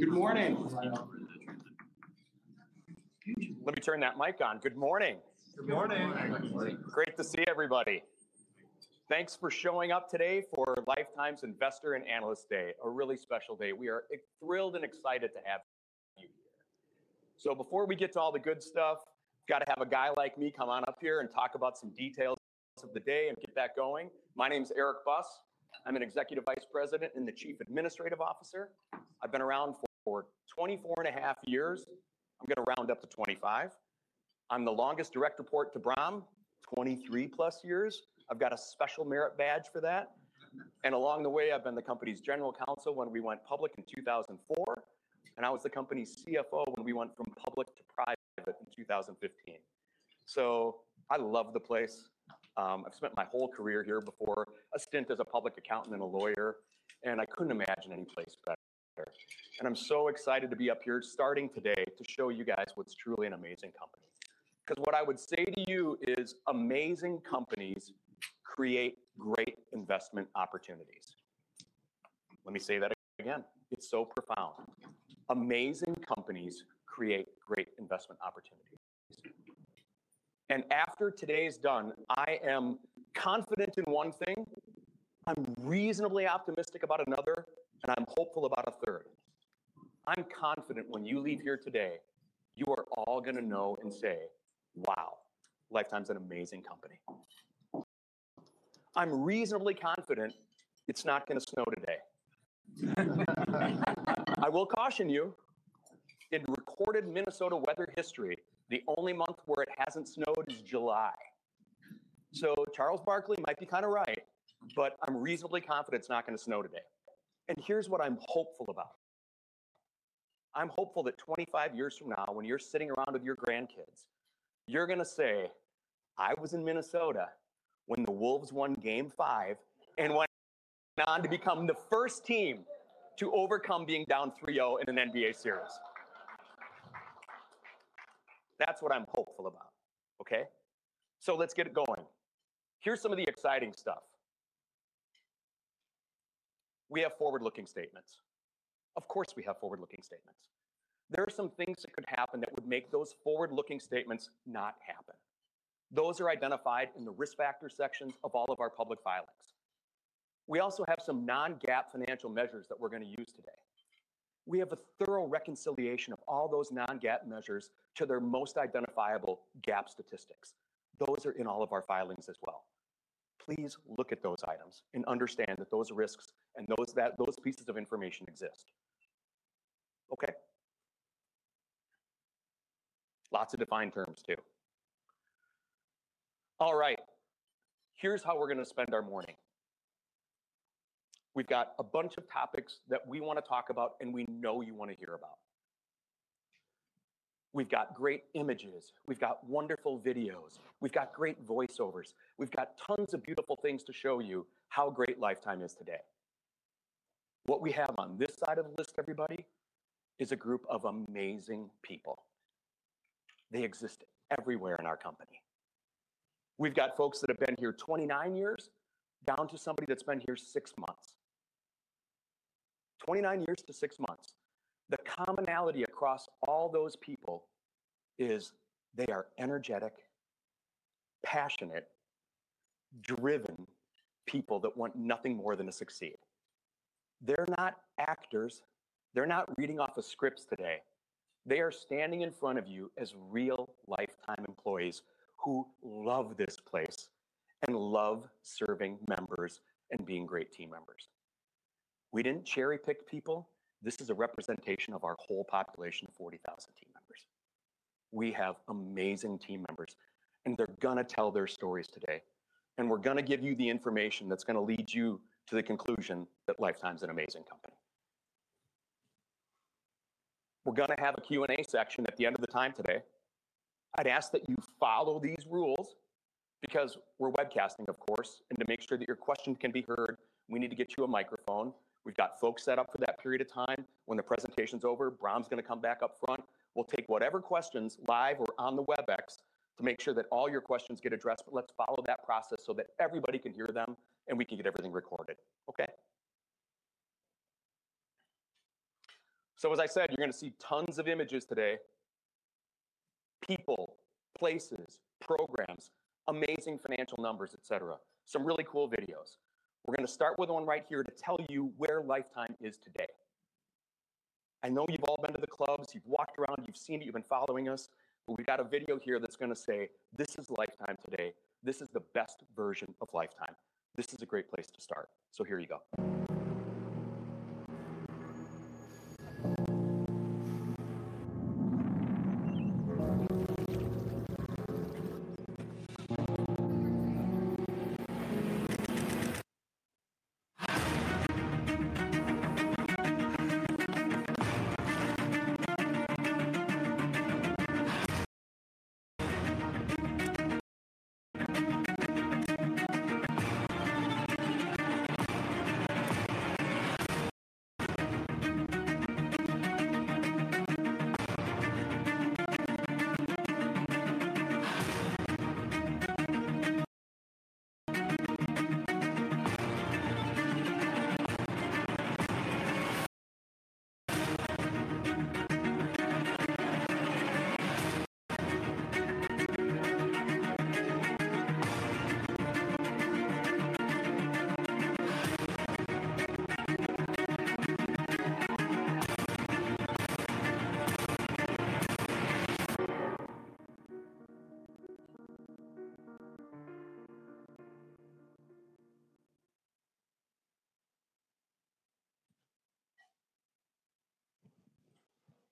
Good morning! Let me turn that mic on. Good morning. Good morning. Great to see everybody. Thanks for showing up today for Life Time's Investor and Analyst Day, a really special day. We are thrilled and excited to have you here. So before we get to all the good stuff, gotta have a guy like me come on up here and talk about some details of the day and get that going. My name's Eric Buss. I'm an Executive Vice President and the Chief Administrative Officer. I've been around for 24.5 years. I'm gonna round up to 25. I'm the longest direct report to Bahram, 23+ years. I've got a special merit badge for that, and along the way, I've been the company's general counsel when we went public in 2004, and I was the company's CFO when we went from public to private in 2015. So I love the place. I've spent my whole career here before, a stint as a public accountant and a lawyer, and I couldn't imagine any place better. And I'm so excited to be up here starting today to show you guys what's truly an amazing company. 'Cause what I would say to you is amazing companies create great investment opportunities. Let me say that again. It's so profound. Amazing companies create great investment opportunities. And after today is done, I am confident in one thing, I'm reasonably optimistic about another, and I'm hopeful about a third. I'm confident when you leave here today, you are all gonna know and say, "Wow! Life Time's an amazing company." I'm reasonably confident it's not gonna snow today. I will caution you, in recorded Minnesota weather history, the only month where it hasn't snowed is July. So Charles Barkley might be kind of right, but I'm reasonably confident it's not gonna snow today. And here's what I'm hopeful about. I'm hopeful that 25 years from now, when you're sitting around with your grandkids, you're gonna say, "I was in Minnesota when the Wolves won Game 5 and went on to become the first team to overcome being down 3-0 in an NBA series." That's what I'm hopeful about, okay? So let's get it going. Here's some of the exciting stuff. We have forward-looking statements. Of course, we have forward-looking statements. There are some things that could happen that would make those forward-looking statements not happen. Those are identified in the risk factor sections of all of our public filings. We also have some non-GAAP financial measures that we're gonna use today. We have a thorough reconciliation of all those non-GAAP measures to their most identifiable GAAP statistics. Those are in all of our filings as well. Please look at those items and understand that those risks and those pieces of information exist. Okay. Lots of defined terms, too. All right, here's how we're gonna spend our morning. We've got a bunch of topics that we wanna talk about, and we know you wanna hear about. We've got great images, we've got wonderful videos, we've got great voiceovers. We've got tons of beautiful things to show you how great Life Time is today. What we have on this side of the list, everybody, is a group of amazing people. They exist everywhere in our company. We've got folks that have been here 29 years, down to somebody that's been here 6 months. 29 years to 6 months. The commonality across all those people is they are energetic, passionate, driven people that want nothing more than to succeed. They're not actors. They're not reading off of scripts today. They are standing in front of you as real Life Time employees who love this place and love serving members and being great team members. We didn't cherry-pick people. This is a representation of our whole population of 40,000 team members. We have amazing team members, and they're gonna tell their stories today, and we're gonna give you the information that's gonna lead you to the conclusion that Life Time's an amazing company. We're gonna have a Q&A section at the end of the time today. I'd ask that you follow these rules because we're webcasting, of course, and to make sure that your question can be heard, we need to get you a microphone. We've got folks set up for that period of time. When the presentation's over, Bahram's gonna come back up front. We'll take whatever questions live or on the WebEx to make sure that all your questions get addressed, but let's follow that process so that everybody can hear them, and we can get everything recorded. Okay. So, as I said, you're gonna see tons of images today: people, places, programs, amazing financial numbers, et cetera. Some really cool videos. We're gonna start with one right here to tell you where Life Time is today. I know you've all been to the clubs. You've walked around, you've seen it, you've been following us, but we've got a video here that's gonna say, "This is Life Time today. This is the best version of Life Time." This is a great place to start, so here you go.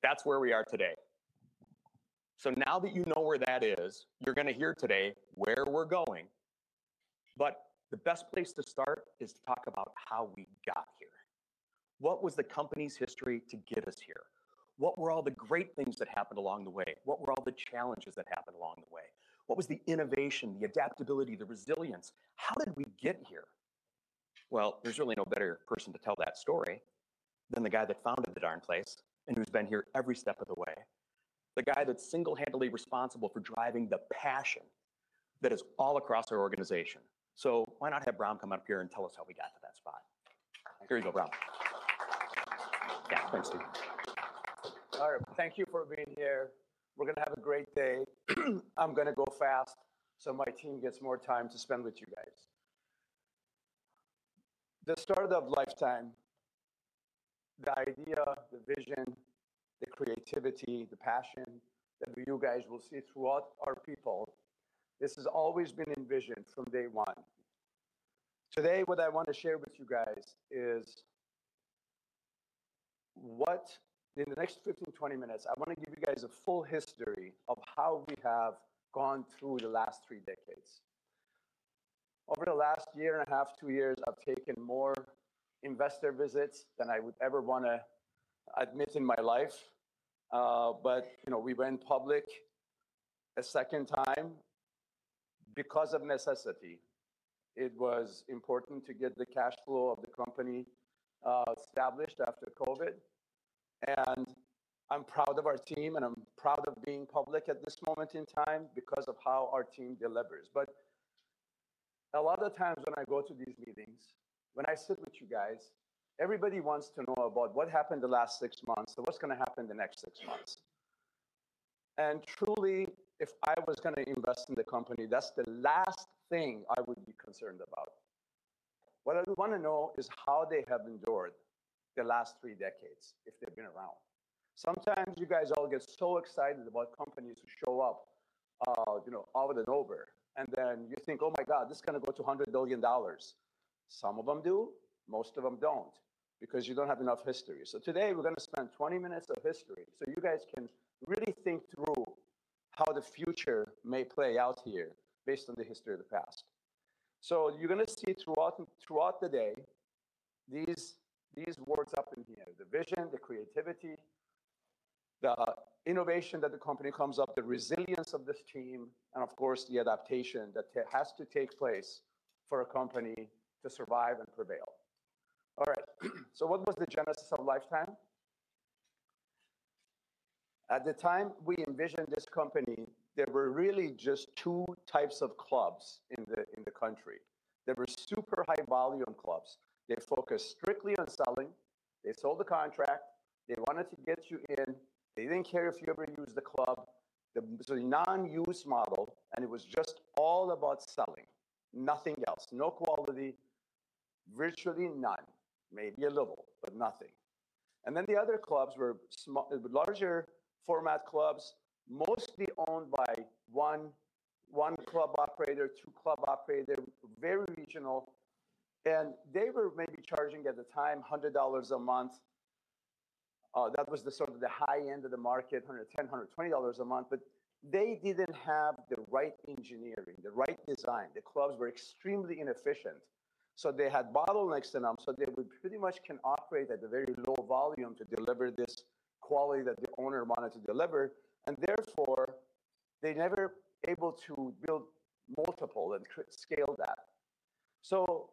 That's where we are today. So now that you know where that is, you're gonna hear today where we're going. But the best place to start is to talk about how we got here. What was the company's history to get us here? What were all the great things that happened along the way? What were all the challenges that happened along the way? What was the innovation, the adaptability, the resilience? How did we got here? Well, there's really no better person to tell that story than the guy that founded the darn place, and who's been here every step of the way. The guy that's single-handedly responsible for driving the passion that is all across our organization. So why not have Bahram come up here and tell us how we got to that spot? Here you go, Bahram. Yeah, thanks, Steve. All right, thank you for being here. We're gonna have a great day. I'm gonna go fast, so my team gets more time to spend with you guys. The start of Life Time, the idea, the vision, the creativity, the passion that you guys will see throughout our people, this has always been envisioned from day one. Today, what I want to share with you guys is what... In the next 15, 20 minutes, I wanna give you guys a full history of how we have gone through the last three decades. Over the last year and a half, two years, I've taken more investor visits than I would ever wanna admit in my life. But, you know, we went public a second time because of necessity. It was important to get the cash flow of the company established after COVID, and I'm proud of our team, and I'm proud of being public at this moment in time because of how our team delivers. But a lot of times when I go to these meetings, when I sit with you guys, everybody wants to know about what happened the last six months and what's gonna happen the next six months. And truly, if I was gonna invest in the company, that's the last thing I would be concerned about. What I would wanna know is how they have endured the last three decades if they've been around. Sometimes you guys all get so excited about companies who show up, you know, all of it over, and then you think, "Oh, my God, this is gonna go to $100 billion." Some of them do, most of them don't, because you don't have enough history. So today we're gonna spend 20 minutes of history, so you guys can really think through how the future may play out here based on the history of the past. So you're gonna see throughout the day, these words up in here: the vision, the creativity, the innovation that the company comes up, the resilience of this team, and of course, the adaptation that has to take place for a company to survive and prevail. All right. So what was the genesis of Life Time? At the time we envisioned this company, there were really just two types of clubs in the country. There were super high volume clubs. They focused strictly on selling. They sold the contract. They wanted to get you in. They didn't care if you ever used the club. It was a non-use model, and it was just all about selling, nothing else. No quality, virtually none. Maybe a little, but nothing. And then the other clubs were larger format clubs, mostly owned by one club operator, two club operators, very regional, and they were maybe charging at the time $100 a month. That was the sort of the high end of the market, 110, 120 dollars a month, but they didn't have the right engineering, the right design. The clubs were extremely inefficient. So they had bottlenecks in them, so they would pretty much can operate at a very low volume to deliver this quality that the owner wanted to deliver, and therefore, they never able to build multiple and scale that. So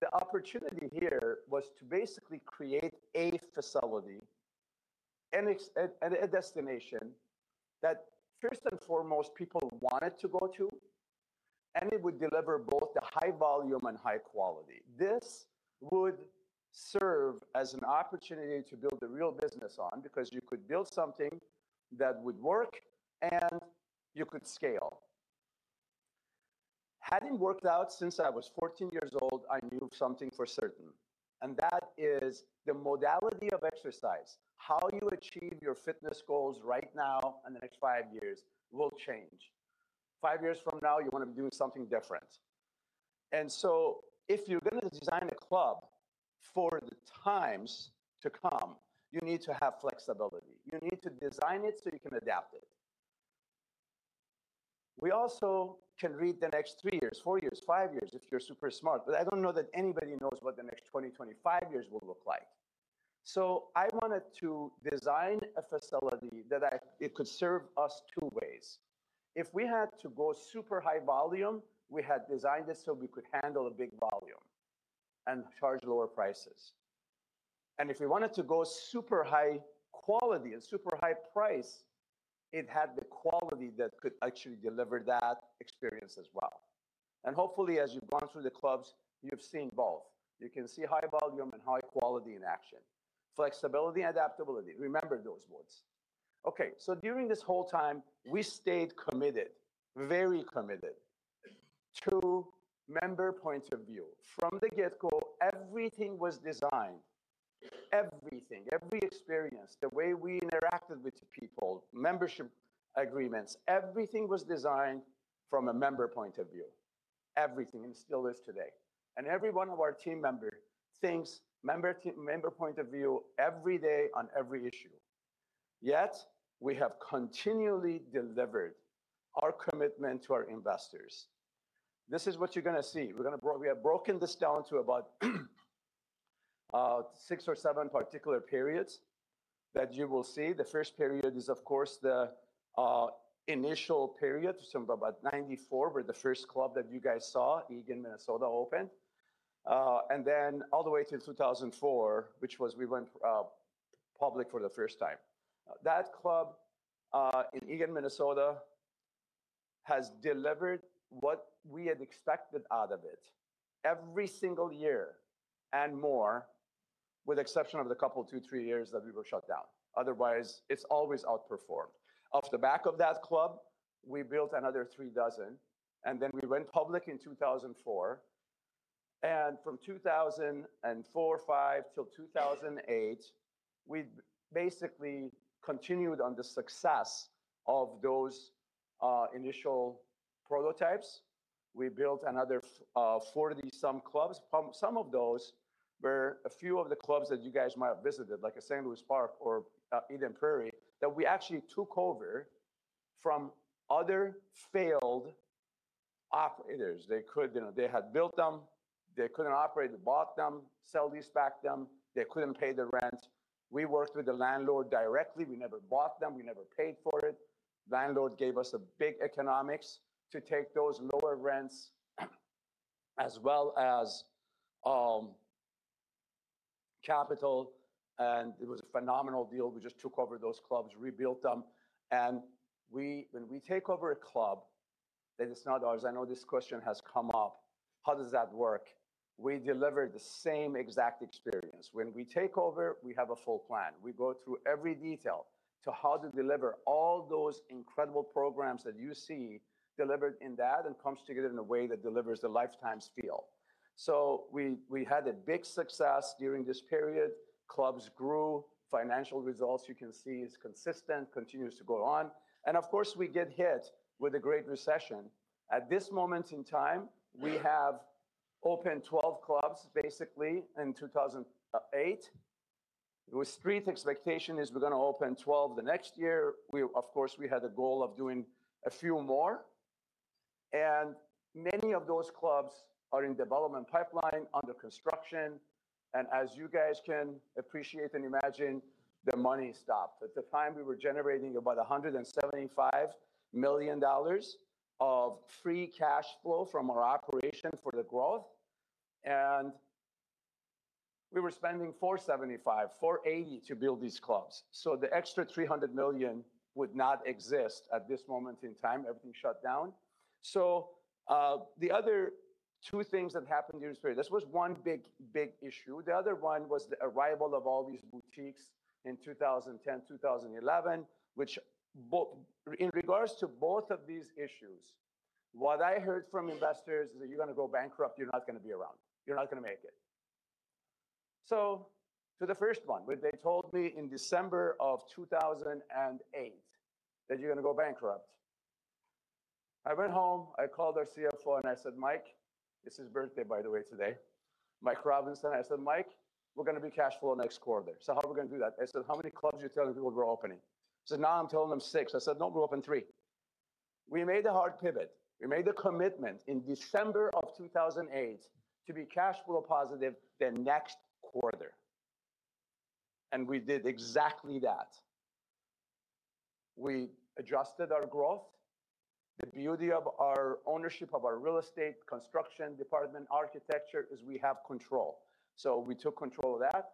the opportunity here was to basically create a facility and expand and a destination that, first and foremost, people wanted to go to, and it would deliver both the high volume and high quality. This would serve as an opportunity to build a real business on, because you could build something that would work and you could scale. Having worked out since I was 14 years old, I knew something for certain, and that is the modality of exercise. How you achieve your fitness goals right now and the next 5 years will change. 5 years from now, you wanna be doing something different. And so if you're gonna design a club for the times to come, you need to have flexibility. You need to design it, so you can adapt it. We also can read the next 3 years, 4 years, 5 years if you're super smart, but I don't know that anybody knows what the next 20, 25 years will look like. So I wanted to design a facility that it could serve us 2 ways. If we had to go super high volume, we had designed this so we could handle a big volume and charge lower prices. And if we wanted to go super high quality and super high price, it had the quality that could actually deliver that experience as well. And hopefully, as you've gone through the clubs, you've seen both. You can see high volume and high quality in action. Flexibility and adaptability, remember those words. Okay, so during this whole time, we stayed committed, very committed, to member points of view. From the get-go, everything was designed, everything, every experience, the way we interacted with people, membership agreements, everything was designed from a member point of view, everything, and still is today. And every one of our team member thinks member point of view every day on every issue. Yet, we have continually delivered our commitment to our investors. This is what you're gonna see. We're gonna we have broken this down to about six or seven particular periods that you will see. The first period is, of course, the initial period, so about 1994, where the first club that you guys saw, Eagan, Minnesota, opened. And then all the way to 2004, which was, we went public for the first time. That club in Eagan, Minnesota, has delivered what we had expected out of it every single year and more, with exception of the couple, two, three years that we were shut down. Otherwise, it's always outperformed. Off the back of that club, we built another 36, and then we went public in 2004, and from 2004, 2005, till 2008, we basically continued on the success of those initial prototypes. We built another forty-some clubs. Some of those were a few of the clubs that you guys might have visited, like St. Louis Park or Eden Prairie, that we actually took over from other failed operators. They could... You know, they had built them, they couldn't operate them, bought them, sell these back them. They couldn't pay the rent. We worked with the landlord directly. We never bought them; we never paid for it. Landlord gave us big economics to take those lower rents, as well as capital, and it was a phenomenal deal. We just took over those clubs, rebuilt them. When we take over a club, then it's not ours. I know this question has come up: how does that work? We deliver the same exact experience. When we take over, we have a full plan. We go through every detail to how to deliver all those incredible programs that you see delivered in that, and comes together in a way that delivers the Life Time feel. So we, we had a big success during this period. Clubs grew. Financial results, you can see, is consistent, continues to go on, and of course, we get hit with the Great Recession. At this moment in time, we have opened 12 clubs, basically, in 2008. It was street expectation is we're gonna open 12 the next year. We, of course, we had a goal of doing a few more, and many of those clubs are in development pipeline, under construction, and as you guys can appreciate and imagine, the money stopped. At the time, we were generating about $175 million of free cash flow from our operation for the growth, and we were spending $475 million-$480 million to build these clubs. So the extra $300 million would not exist at this moment in time. Everything shut down. So, the other two things that happened during this period... This was one big, big issue. The other one was the arrival of all these boutiques in 2010, 2011, which, in regards to both of these issues, what I heard from investors is that, "You're gonna go bankrupt. You're not gonna be around. You're not gonna make it." So to the first one, where they told me in December of 2008, that, "You're gonna go bankrupt," I went home, I called our CFO, and I said, "Mike." It's his birthday, by the way, today. Mike Robinson. I said, "Mike, we're gonna be cash flow next quarter. So how are we gonna do that?" I said, "How many clubs are you telling people we're opening?" He said, "Now I'm telling them 6." I said, "No, we're opening 3." We made a hard pivot. We made a commitment in December of 2008 to be cash flow positive the next quarter, and we did exactly that. We adjusted our growth. The beauty of our ownership of our real estate, construction department, architecture, is we have control. So we took control of that.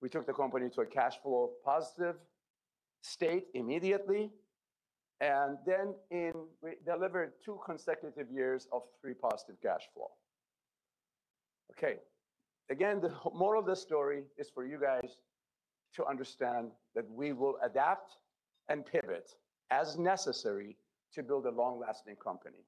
We took the company to a cash flow positive state immediately, and then we delivered two consecutive years of positive free cash flow. Okay. Again, the moral of the story is for you guys to understand that we will adapt and pivot as necessary to build a long-lasting company.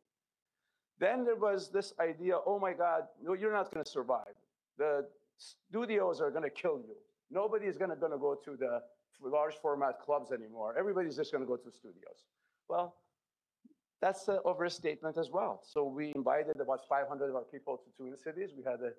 Then there was this idea, oh, my God, no, you're not gonna survive. The studios are gonna kill you. Nobody's gonna go to the large format clubs anymore. Everybody's just gonna go to studios. Well, that's an overstatement as well. So we invited about 500 of our people to Twin Cities. We had an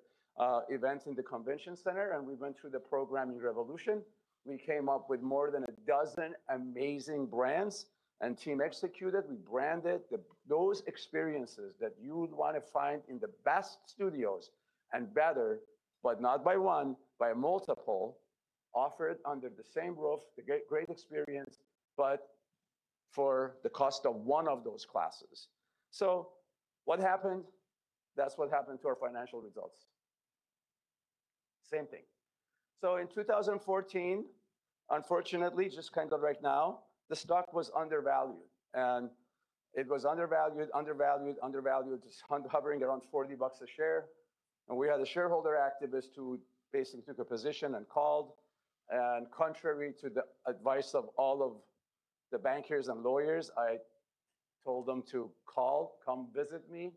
event in the convention center, and we went through the programming revolution. We came up with more than a dozen amazing brands, and team executed. We branded those experiences that you would wanna find in the best studios, and better, but not by one, by a multiple, offered under the same roof, the great, great experience, for the cost of one of those classes. So what happened? That's what happened to our financial results. Same thing. So in 2014, unfortunately, just kind of right now, the stock was undervalued, and it was undervalued, undervalued, undervalued, just hovering around $40 a share. And we had a shareholder activist who basically took a position and called, and contrary to the advice of all of the bankers and lawyers, I told him to call, come visit me,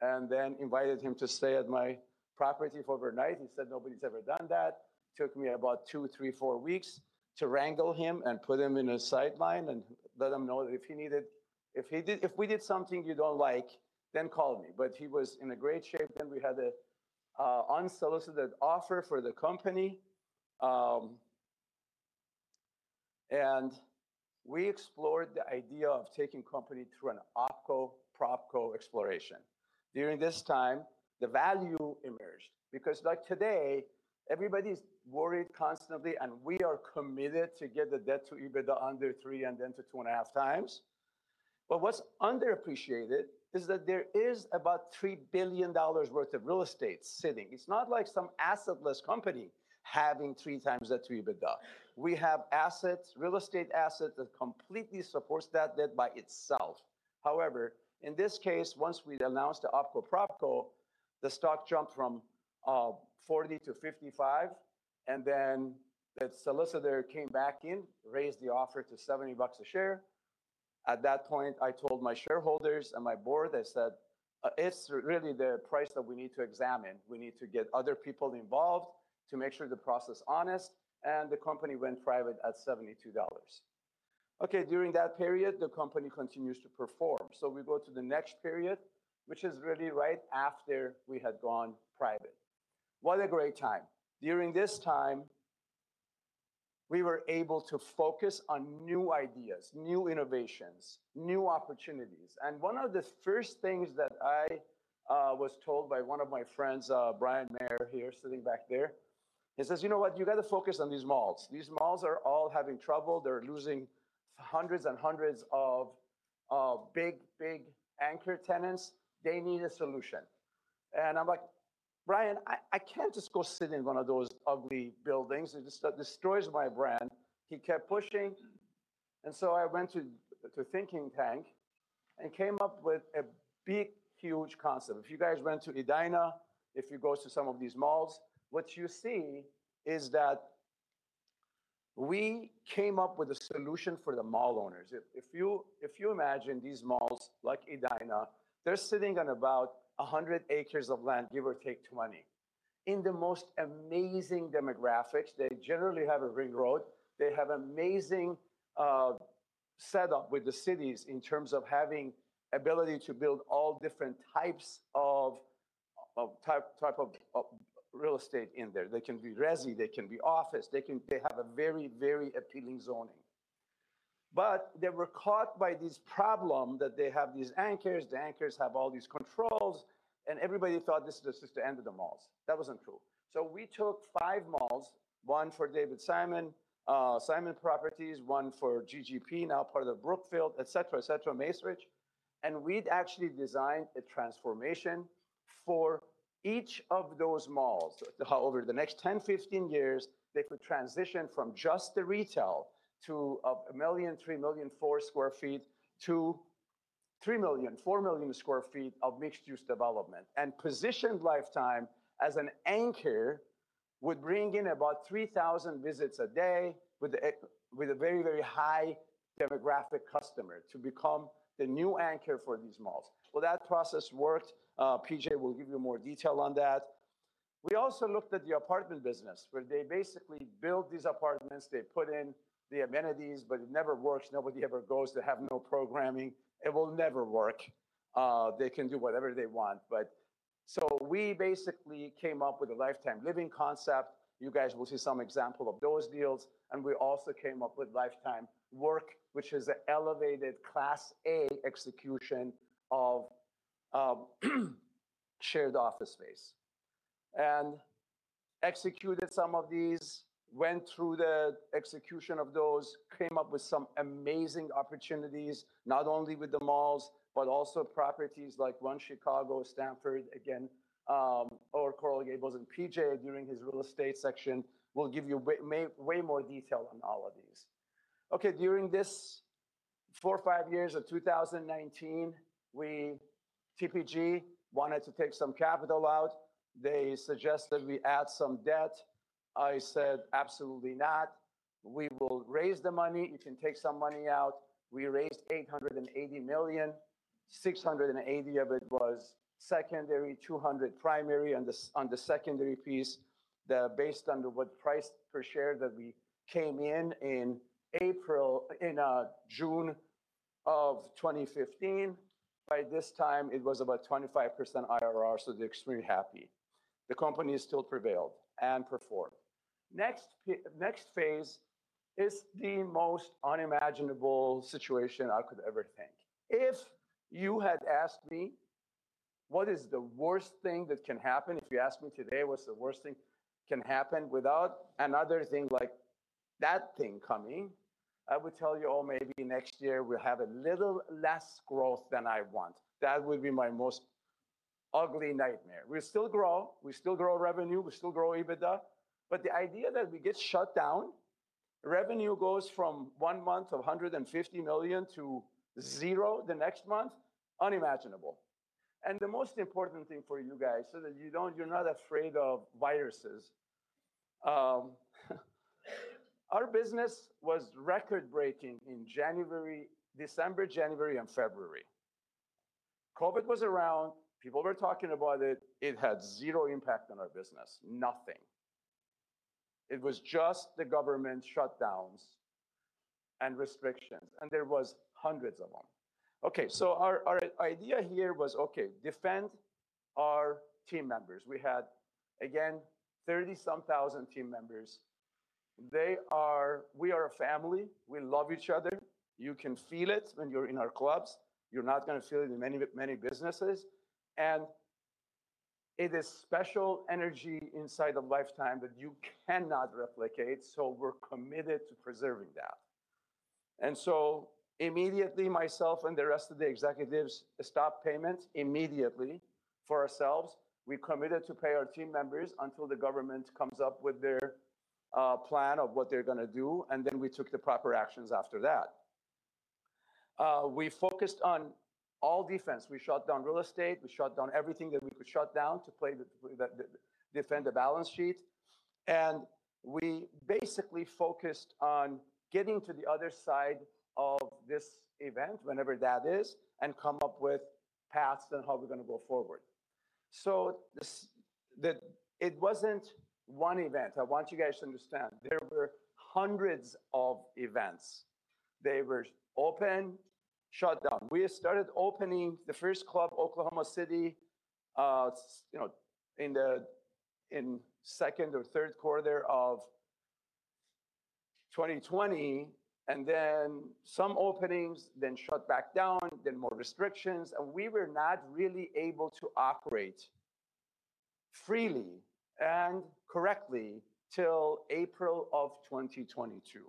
and then invited him to stay at my property for overnight. He said nobody's ever done that. Took me about 2, 3, 4 weeks to wrangle him and put him in a sideline and let him know that if he needed, if he did, if we did something you don't like, then call me. But he was in a great shape, then we had a unsolicited offer for the company. And we explored the idea of taking company through an OpCo, PropCo exploration. During this time, the value emerged because, like today, everybody's worried constantly, and we are committed to get the debt to EBITDA under 3 and then to 2.5x. But what's underappreciated is that there is about $3 billion worth of real estate sitting. It's not like some assetless company having 3x that EBITDA. We have assets, real estate assets, that completely supports that debt by itself. However, in this case, once we'd announced the OpCo, PropCo, the stock jumped from $40 to $55, and then the solicitor came back in, raised the offer to $70 a share. At that point, I told my shareholders and my board, I said, "it's really the price that we need to examine. We need to get other people involved to make sure the process honest," and the company went private at $72. Okay, during that period, the company continues to perform. So we go to the next period, which is really right after we had gone private. What a great time! During this time, we were able to focus on new ideas, new innovations, new opportunities, and one of the first things that I was told by one of my friends, Brian Mayer, here, sitting back there. He says: "You know what? You gotta focus on these malls. These malls are all having trouble. They're losing hundreds and hundreds of big, big anchor tenants. They need a solution." And I'm like: "Brian, I can't just go sit in one of those ugly buildings. It just destroys my brand." He kept pushing, and so I went to think tank and came up with a big, huge concept. If you guys went to Edina, if you go to some of these malls, what you see is that we came up with a solution for the mall owners. If you imagine these malls, like Edina, they're sitting on about 100 acres of land, give or take 20. In the most amazing demographics, they generally have a ring road. They have amazing setup with the cities in terms of having ability to build all different types of real estate in there. They can be resi, they can be office, they can—they have a very, very appealing zoning. But they were caught by this problem that they have these anchors, the anchors have all these controls, and everybody thought this is just the end of the malls. That wasn't true. So we took five malls, one for David Simon, Simon Properties, one for GGP, now part of the Brookfield, et cetera, et cetera, Macerich, and we'd actually designed a transformation for each of those malls. How over the next 10, 15 years, they could transition from just the retail to 1 million, 3 million, 4 sq ft to 3 million, 4 million sq ft of mixed-use development. And positioned Life Time as an anchor, would bring in about 3,000 visits a day, with a very, very high demographic customer to become the new anchor for these malls. Well, that process worked. PJ will give you more detail on that. We also looked at the apartment business, where they basically build these apartments, they put in the amenities, but it never works. Nobody ever goes. They have no programming. It will never work. They can do whatever they want, but... So we basically came up with a Life Time Living concept. You guys will see some example of those deals. And we also came up with Life Time Work, which is an elevated Class A execution of shared office space. Executed some of these, went through the execution of those, came up with some amazing opportunities, not only with the malls, but also properties like One Chicago, Stamford, again, or Coral Gables, and PJ, during his real estate section, will give you way more detail on all of these. Okay, during this four or five years of 2019, we, TPG wanted to take some capital out. They suggested we add some debt. I said, "Absolutely not. We will raise the money. You can take some money out." We raised $880 million, $680 of it was secondary, $200 primary on the secondary piece. Based on the what price per share that we came in in April, in June of 2015, by this time, it was about 25% IRR, so they're extremely happy. The company still prevailed and performed. Next phase is the most unimaginable situation I call... If you had asked me what is the worst thing that can happen, if you ask me today, what's the worst thing can happen without another thing like that thing coming? I would tell you, "Oh, maybe next year we'll have a little less growth than I want." That would be my most ugly nightmare. We'll still grow, we still grow revenue, we still grow EBITDA, but the idea that we get shut down, revenue goes from one month of $150 million to zero the next month, unimaginable. The most important thing for you guys, so that you're not afraid of viruses. Our business was record-breaking in December, January, and February. COVID was around, people were talking about it, it had zero impact on our business, nothing. It was just the government shutdowns and restrictions, and there were hundreds of them. Okay, so our idea here was, okay, defend our team members. We had, again, 30-some thousand team members. We are a family, we love each other. You can feel it when you're in our clubs. You're not gonna feel it in many businesses, and it is special energy inside of Life Time that you cannot replicate, so we're committed to preserving that. So immediately, myself and the rest of the executives stopped payments immediately for ourselves. We committed to pay our team members until the government comes up with their plan of what they're gonna do, and then we took the proper actions after that. We focused on all defense. We shut down real estate, we shut down everything that we could shut down to play defend the balance sheet, and we basically focused on getting to the other side of this event, whenever that is, and come up with paths on how we're gonna go forward. So, this, it wasn't one event, I want you guys to understand. There were hundreds of events. They were open, shut down. We started opening the first club, Oklahoma City, you know, in second or third quarter of 2020, and then some openings, then shut back down, then more restrictions, and we were not really able to operate freely and correctly till April of 2022.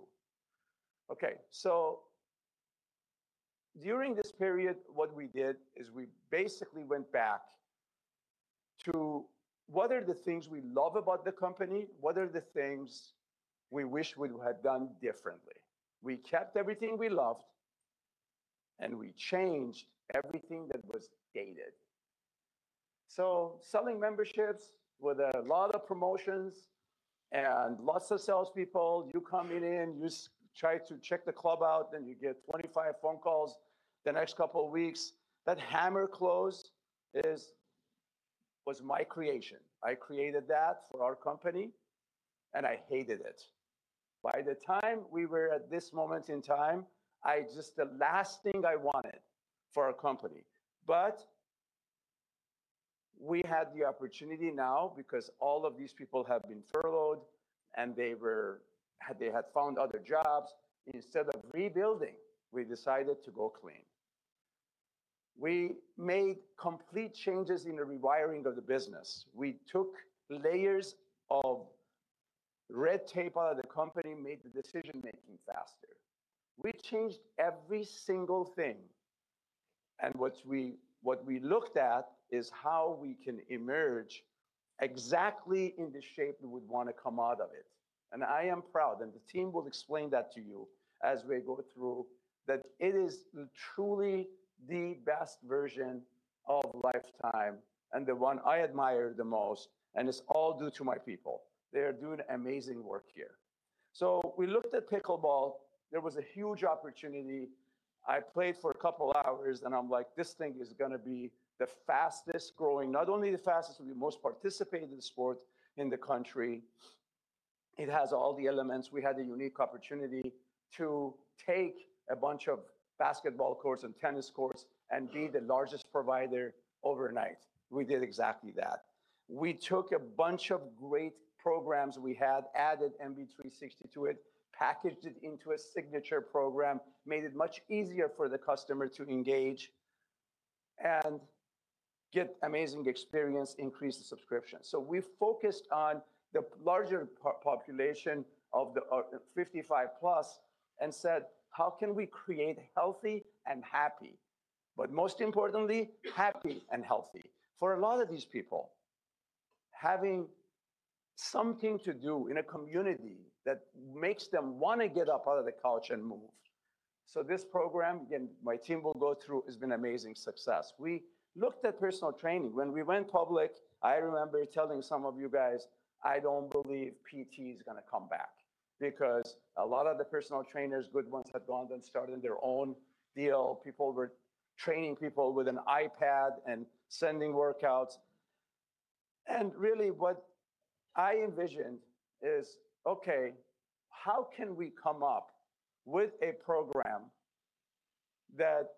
Okay, so during this period, what we did is we basically went back to: what are the things we love about the company? What are the things we wish we would have done differently? We kept everything we loved, and we changed everything that was dated. So selling memberships with a lot of promotions and lots of salespeople, you coming in, you try to check the club out, then you get 25 phone calls the next couple of weeks. That hammer close is, was my creation. I created that for our company, and I hated it. By the time we were at this moment in time, I just, the last thing I wanted for our company. But we had the opportunity now because all of these people have been furloughed, and they had found other jobs. Instead of rebuilding, we decided to go clean. We made complete changes in the rewiring of the business. We took layers of red tape out of the company, made the decision-making faster. We changed every single thing, and what we looked at is how we can emerge exactly in the shape we would wanna come out of it. And I am proud, and the team will explain that to you as we go through, that it is truly the best version of Life Time and the one I admire the most, and it's all due to my people. They are doing amazing work here. So we looked at pickleball. There was a huge opportunity. I played for a couple hours, and I'm like: This thing is gonna be the fastest-growing, not only the fastest, but the most participated sport in the country. It has all the elements. We had the unique opportunity to take a bunch of basketball courts and tennis courts and be the largest provider overnight. We did exactly that. We took a bunch of great programs we had, added MB Three Sixty to it, packaged it into a signature program, made it much easier for the customer to engage and get amazing experience, increase the subscription. So we focused on the larger population of the 55+ and said: How can we create healthy and happy, but most importantly, happy and healthy? For a lot of these people, having something to do in a community, that makes them wanna get up out of the couch and move. So this program, and my team will go through, has been amazing success. We looked at personal training. When we went public, I remember telling some of you guys, "I don't believe PT is gonna come back." Because a lot of the personal trainers, good ones, had gone and started their own deal. People were training people with an iPad and sending workouts, and really, what I envisioned is: Okay, how can we come up with a program that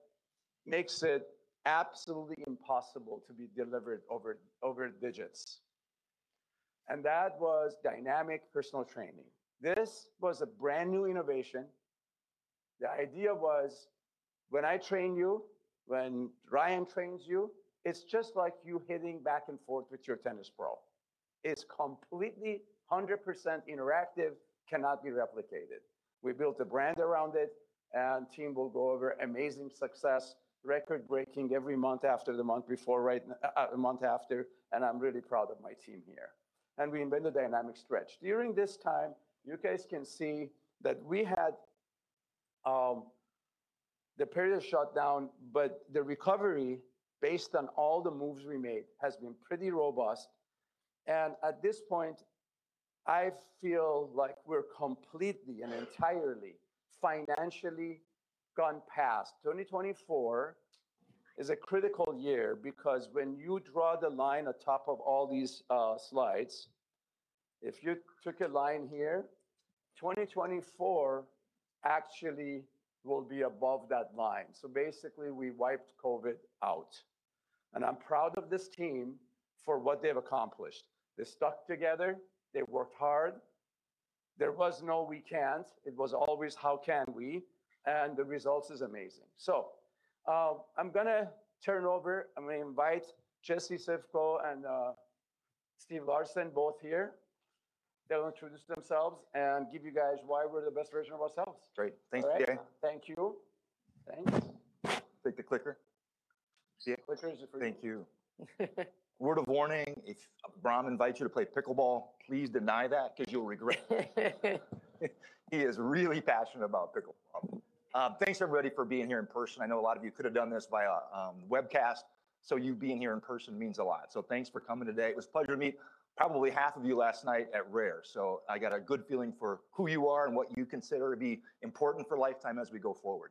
makes it absolutely impossible to be delivered over digits? That was Dynamic Personal Training. This was a brand-new innovation. The idea was, when I train you, when Ryan trains you, it's just like you hitting back and forth with your tennis pro. It's completely, 100% interactive, cannot be replicated. We built a brand around it, and team will go over amazing success, record-breaking every month after the month before, right, month after, and I'm really proud of my team here, and we invented Dynamic Stretch. During this time, you guys can see that we had the period of shutdown, but the recovery, based on all the moves we made, has been pretty robust, and at this point, I feel like we're completely and entirely financially gone past. 2024 is a critical year because when you draw the line atop of all these slides, if you took a line here, 2024 actually will be above that line, so basically we wiped COVID out, and I'm proud of this team for what they've accomplished. They stuck together. They worked hard. There was no, "We can't," it was always, "How can we?" The results is amazing. So, I'm gonna turn it over. I'm gonna invite Jessie Sifko and, Steve Larson, both here. They'll introduce themselves and give you guys why we're the best version of ourselves. Great. Thank you, Bahram. All right? Thank you. Thanks. Take the clicker? The clicker is for you. Thank you. Word of warning, if Bahram invites you to play pickleball, please deny that 'cause you'll regret it. He is really passionate about pickleball. Thanks, everybody, for being here in person. I know a lot of you could have done this via webcast, so you being here in person means a lot, so thanks for coming today. It was a pleasure to meet probably half of you last night at Rare, so I got a good feeling for who you are and what you consider to be important for Life Time as we go forward.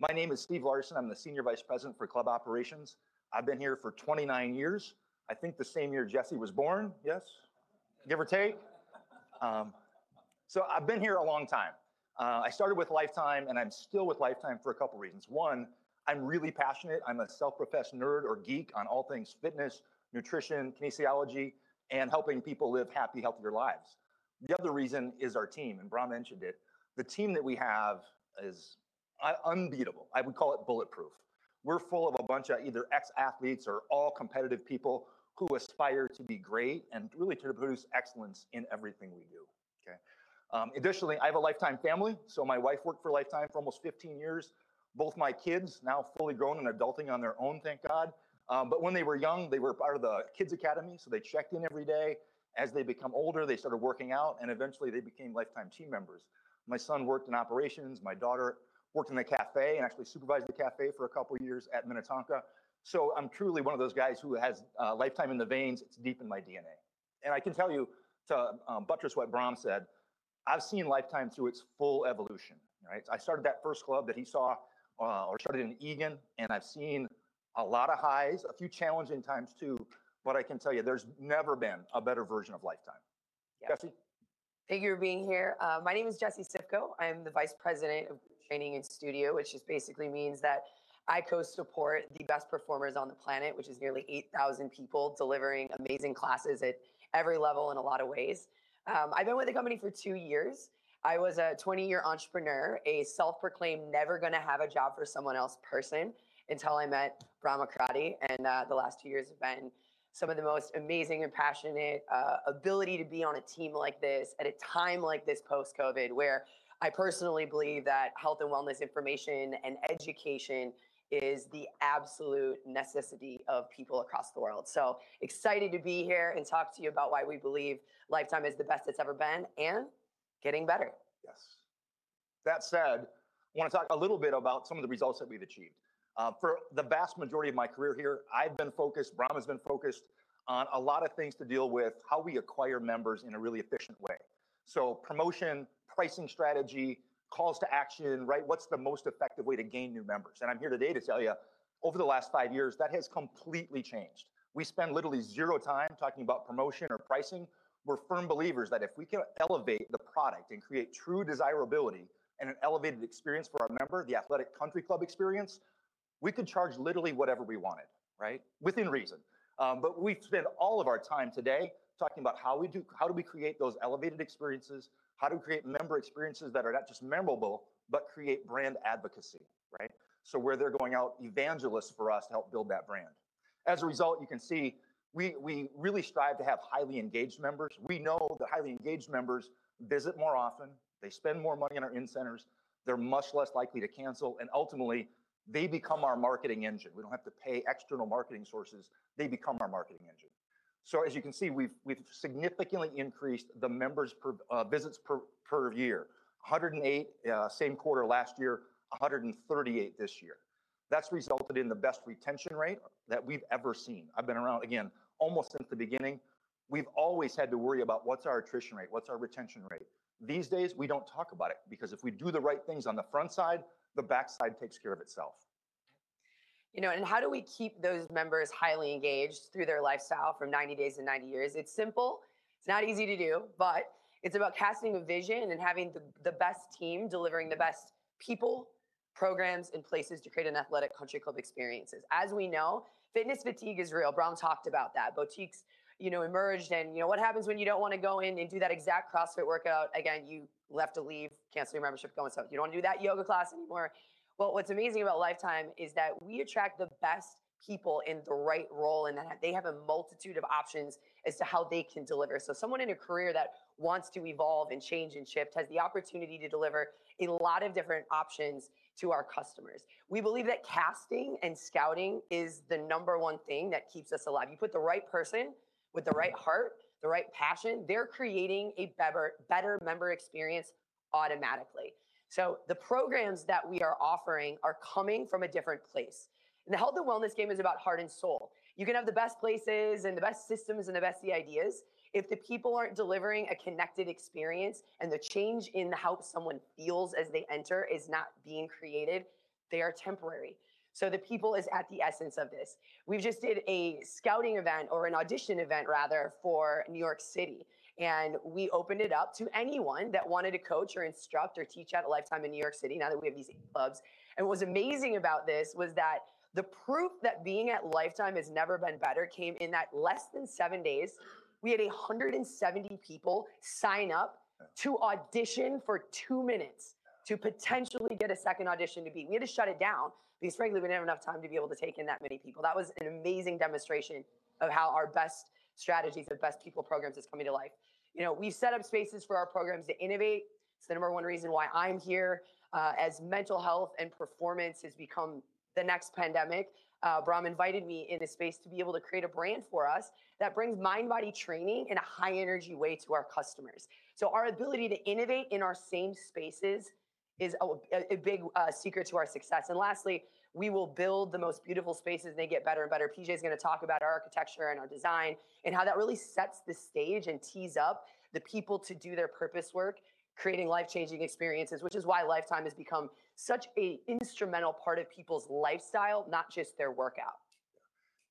My name is Steve Larson. I'm the Senior Vice President for Club Operations. I've been here for 29 years, I think the same year Jessie was born, yes? Give or take. So I've been here a long time. I started with Life Time, and I'm still with Life Time for a couple reasons. One, I'm really passionate. I'm a self-professed nerd or geek on all things fitness, nutrition, kinesiology, and helping people live happy, healthier lives. The other reason is our team, and Bahram mentioned it. The team that we have is unbeatable. I would call it bulletproof. We're full of a bunch of either ex-athletes or all competitive people who aspire to be great and really to produce excellence in everything we do, okay? Additionally, I have a Life Time family, so my wife worked for Life Time for almost 15 years. Both my kids, now fully grown and adulting on their own, thank God, but when they were young, they were part of the Kids Academy, so they checked in every day. As they become older, they started working out, and eventually they became Life Time team members. My son worked in operations. My daughter worked in the cafe and actually supervised the cafe for a couple of years at Minnetonka. So I'm truly one of those guys who has Life Time in the veins. It's deep in my DNA. And I can tell you, to buttress what Bahram said, I've seen Life Time through its full evolution, right? I started that first club that he saw or started in Eagan, and I've seen a lot of highs, a few challenging times, too. But I can tell you, there's never been a better version of Life Time. Yeah. Jessie? Thank you for being here. My name is Jessie Sifko. I am the Vice President of Training and Studio, which just basically means that I co-support the best performers on the planet, which is nearly 8,000 people delivering amazing classes at every level in a lot of ways. I've been with the company for two years. I was a 20-year entrepreneur, a self-proclaimed never-gonna-have-a-job-for-someone-else person until I met Bahram Akradi, and the last two years have been some of the most amazing and passionate ability to be on a team like this at a time like this, post-COVID, where I personally believe that health and wellness information and education is the absolute necessity of people across the world. So excited to be here and talk to you about why we believe Life Time is the best it's ever been and getting better. Yes. That said, I wanna talk a little bit about some of the results that we've achieved. For the vast majority of my career here, I've been focused, Bahram has been focused on a lot of things to deal with how we acquire members in a really efficient way. So promotion, pricing strategy, calls to action, right? What's the most effective way to gain new members? And I'm here today to tell you, over the last five years, that has completely changed. We spend literally zero time talking about promotion or pricing. We're firm believers that if we can elevate the product and create true desirability and an elevated experience for our member, the athletic country club experience, we could charge literally whatever we wanted, right? Within reason. But we've spent all of our time today talking about how do we create those elevated experiences, how to create member experiences that are not just memorable but create brand advocacy, right? So where they're going out, evangelists for us, to help build that brand. As a result, you can see, we really strive to have highly engaged members. We know that highly engaged members visit more often. They spend more money in our centers. They're much less likely to cancel, and ultimately, they become our marketing engine. We don't have to pay external marketing sources; they become our marketing engine. So as you can see, we've significantly increased the visits per year, 108 same quarter last year, 138 this year. That's resulted in the best retention rate that we've ever seen. I've been around, again, almost since the beginning. We've always had to worry about what's our attrition rate, what's our retention rate? These days, we don't talk about it because if we do the right things on the front side, the back side takes care of itself. You know, and how do we keep those members highly engaged through their lifestyle from 90 days to 90 years? It's simple. It's not easy to do, but it's about casting a vision and having the best team delivering the best people programs and places to create an athletic country club experiences. As we know, fitness fatigue is real. Bahram talked about that. Boutiques, you know, emerged, and, you know, what happens when you don't wanna go in and do that exact CrossFit workout again? You're left to leave, cancel your membership, go south. You don't wanna do that yoga class anymore. Well, what's amazing about Life Time is that we attract the best people in the right role, and then they have a multitude of options as to how they can deliver. So someone in a career that wants to evolve and change and shift has the opportunity to deliver a lot of different options to our customers. We believe that casting and scouting is the number one thing that keeps us alive. You put the right person with the right heart, the right passion; they're creating a better member experience automatically. So the programs that we are offering are coming from a different place, and the health and wellness game is about heart and soul. You can have the best places and the best systems and the best ideas; if the people aren't delivering a connected experience, and the change in how someone feels as they enter is not being created, they are temporary. So the people is at the essence of this. We've just done a scouting event or an audition event rather, for New York City, and we opened it up to anyone that wanted to coach or instruct or teach at a Life Time in New York City, now that we have these eight clubs. And what was amazing about this was that the proof that being at Life Time has never been better came in that less than seven days, we had 170 people sign up- Yeah -to audition for 2 minutes to potentially get a second audition to be. We had to shut it down because frankly, we didn't have enough time to be able to take in that many people. That was an amazing demonstration of how our best strategies, our best people programs is coming to life. You know, we've set up spaces for our programs to innovate. It's the number one reason why I'm here, as mental health and performance has become the next pandemic. Bahram invited me in the space to be able to create a brand for us that brings mind, body training in a high energy way to our customers. So our ability to innovate in our same spaces is a big secret to our success. And lastly, we will build the most beautiful spaces, and they get better and better. PJ's gonna talk about our architecture and our design, and how that really sets the stage and tees up the people to do their purpose work, creating life-changing experiences, which is why Life Time has become such a instrumental part of people's lifestyle, not just their workout.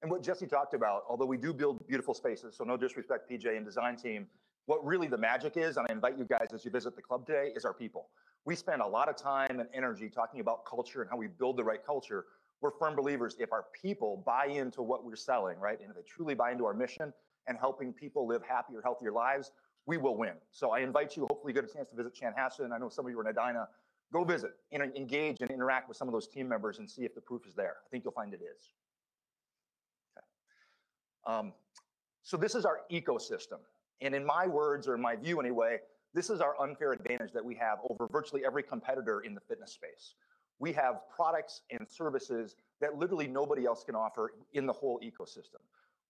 What Jessie talked about, although we do build beautiful spaces, so no disrespect, PJ and design team, what really the magic is, and I invite you guys as you visit the club today, is our people. We spend a lot of time and energy talking about culture and how we build the right culture. We're firm believers, if our people buy into what we're selling, right? And if they truly buy into our mission and helping people live happier, healthier lives, we will win. So I invite you, hopefully, you get a chance to visit Chanhassen, and I know some of you are in Edina. Go visit, interact, engage, and interact with some of those team members and see if the proof is there. I think you'll find it is. Okay, so this is our ecosystem, and in my words or in my view anyway, this is our unfair advantage that we have over virtually every competitor in the fitness space. We have products and services that literally nobody else can offer in the whole ecosystem.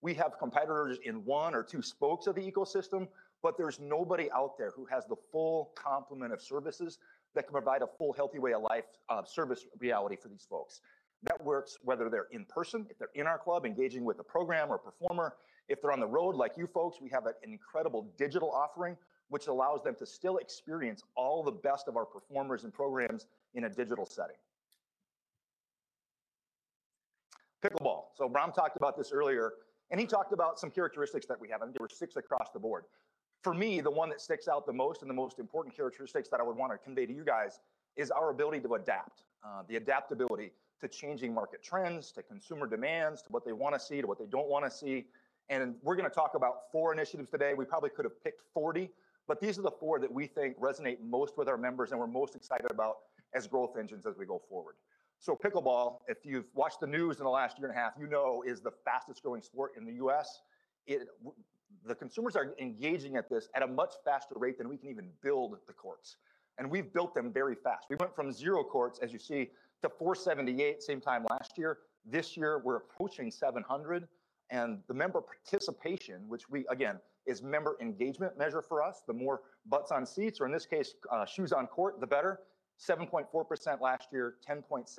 We have competitors in one or two spokes of the ecosystem, but there's nobody out there who has the full complement of services that can provide a full, healthy way of life, service reality for these folks. That works whether they're in person, if they're in our club, engaging with a program or performer. If they're on the road, like you folks, we have an incredible digital offering, which allows them to still experience all the best of our performers and programs in a digital setting. Pickleball, so Bahram talked about this earlier, and he talked about some characteristics that we have, and there were six across the board. For me, the one that sticks out the most, and the most important characteristics that I would want to convey to you guys, is our ability to adapt. The adaptability to changing market trends, to consumer demands, to what they wanna see, to what they don't wanna see, and we're gonna talk about four initiatives today. We probably could have picked 40, but these are the four that we think resonate most with our members and we're most excited about as growth engines as we go forward. So Pickleball, if you've watched the news in the last year and a half, you know, is the fastest growing sport in the U.S. The consumers are engaging at this at a much faster rate than we can even build the courts, and we've built them very fast. We went from zero courts, as you see, to 478 same time last year. This year, we're approaching 700, and the member participation, which we, again, is member engagement measure for us. The more butts on seats, or in this case, shoes on court, the better. 7.4% last year, 10.7%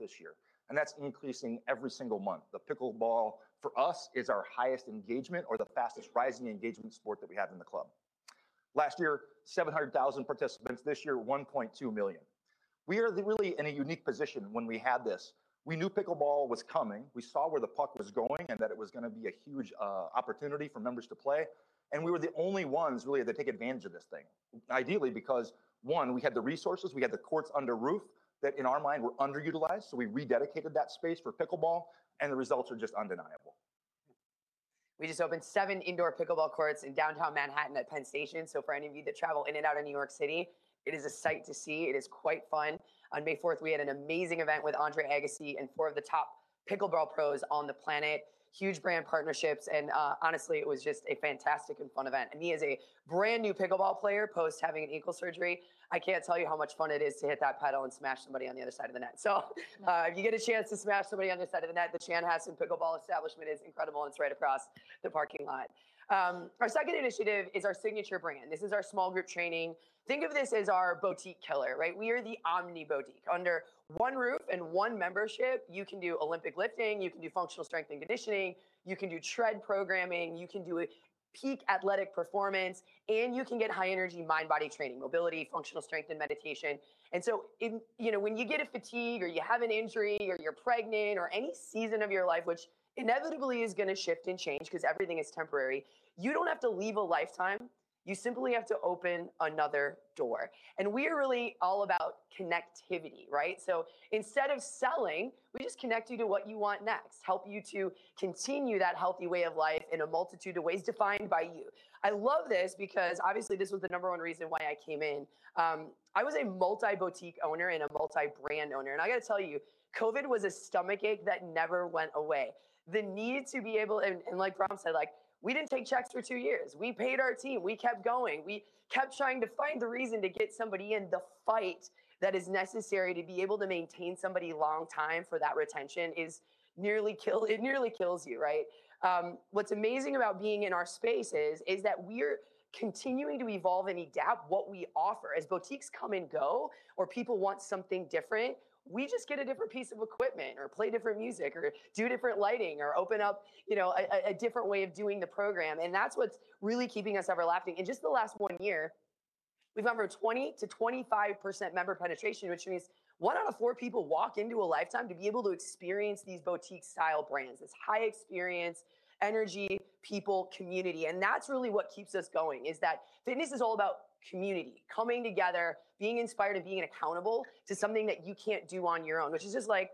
this year, and that's increasing every single month. The Pickleball, for us, is our highest engagement or the fastest rising engagement sport that we have in the club. Last year, 700,000 participants; this year, 1.2 million. We are really in a unique position when we had this. We knew Pickleball was coming. We saw where the puck was going, and that it was gonna be a huge, opportunity for members to play, and we were the only ones really to take advantage of this thing. Ideally, because, one, we had the resources, we had the courts under roof, that in our mind were underutilized, so we rededicated that space for Pickleball, and the results are just undeniable. We just opened seven indoor pickleball courts in downtown Manhattan at Penn Station. So for any of you that travel in and out of New York City, it is a sight to see. It is quite fun. On May 4th, we had an amazing event with Andre Agassi and four of the top pickleball pros on the planet, huge brand partnerships, and, honestly, it was just a fantastic and fun event. And he is a brand-new pickleball player, post having an ankle surgery. I can't tell you how much fun it is to hit that paddle and smash somebody on the other side of the net. So if you get a chance to smash somebody on the other side of the net, the Chanhassen pickleball establishment is incredible, it's right across the parking lot. Our second initiative is our signature brand. This is our small group training. Think of this as our boutique killer, right? We are the omni boutique. Under one roof and one membership, you can do Olympic lifting, you can do functional strength and conditioning, you can do tread programming, you can do a peak athletic performance, and you can get high energy, mind body training, mobility, functional strength, and meditation. You know, when you get a fatigue or you have an injury, or you're pregnant, or any season of your life, which inevitably is gonna shift and change, 'cause everything is temporary, you don't have to leave a Life Time, you simply have to open another door. We are really all about connectivity, right? So instead of selling, we just connect you to what you want next, help you to continue that healthy way of life in a multitude of ways defined by you. I love this because obviously this was the number one reason why I came in. I was a multi-boutique owner and a multi-brand owner, and I gotta tell you, COVID was a stomach ache that never went away. The need to be able, and like Bahram said, like, we didn't take checks for two years. We paid our team, we kept going. We kept trying to find the reason to get somebody in. The fight that is necessary to be able to maintain somebody a long time for that retention nearly kills you, right? What's amazing about being in our space is that we're continuing to evolve and adapt what we offer. As boutiques come and go, or people want something different, we just get a different piece of equipment, or play different music, or do different lighting, or open up, you know, a different way of doing the program, and that's what's really keeping us ever-lasting. In just the last one year, we've gone from 20%-25% member penetration, which means one out of four people walk into a Life Time to be able to experience these boutique-style brands, this high experience, energy, people, community. That's really what keeps us going, is that fitness is all about community, coming together, being inspired, and being accountable to something that you can't do on your own, which is just like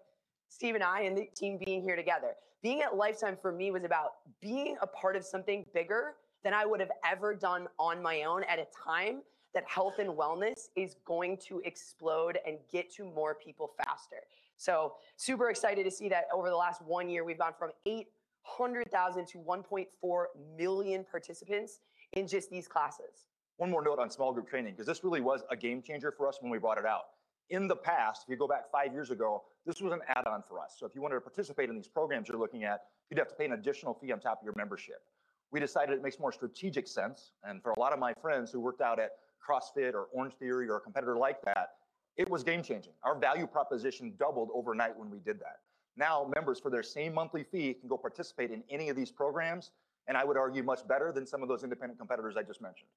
Steve and I, and the team being here together. Being at Life Time for me was about being a part of something bigger than I would've ever done on my own at a time that health and wellness is going to explode and get to more people faster. So, super excited to see that over the last 1 year, we've gone from 800,000 to 1.4 million participants in just these classes. One more note on small group training, 'cause this really was a game changer for us when we brought it out. In the past, if you go back five years ago, this was an add-on for us. So if you wanted to participate in these programs you're looking at, you'd have to pay an additional fee on top of your membership. We decided it makes more strategic sense, and for a lot of my friends who worked out at CrossFit or Orangetheory or a competitor like that, it was game changing. Our value proposition doubled overnight when we did that. Now, members, for their same monthly fee, can go participate in any of these programs, and I would argue much better than some of those independent competitors I just mentioned.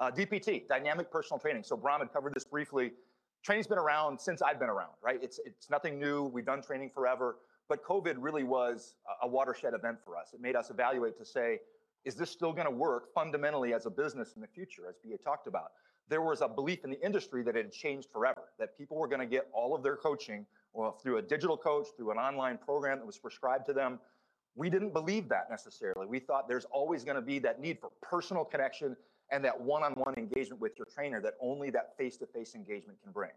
Yep. DPT, Dynamic Personal Training. So Bahram had covered this briefly. Training's been around since I've been around, right? It's nothing new, we've done training forever, but COVID really was a watershed event for us. It made us evaluate to say, "Is this still gonna work fundamentally as a business in the future?" as [Pia] talked about. There was a belief in the industry that it had changed forever, that people were gonna get all of their coaching or through a digital coach, through an online program that was prescribed to them. We didn't believe that necessarily. We thought there's always gonna be that need for personal connection and that one-on-one engagement with your trainer, that only that face-to-face engagement can bring.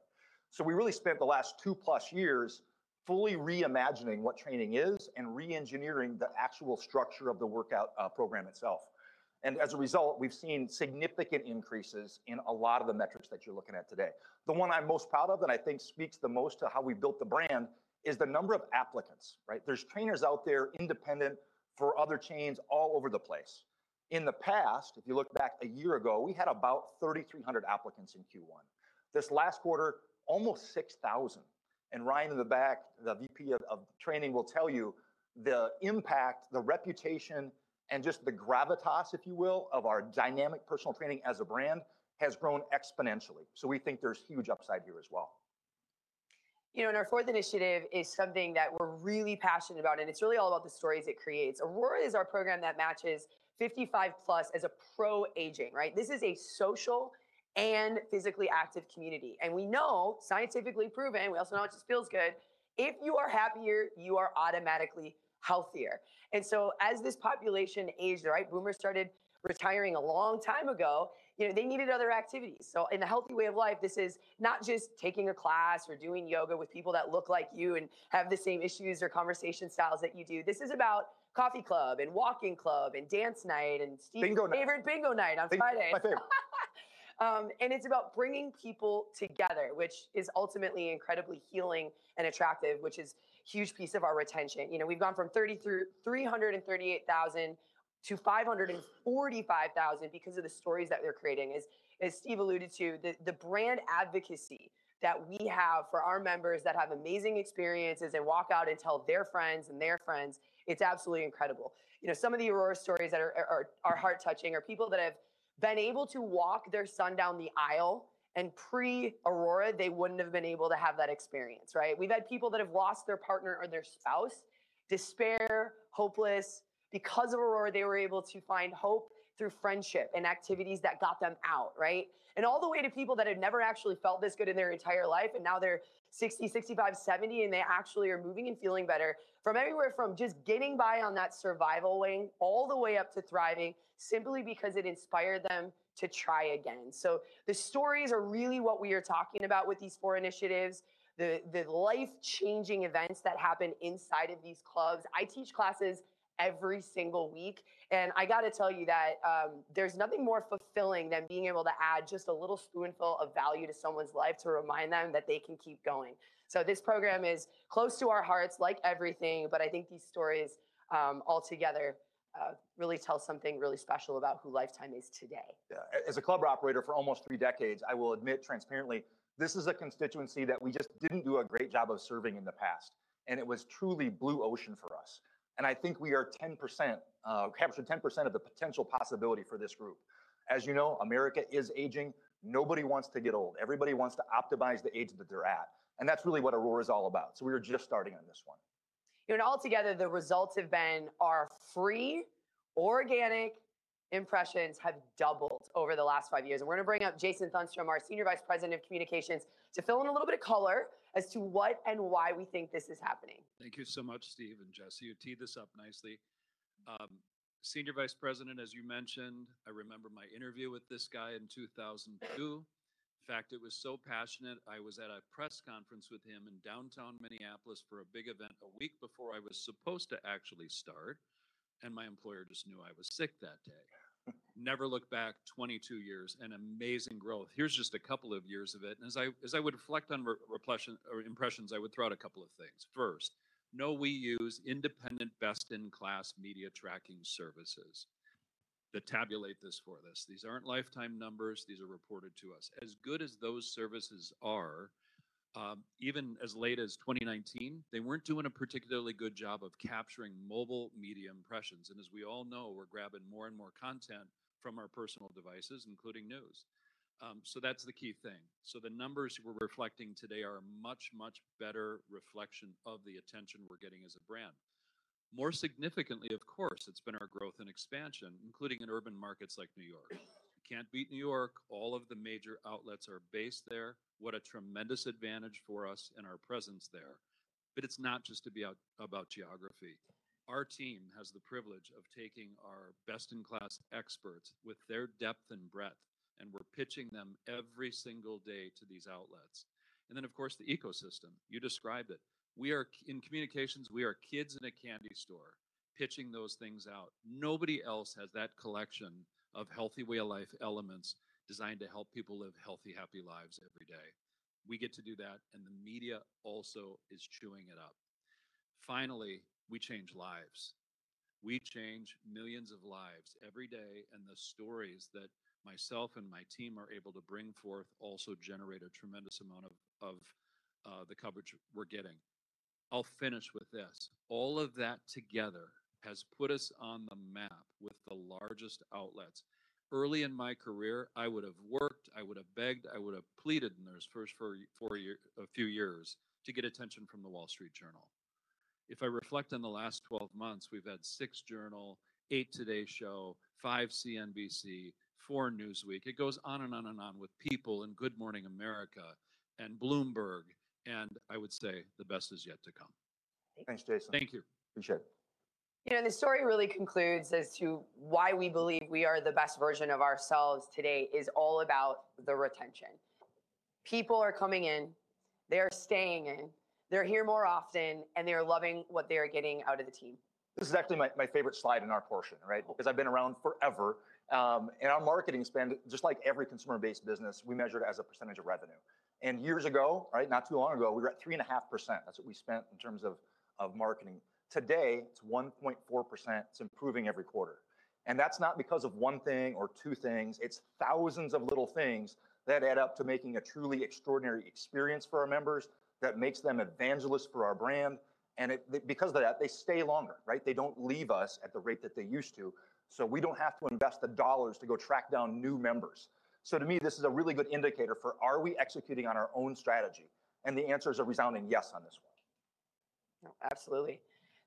So we really spent the last 2+ years fully reimagining what training is, and reengineering the actual structure of the workout program itself. As a result, we've seen significant increases in a lot of the metrics that you're looking at today. The one I'm most proud of, and I think speaks the most to how we've built the brand, is the number of applicants, right? There's trainers out there, independent, for other chains all over the place. In the past, if you look back a year ago, we had about 3,300 applicants in Q1. This last quarter, almost 6,000, and Ryan in the back, the VP of training, will tell you the impact, the reputation, and just the gravitas, if you will, of our Dynamic Personal Training as a brand, has grown exponentially. We think there's huge upside here as well. You know, and our fourth initiative is something that we're really passionate about, and it's really all about the stories it creates. ARORA is our program that matches 55 plus as a pro-aging, right? This is a social and physically active community, and we know, scientifically proven, we also know it just feels good, if you are happier, you are automatically healthier. And so as this population aged, right, boomers started retiring a long time ago, you know, they needed other activities. So in a healthy way of life, this is not just taking a class or doing yoga with people that look like you and have the same issues or conversation styles that you do. This is about coffee club, and walking club, and dance night, and Steve- Bingo night!... favorite, bingo night, on Friday. My favorite. And it's about bringing people together, which is ultimately incredibly healing and attractive, which is a huge piece of our retention. You know, we've gone from 30 through 338,000-545,000 because of the stories that we're creating. As Steve alluded to, the brand advocacy that we have for our members that have amazing experiences, they walk out and tell their friends and their friends, it's absolutely incredible. You know, some of the ARORA stories that are heart-touching, are people that have been able to walk their son down the aisle, and pre-ARORA, they wouldn't have been able to have that experience, right? We've had people that have lost their partner or their spouse, despair, hopeless. Because of ARORA, they were able to find hope through friendship and activities that got them out, right? All the way to people that had never actually felt this good in their entire life, and now they're 60, 65, 70, and they actually are moving and feeling better. From everywhere, from just getting by on that survival wing, all the way up to thriving, simply because it inspired them to try again. The stories are really what we are talking about with these four initiatives, the life-changing events that happen inside of these clubs. I teach classes every single week, and I gotta tell you that, there's nothing more fulfilling than being able to add just a little spoonful of value to someone's life, to remind them that they can keep going. This program is close to our hearts, like everything, but I think these stories, altogether, really tell something really special about who Life Time is today. Yeah. As a club operator for almost three decades, I will admit transparently, this is a constituency that we just didn't do a great job of serving in the past, and it was truly blue ocean for us. And I think we are 10%, captured 10% of the potential possibility for this group. As you know, America is aging. Nobody wants to get old. Everybody wants to optimize the age that they're at, and that's really what ARORA is all about, so we are just starting on this one. You know, and altogether, the results have been our free, organic impressions have doubled over the last five years. And we're gonna bring up Jason Thunstrom, our Senior Vice President of Communications, to fill in a little bit of color as to what and why we think this is happening. Thank you so much, Steve and Jessie. You teed this up nicely. Senior vice president, as you mentioned, I remember my interview with this guy in 2002. In fact, it was so passionate, I was at a press conference with him in downtown Minneapolis for a big event a week before I was supposed to actually start, and my employer just knew I was sick that day. Never looked back, 22 years and amazing growth. Here's just a couple of years of it, and as I would reflect on recollections or impressions, I would throw out a couple of things. First, know we use independent, best-in-class media tracking services that tabulate this for us. These aren't Life Time numbers; these are reported to us. As good as those services are, even as late as 2019, they weren't doing a particularly good job of capturing mobile media impressions, and as we all know, we're grabbing more and more content from our personal devices, including news. So that's the key thing. So the numbers we're reflecting today are a much, much better reflection of the attention we're getting as a brand. More significantly, of course, it's been our growth and expansion, including in urban markets like New York. Can't beat New York. All of the major outlets are based there. What a tremendous advantage for us and our presence there. But it's not just about geography. Our team has the privilege of taking our best-in-class experts with their depth and breadth, and we're pitching them every single day to these outlets. And then, of course, the ecosystem. You described it. We are in communications, we are kids in a candy store, pitching those things out. Nobody else has that collection of healthy way of life elements designed to help people live healthy, happy lives every day. We get to do that, and the media also is chewing it up. Finally, we change lives. We change millions of lives every day, and the stories that myself and my team are able to bring forth also generate a tremendous amount of the coverage we're getting. I'll finish with this: All of that together has put us on the map with the largest outlets. Early in my career, I would've worked, I would've begged, I would've pleaded in those first four years... a few years, to get attention from The Wall Street Journal. If I reflect on the last 12 months, we've had 6 Journal, 8 Today Show, 5 CNBC, 4 Newsweek. It goes on and on and on with People and Good Morning America, and Bloomberg, and I would say, the best is yet to come. Thanks, Jason. Thank you. Appreciate it. You know, the story really concludes as to why we believe we are the best version of ourselves today is all about the retention. People are coming in, they are staying in, they're here more often, and they are loving what they are getting out of the team. This is actually my, my favorite slide in our portion, right? 'Cause I've been around forever. And our marketing spend, just like every consumer-based business, we measure it as a percentage of revenue. And years ago, right, not too long ago, we were at 3.5%. That's what we spent in terms of, of marketing. Today, it's 1.4%. It's improving every quarter, and that's not because of one thing or two things. It's thousands of little things that add up to making a truly extraordinary experience for our members, that makes them evangelists for our brand, and it, because of that, they stay longer, right? They don't leave us at the rate that they used to, so we don't have to invest the dollars to go track down new members. To me, this is a really good indicator for, "Are we executing on our own strategy?" The answer is a resounding yes on this one. Absolutely.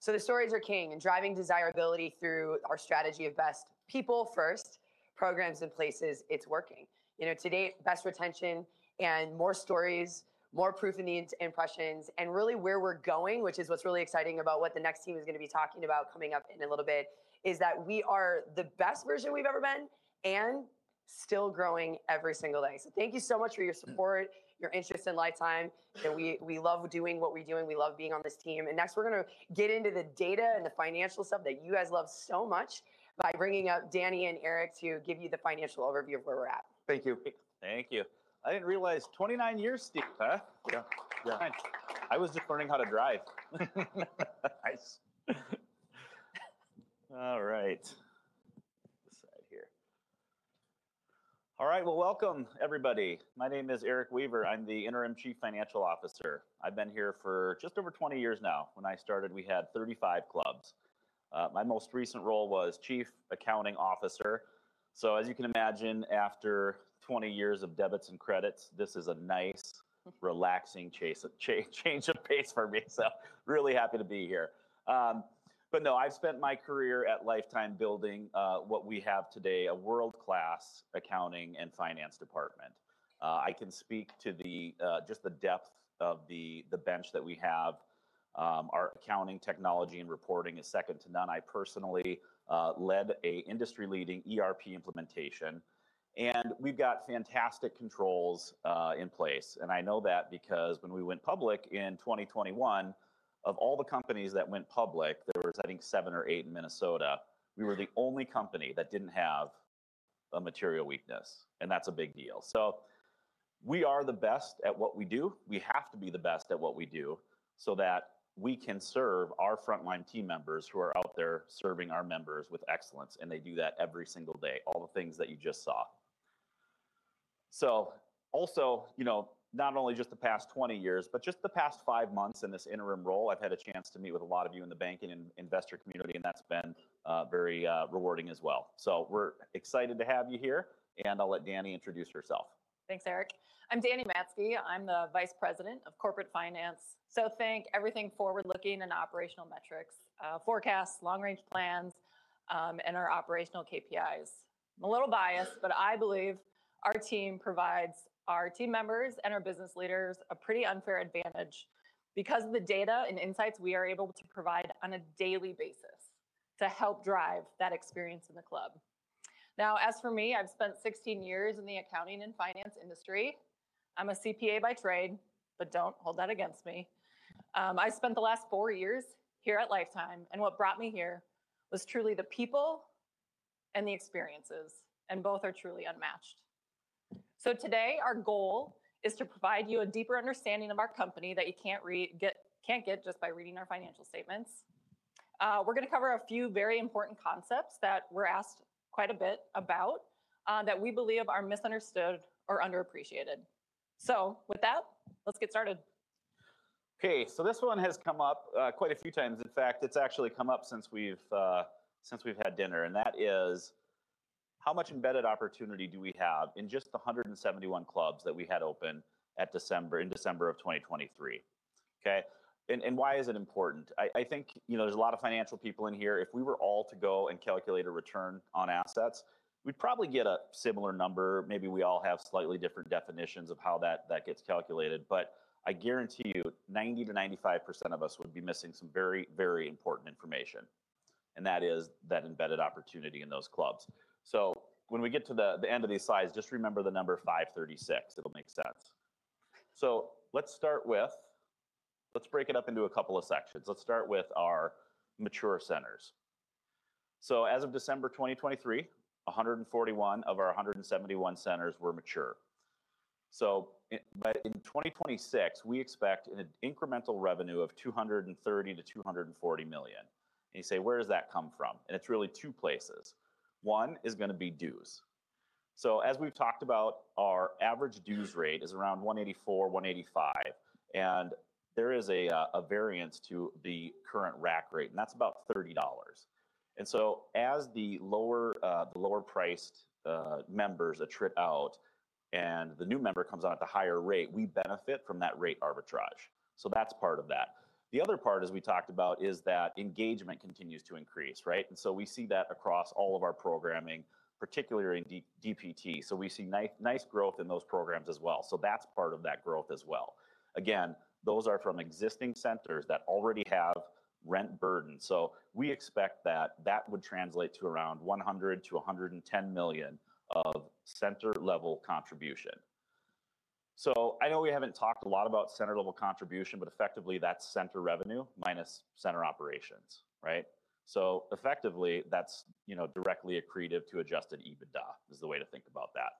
So the stories are king, and driving desirability through our strategy of best people first, programs and places, it's working. You know, today, best retention and more stories, more proof in the impressions, and really where we're going, which is what's really exciting about what the next team is gonna be talking about coming up in a little bit, is that we are the best version we've ever been, and still growing every single day. So thank you so much for your support, your interest in Life Time, and we, we love doing what we do, and we love being on this team. And next, we're gonna get into the data and the financial stuff that you guys love so much by bringing up Dani and Eric to give you the financial overview of where we're at. Thank you. Thank you. I didn't realize, 29 years, Steve, huh? Yeah. Yeah. I was just learning how to drive. Nice. All right. This side here. All right, well, welcome, everybody. My name is Eric Weaver. I'm the Interim Chief Financial Officer. I've been here for just over 20 years now. When I started, we had 35 clubs. My most recent role was Chief Accounting Officer, so as you can imagine, after 20 years of debits and credits, this is a nice, relaxing change of pace for me, so really happy to be here. But no, I've spent my career at Life Time building what we have today, a world-class accounting and finance department. I can speak to the just the depth of the bench that we have. Our accounting technology and reporting is second to none. I personally led an industry-leading ERP implementation, and we've got fantastic controls in place, and I know that because when we went public in 2021, of all the companies that went public, there were, I think, seven or eight in Minnesota; we were the only company that didn't have a material weakness, and that's a big deal. So we are the best at what we do. We have to be the best at what we do, so that we can serve our frontline team members who are out there serving our members with excellence, and they do that every single day, all the things that you just saw.... So, also, you know, not only just the past 20 years, but just the past five months in this interim role, I've had a chance to meet with a lot of you in the banking and investor community, and that's been very rewarding as well. So we're excited to have you here, and I'll let Dani introduce herself. Thanks, Eric. I'm Dani Matzke. I'm the Vice President of Corporate Finance, so think everything forward-looking and operational metrics, forecasts, long-range plans, and our operational KPIs. I'm a little biased, but I believe our team provides our team members and our business leaders a pretty unfair advantage because of the data and insights we are able to provide on a daily basis to help drive that experience in the club. Now, as for me, I've spent 16 years in the accounting and finance industry. I'm a CPA by trade, but don't hold that against me. I spent the last 4 years here at Life Time, and what brought me here was truly the people and the experiences, and both are truly unmatched. So today, our goal is to provide you a deeper understanding of our company that you can't get just by reading our financial statements. We're gonna cover a few very important concepts that we're asked quite a bit about that we believe are misunderstood or underappreciated. So with that, let's get started. Okay, so this one has come up quite a few times. In fact, it's actually come up since we've had dinner, and that is: how much embedded opportunity do we have in just the 171 clubs that we had open at December, in December of 2023? Okay, and why is it important? I think, you know, there's a lot of financial people in here. If we were all to go and calculate a return on assets, we'd probably get a similar number. Maybe we all have slightly different definitions of how that gets calculated, but I guarantee you, 90%-95% of us would be missing some very, very important information, and that is that embedded opportunity in those clubs. So when we get to the end of these slides, just remember the number 536. It'll make sense. So let's start with... Let's break it up into a couple of sections. Let's start with our mature centers. So as of December 2023, 141 of our 171 centers were mature. So, but in 2026, we expect an incremental revenue of $230 million-$240 million. And you say, where does that come from? And it's really two places. One is gonna be dues. So as we've talked about, our average dues rate is around $184, $185, and there is a variance to the current rack rate, and that's about $30. And so, as the lower priced members attrit out and the new member comes on at the higher rate, we benefit from that rate arbitrage, so that's part of that. The other part, as we talked about, is that engagement continues to increase, right? And so we see that across all of our programming, particularly in DPT, so we see nice growth in those programs as well, so that's part of that growth as well. Again, those are from existing centers that already have rent burden, so we expect that that would translate to around $100 million-$110 million of center-level contribution. So I know we haven't talked a lot about center-level contribution, but effectively, that's center revenue minus center operations, right? So effectively, that's, you know, directly accretive to adjusted EBITDA, is the way to think about that.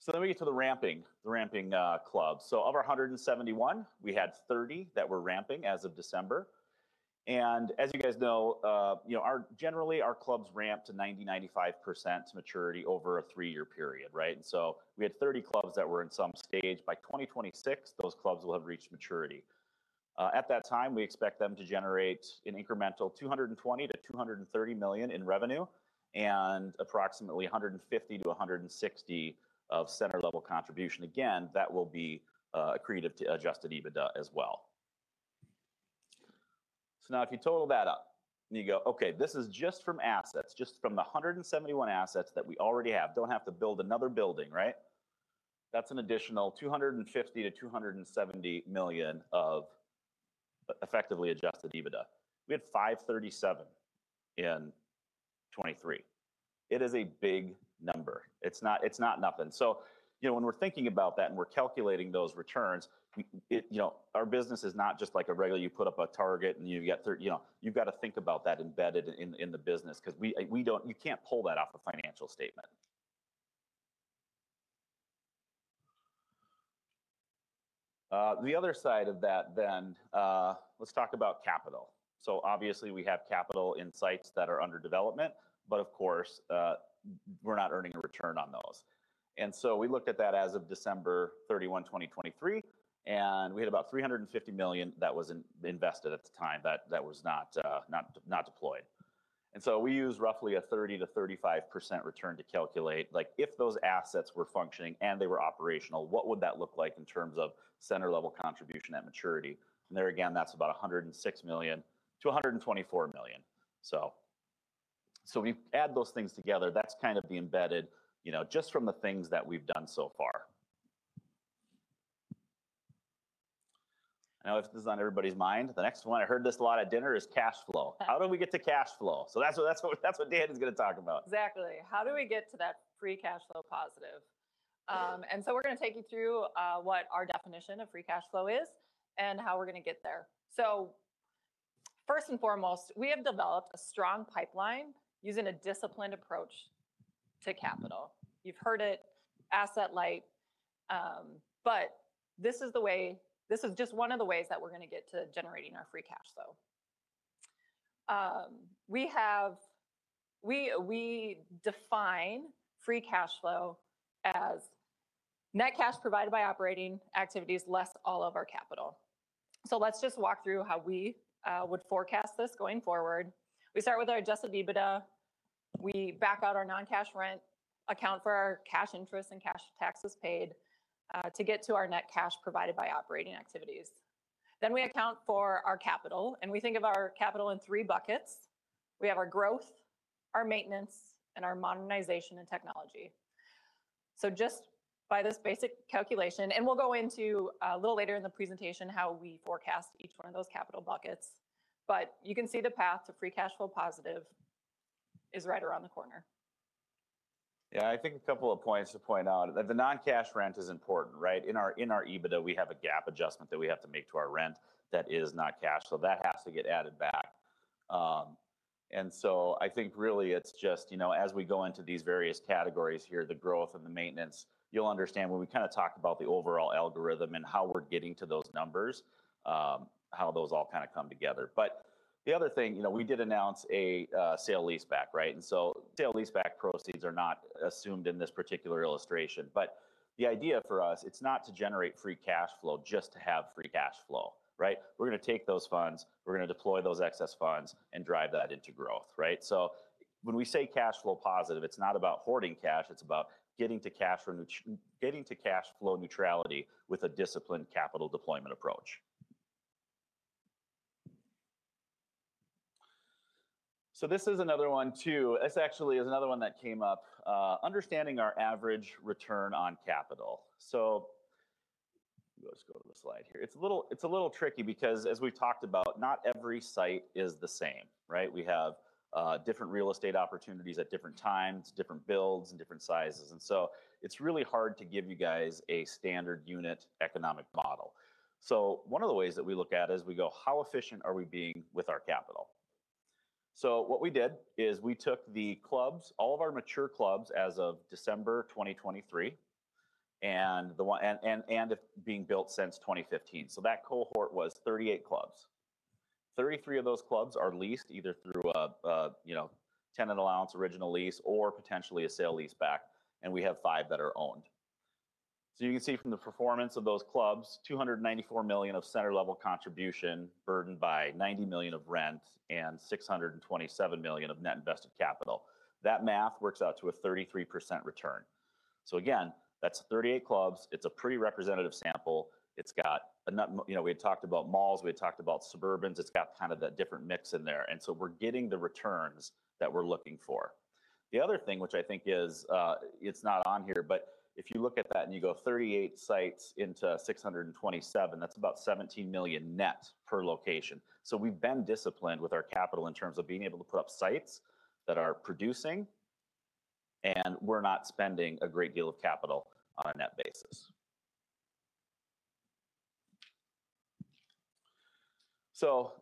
So then we get to the ramping, the ramping, clubs. So of our 171, we had 30 that were ramping as of December. And as you guys know, you know, our generally, our clubs ramp to 90%-95% maturity over a 3-year period, right? And so we had 30 clubs that were in some stage. By 2026, those clubs will have reached maturity. At that time, we expect them to generate an incremental $220 million-$230 million in revenue and approximately $150 million-$160 million of center-level contribution. Again, that will be accretive to adjusted EBITDA as well. So now if you total that up and you go, okay, this is just from assets, just from the 171 assets that we already have, don't have to build another building, right? That's an additional $250 million-$270 million of effectively adjusted EBITDA. We had $537 million in 2023. It is a big number. It's not, it's not nothing. So, you know, when we're thinking about that, and we're calculating those returns, we, you know, our business is not just like a regular. You put up a target and you've got to think about that embedded in the business 'cause we don't. You can't pull that off a financial statement. The other side of that then, let's talk about capital. So obviously, we have capital in sites that are under development, but of course, we're not earning a return on those. And so we looked at that as of December 31, 2023, and we had about $350 million that was invested at the time, that was not deployed. And so we used roughly a 30%-35% return to calculate, like, if those assets were functioning and they were operational, what would that look like in terms of center-level contribution at maturity? And there again, that's about $106 million-$124 million. So, so we add those things together, that's kind of the embedded, you know, just from the things that we've done so far. I know this is on everybody's mind. The next one, I heard this a lot at dinner, is cash flow. How do we get to cash flow? So that's what, that's what, that's what Dani's gonna talk about. Exactly. How do we get to that free cash flow positive? And so we're gonna take you through what our definition of free cash flow is and how we're gonna get there. So first and foremost, we have developed a strong pipeline using a disciplined approach to capital. You've heard it, asset-light. But this is the way, this is just one of the ways that we're gonna get to generating our free cash flow. We define free cash flow as net cash provided by operating activities, less all of our capital. So let's just walk through how we would forecast this going forward. We start with our adjusted EBITDA. We back out our non-cash rent, account for our cash interest and cash taxes paid, to get to our net cash provided by operating activities. Then we account for our capital, and we think of our capital in three buckets. We have our growth, our maintenance, and our modernization and technology. So just by this basic calculation, and we'll go into a little later in the presentation how we forecast each one of those capital buckets, but you can see the path to free cash flow positive is right around the corner. Yeah, I think a couple of points to point out, that the non-cash rent is important, right? In our EBITDA, we have a GAAP adjustment that we have to make to our rent that is not cash, so that has to get added back. And so I think really it's just, you know, as we go into these various categories here, the growth and the maintenance, you'll understand when we kinda talk about the overall algorithm and how we're getting to those numbers, how those all kinda come together. But the other thing, you know, we did announce a sale-leaseback, right? And so sale-leaseback proceeds are not assumed in this particular illustration, but the idea for us, it's not to generate free cash flow just to have free cash flow, right? We're gonna take those funds, we're gonna deploy those excess funds, and drive that into growth, right? So when we say cash flow positive, it's not about hoarding cash, it's about getting to cash flow neutrality with a disciplined capital deployment approach. So this is another one, too. This actually is another one that came up, understanding our average return on capital. So let's go to the slide here. It's a little, it's a little tricky because as we've talked about, not every site is the same, right? We have different real estate opportunities at different times, different builds, and different sizes, and so it's really hard to give you guys a standard unit economic model. So one of the ways that we look at is we go, "How efficient are we being with our capital?" So what we did is we took the clubs, all of our mature clubs as of December 2023, and those being built since 2015. So that cohort was 38 clubs. Thirty three of those clubs are leased, either through a, you know, tenant allowance original lease or potentially a sale-leaseback, and we have five that are owned. So you can see from the performance of those clubs, $294 million of Center-Level Contribution, burdened by $90 million of rent and $627 million of Net Invested Capital. That math works out to a 33% return. So again, that's 38 clubs. It's a pretty representative sample. It's got... You know, we had talked about malls, we had talked about suburbans. It's got kind of that different mix in there, and so we're getting the returns that we're looking for. The other thing, which I think is, it's not on here, but if you look at that and you go 38 sites into 627, that's about $17 million net per location. So we've been disciplined with our capital in terms of being able to put up sites that are producing, and we're not spending a great deal of capital on a net basis. So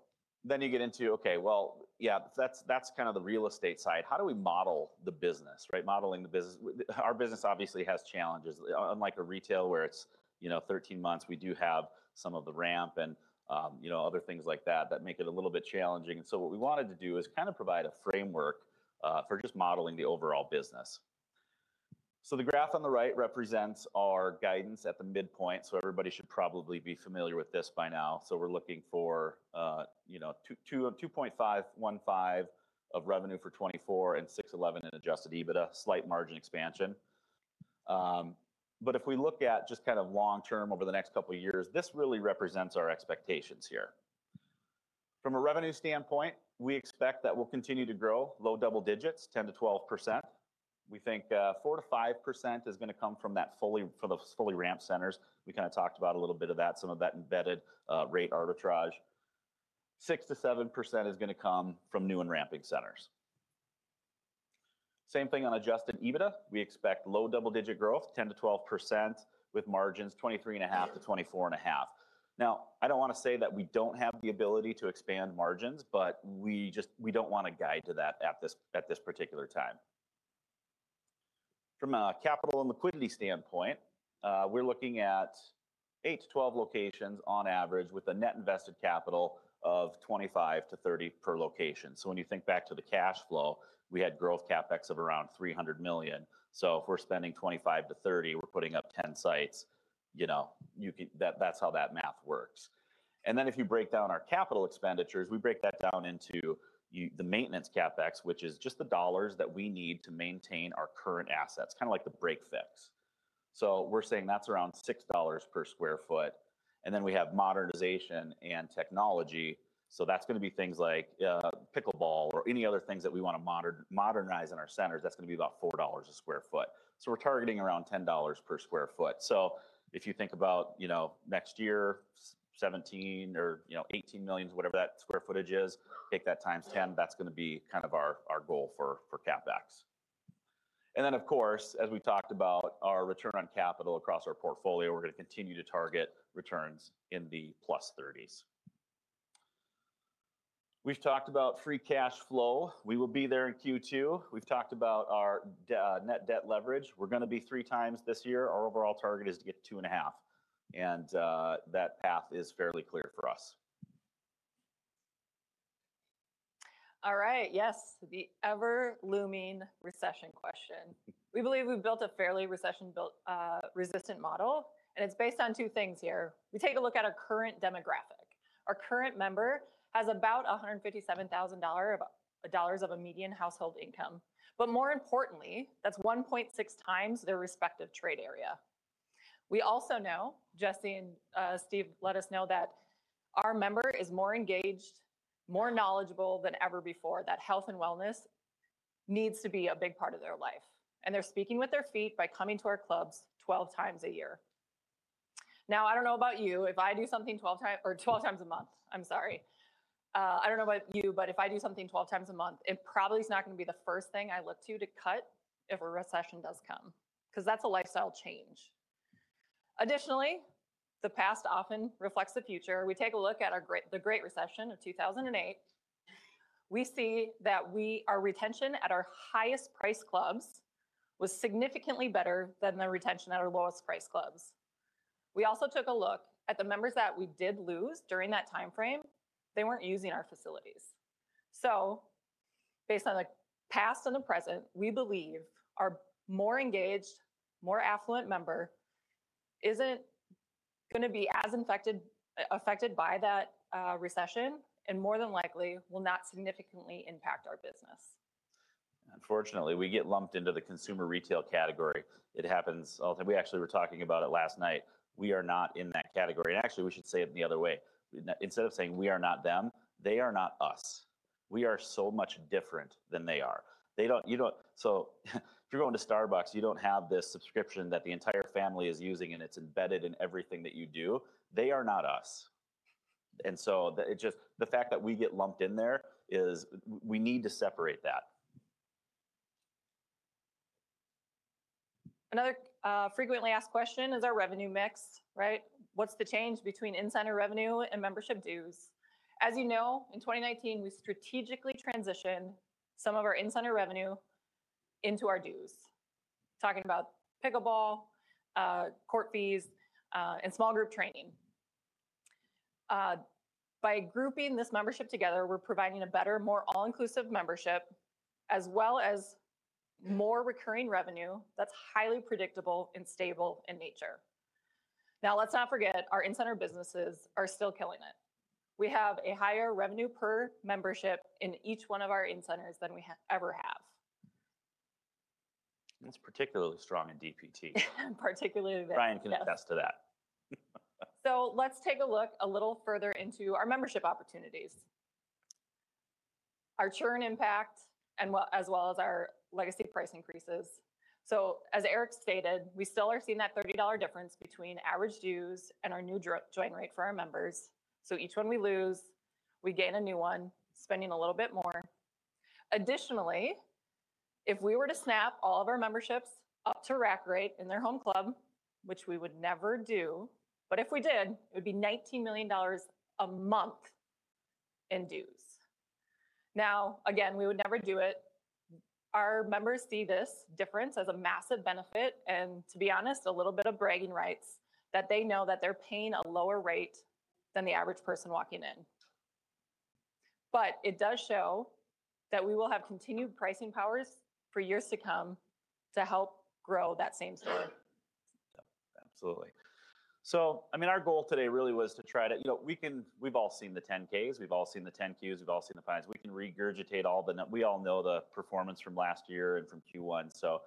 then you get into, okay, well, yeah, that's, that's kind of the real estate side. How do we model the business, right? Modeling the business. Our business obviously has challenges. Unlike a retail, where it's, you know, 13 months, we do have some of the ramp and, you know, other things like that that make it a little bit challenging. So what we wanted to do is kind of provide a framework for just modeling the overall business. So the graph on the right represents our guidance at the midpoint, so everybody should probably be familiar with this by now. So we're looking for, you know, 2.515 of revenue for 2024 and 611 in Adjusted EBITDA, slight margin expansion. But if we look at just kind of long term over the next couple of years, this really represents our expectations here. From a revenue standpoint, we expect that we'll continue to grow low double digits, 10%-12%. We think four to five percent is gonna come from that fully—from those fully ramped centers. We kinda talked about a little bit of that, some of that embedded rate arbitrage. Six to seven percent is gonna come from new and ramping centers. Same thing on Adjusted EBITDA. We expect low double-digit growth, 10%-12%, with margins 23.5%-24.5%. Now, I don't wanna say that we don't have the ability to expand margins, but we just—we don't wanna guide to that at this, at this particular time. From a capital and liquidity standpoint, we're looking at 8-12 locations on average, with a net invested capital of $25 million-$30 million per location. So when you think back to the cash flow, we had growth CapEx of around $300 million. So if we're spending $25 million-$30 million, we're putting up 10 sites, you know, you could... That, that's how that math works. And then if you break down our capital expenditures, we break that down into the maintenance CapEx, which is just the dollars that we need to maintain our current assets, kinda like the break-fix. So we're saying that's around $6 per sq ft, and then we have modernization and technology. So that's gonna be things like pickleball or any other things that we wanna modernize in our centers. That's gonna be about $4 per sq ft. So we're targeting around $10 per sq ft. So if you think about, you know, next year, seventeen or, you know, 18 million, whatever that square footage is, take that times 10, that's gonna be kind of our, our goal for, for CapEx. Then, of course, as we talked about our return on capital across our portfolio, we're gonna continue to target returns in the +30s. We've talked about free cash flow. We will be there in Q2. We've talked about our net debt leverage. We're gonna be 3x this year. Our overall target is to get 2.5, and that path is fairly clear for us. All right, yes, the ever-looming recession question. We believe we've built a fairly recession-built, resistant model, and it's based on two things here. We take a look at our current demographic. Our current member has about $157,000 of a median household income, but more importantly, that's 1.6x their respective trade area. We also know, Jessie and, Steve let us know, that our member is more engaged, more knowledgeable than ever before, that health and wellness needs to be a big part of their life, and they're speaking with their feet by coming to our clubs 12 times a year. Now, I don't know about you, if I do something 12 or 12 times a month, I'm sorry. I don't know about you, but if I do something 12 times a month, it probably is not gonna be the first thing I look to, to cut if a recession does come, 'cause that's a lifestyle change. Additionally, the past often reflects the future. We take a look at the Great Recession of 2008, we see that our retention at our highest priced clubs was significantly better than the retention at our lowest priced clubs. We also took a look at the members that we did lose during that time frame, they weren't using our facilities. So based on the past and the present, we believe our more engaged, more affluent member isn't gonna be as affected by that recession, and more than likely will not significantly impact our business. Unfortunately, we get lumped into the consumer retail category. It happens all the time. We actually were talking about it last night. We are not in that category, and actually, we should say it the other way. Instead of saying we are not them, they are not us. We are so much different than they are. They don't. So if you're going to Starbucks, you don't have this subscription that the entire family is using, and it's embedded in everything that you do. They are not us, and so it just, the fact that we get lumped in there is, we need to separate that. Another frequently asked question is our revenue mix, right? What's the change between in-center revenue and membership dues? As you know, in 2019, we strategically transitioned some of our in-center revenue into our dues. Talking about pickleball court fees and small group training. By grouping this membership together, we're providing a better, more all-inclusive membership, as well as more recurring revenue that's highly predictable and stable in nature. Now, let's not forget, our in-center businesses are still killing it. We have a higher revenue per membership in each one of our in-centers than we ever have. It's particularly strong in DPT. Particularly there, yes. Bahram can attest to that. So let's take a look a little further into our membership opportunities, our churn impact, and well, as well as our legacy price increases. So as Eric stated, we still are seeing that $30 difference between average dues and our new join rate for our members. So each one we lose, we gain a new one, spending a little bit more. Additionally, if we were to snap all of our memberships up to rack rate in their home club, which we would never do, but if we did, it would be $19 million a month in dues. Now, again, we would never do it. Our members see this difference as a massive benefit and, to be honest, a little bit of bragging rights, that they know that they're paying a lower rate than the average person walking in. But it does show that we will have continued pricing powers for years to come to help grow that same store. Yep, absolutely. So I mean, our goal today really was to try to... You know, we've all seen the 10-Ks, we've all seen the 10-Qs, we've all seen the files. We can regurgitate all the nu- we all know the performance from last year and from Q1, so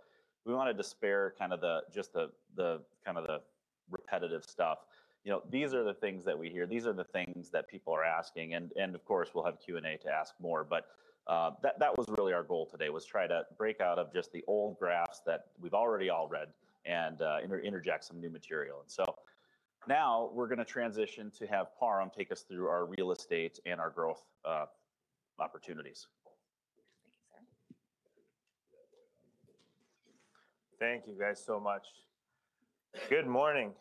we wanted to spare kind of the, just the, the kind of the repetitive stuff. You know, these are the things that we hear. These are the things that people are asking, and of course, we'll have Q&A to ask more, but that was really our goal today, was try to break out of just the old graphs that we've already all read and interject some new material. And so now we're gonna transition to have Parham take us through our real estate and our growth opportunities. Thank you, sir. Thank you, guys, so much. Good morning.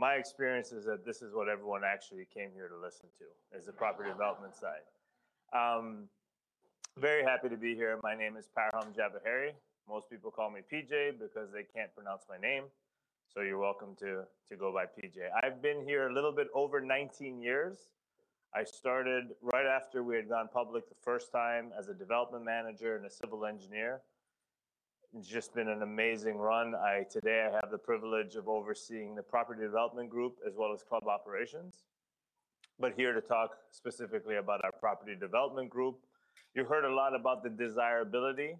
My experience is that this is what everyone actually came here to listen to, is the property development side. Very happy to be here. My name is Parham Javaheri. Most people call me PJ because they can't pronounce my name, so you're welcome to, to go by PJ. I've been here a little bit over 19 years. I started right after we had gone public the first time as a development manager and a civil engineer. Just been an amazing run. Today, I have the privilege of overseeing the property development group as well as club operations, but here to talk specifically about our property development group. You've heard a lot about the desirability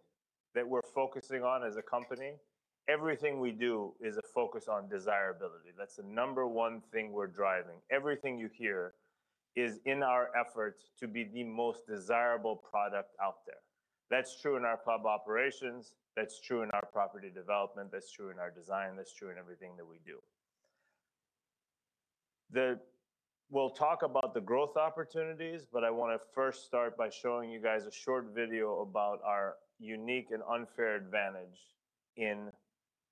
that we're focusing on as a company. Everything we do is a focus on desirability. That's the number one thing we're driving. Everything you hear is in our efforts to be the most desirable product out there. That's true in our club operations, that's true in our property development, that's true in our design, that's true in everything that we do. We'll talk about the growth opportunities, but I wanna first start by showing you guys a short video about our unique and unfair advantage in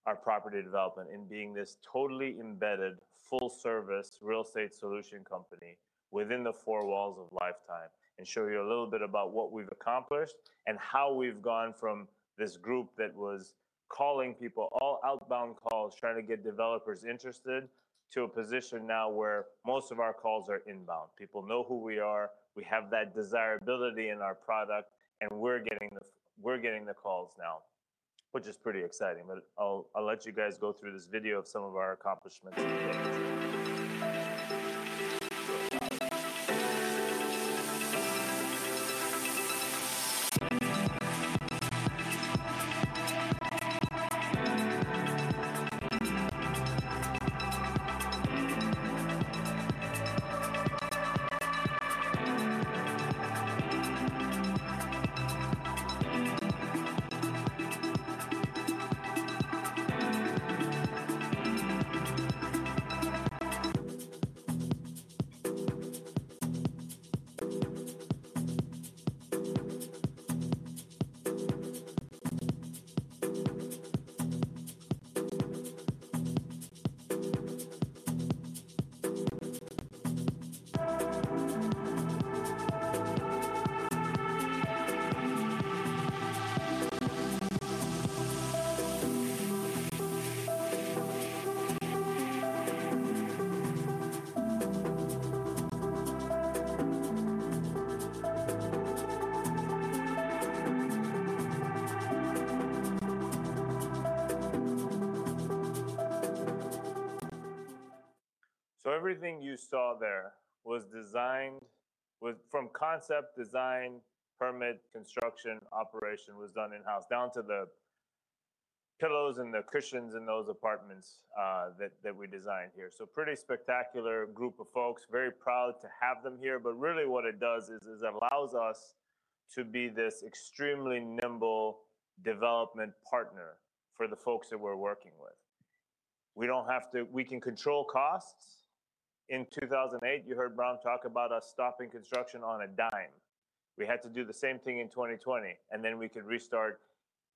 our property development in being this totally embedded, full service, real estate solution company within the four walls of Life Time, and show you a little bit about what we've accomplished and how we've gone from this group that was calling people, all outbound calls, trying to get developers interested, to a position now where most of our calls are inbound. People know who we are. We have that desirability in our product, and we're getting the calls now, which is pretty exciting. But I'll let you guys go through this video of some of our accomplishments. So everything you saw there was designed, from concept, design, permit, construction, operation was done in-house, down to the pillows and the cushions in those apartments, that we designed here. So pretty spectacular group of folks. Very proud to have them here, but really what it does is it allows us to be this extremely nimble development partner for the folks that we're working with. We don't have to... We can control costs. In 2008, you heard Bahram talk about us stopping construction on a dime. We had to do the same thing in 2020, and then we could restart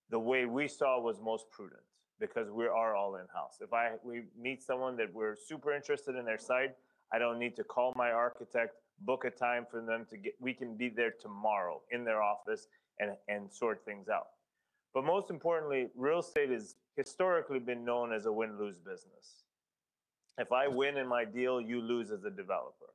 the way we saw was most prudent because we are all in-house. If we meet someone that we're super interested in their site, I don't need to call my architect, book a time for them to get... We can be there tomorrow in their office and sort things out. But most importantly, real estate has historically been known as a win-lose business. If I win in my deal, you lose as a developer.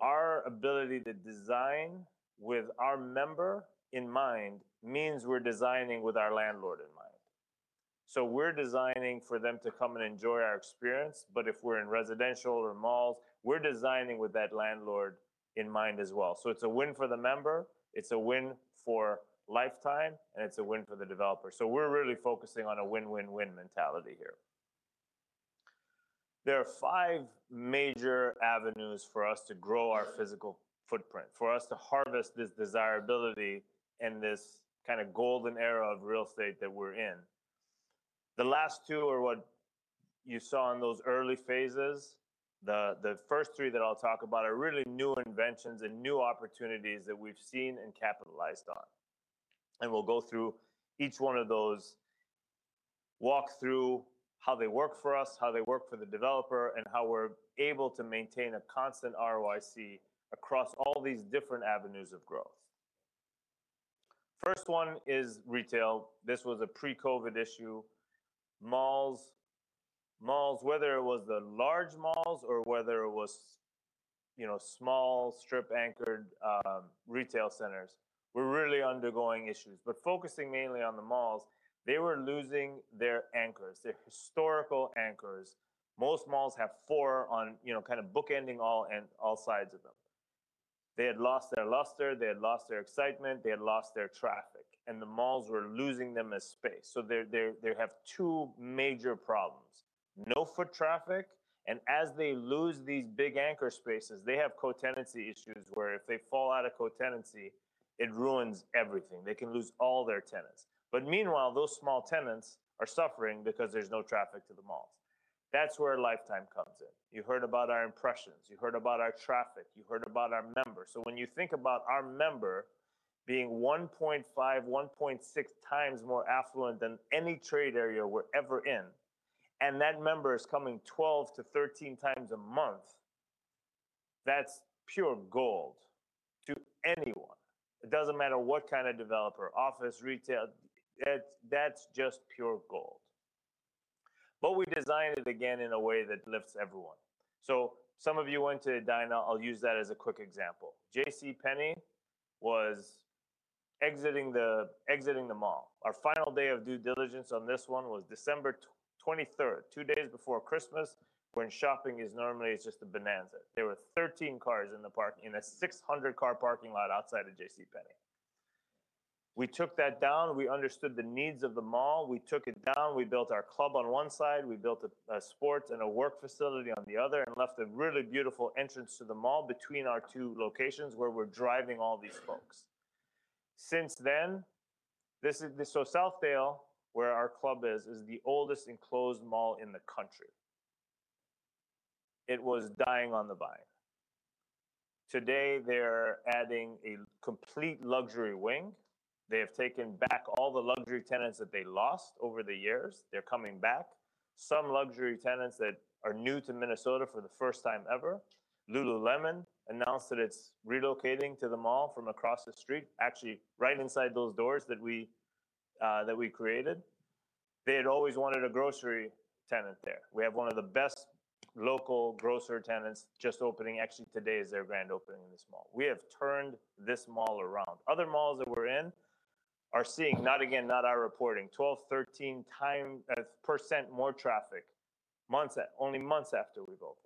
Our ability to design with our member in mind means we're designing with our landlord in mind. So we're designing for them to come and enjoy our experience, but if we're in residential or malls, we're designing with that landlord in mind as well. So it's a win for the member, it's a win for Life Time, and it's a win for the developer. So we're really focusing on a win-win-win mentality here. There are five major avenues for us to grow our physical footprint, for us to harvest this desirability in this kind of golden era of real estate that we're in. The last two are what you saw in those early phases. The first three that I'll talk about are really new inventions and new opportunities that we've seen and capitalized on, and we'll go through each one of those, walk through how they work for us, how they work for the developer, and how we're able to maintain a constant ROIC across all these different avenues of growth. First one is retail. This was a pre-COVID issue. Malls, malls, whether it was the large malls or whether it was, you know, small, strip-anchored, retail centers, were really undergoing issues. But focusing mainly on the malls, they were losing their anchors, their historical anchors. Most malls have four on, you know, kind of bookending all and all sides of them. They had lost their luster, they had lost their excitement, they had lost their traffic, and the malls were losing them as space. So they have two major problems: no foot traffic, and as they lose these big anchor spaces, they have co-tenancy issues, where if they fall out of co-tenancy, it ruins everything. They can lose all their tenants. But meanwhile, those small tenants are suffering because there's no traffic to the malls. That's where Life Time comes in. You heard about our impressions, you heard about our traffic, you heard about our members. So when you think about our member being 1.5x, 1.6x more affluent than any trade area we're ever in, and that member is coming 12-13 times a month, that's pure gold to anyone. It doesn't matter what kind of developer, office, retail, that's, that's just pure gold. But we designed it again in a way that lifts everyone. So some of you went to Edina. I'll use that as a quick example. JCPenney was exiting the, exiting the mall. Our final day of due diligence on this one was December 23rd, 2 days before Christmas, when shopping is normally it's just a bonanza. There were 13 cars in the park in a 600-car parking lot outside of JCPenney. We took that down. We understood the needs of the mall. We took it down. We built our club on one side. We built a sport and a work facility on the other, and left a really beautiful entrance to the mall between our two locations, where we're driving all these folks. Since then, Southdale, where our club is, is the oldest enclosed mall in the country. It was dying on the vine. Today, they're adding a complete luxury wing. They have taken back all the luxury tenants that they lost over the years. They're coming back. Some luxury tenants that are new to Minnesota for the first time ever. Lululemon announced that it's relocating to the mall from across the street, actually, right inside those doors that we created. They had always wanted a grocery tenant there. We have one of the best local grocer tenants just opening, actually, today is their grand opening in this mall. We have turned this mall around. Other malls that we're in are seeing, not again, not our reporting, 12%-13% more traffic only months after we've opened.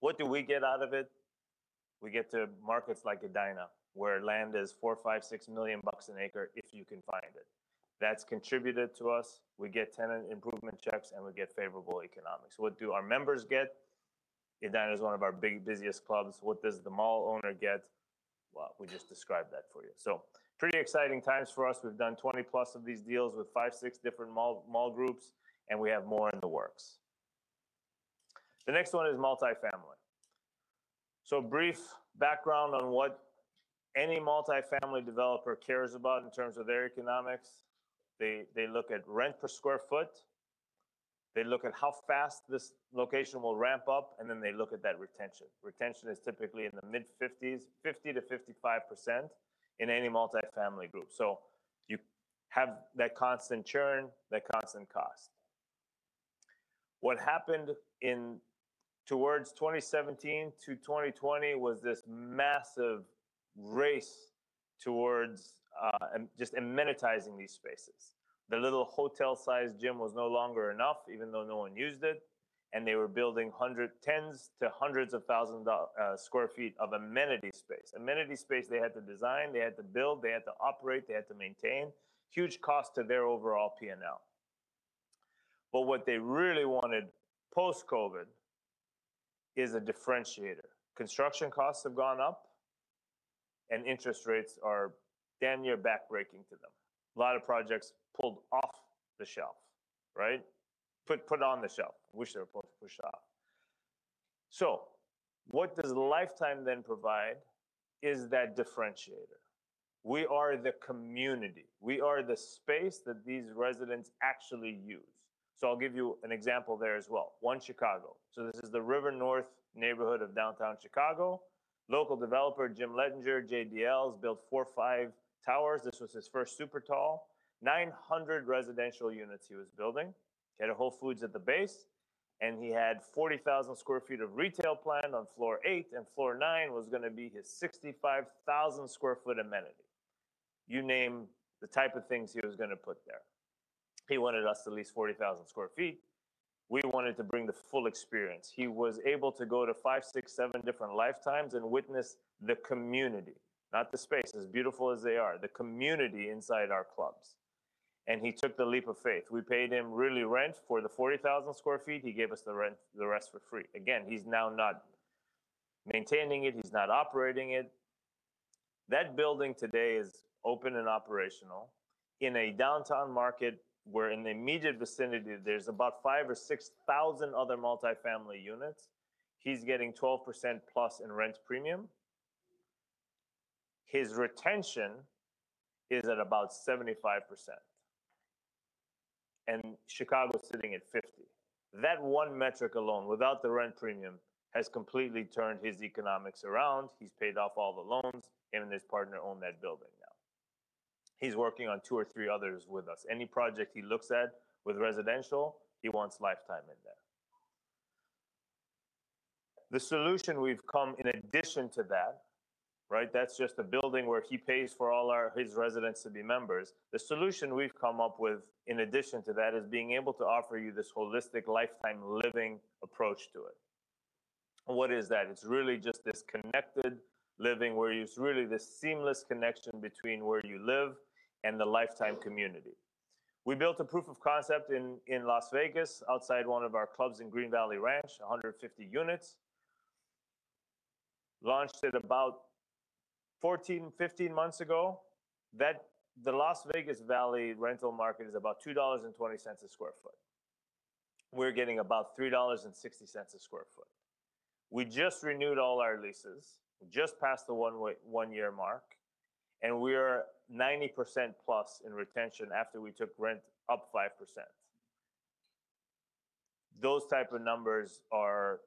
What do we get out of it? We get to markets like Edina, where land is $4 million-$6 million an acre, if you can find it. That's contributed to us. We get tenant improvement checks, and we get favorable economics. What do our members get? Edina is one of our big busiest clubs. What does the mall owner get? Well, we just described that for you. So pretty exciting times for us. We've done 20+ of these deals with 5-6 different mall groups, and we have more in the works. The next one is multifamily. So brief background on what any multifamily developer cares about in terms of their economics. They look at rent per square foot, they look at how fast this location will ramp up, and then they look at that retention. Retention is typically in the mid-50s, 50%-55% in any multifamily group. So you have that constant churn, that constant cost. What happened toward 2017-2020 was this massive race toward just amenitizing these spaces. The little hotel-sized gym was no longer enough, even though no one used it, and they were building tens to hundreds of thousands of square feet of amenity space. Amenity space they had to design, they had to build, they had to operate, they had to maintain. Huge cost to their overall P&L. But what they really wanted post-COVID is a differentiator. Construction costs have gone up, and interest rates are damn near back-breaking to them. A lot of projects pulled off the shelf, right? Put, put on the shelf. We should have pushed off. So what does Life Time then provide is that differentiator. We are the community. We are the space that these residents actually use. So I'll give you an example there as well. One Chicago. So this is the River North neighborhood of downtown Chicago. Local developer, Jim Letchinger, JDL, has built four or five towers. This was his first super tall, 900 residential units he was building. He had a Whole Foods at the base, and he had 40,000 sq ft of retail planned on floor 8, and floor 9 was gonna be his 65,000 sq ft amenity. You name the type of things he was gonna put there. He wanted us at least 40,000 sq ft. We wanted to bring the full experience. He was able to go to 5, 6, 7 different Life Time and witness the community, not the space, as beautiful as they are, the community inside our clubs, and he took the leap of faith. We paid him really rent for the 40,000 sq ft. He gave us the rent, the rest for free. Again, he's now not maintaining it; he's not operating it. That building today is open and operational in a downtown market, where in the immediate vicinity, there's about 5,000-6,000 other multifamily units. He's getting 12%+ in rent premium. His retention is at about 75%, and Chicago is sitting at 50%. That one metric alone, without the rent premium, has completely turned his economics around. He's paid off all the loans, him and his partner own that building now. He's working on 2 or 3 others with us. Any project he looks at with residential, he wants Life Time in there. The solution we've come in addition to that, right? That's just a building where he pays for all our, his residents to be members. The solution we've come up with, in addition to that, is being able to offer you this holistic, Life Time Living approach to it. What is that? It's really just this connected living, where it's really this seamless connection between where you live and the Life Time community. We built a proof of concept in Las Vegas, outside one of our clubs in Green Valley Ranch, 150 units. Launched it about 14, 15 months ago. That, the Las Vegas Valley rental market is about $2.20 a sq ft. We're getting about $3.60 a sq ft. We just renewed all our leases, just passed the 1-year mark, and we are 90%+ in retention after we took rent up 5%. Those type of numbers are...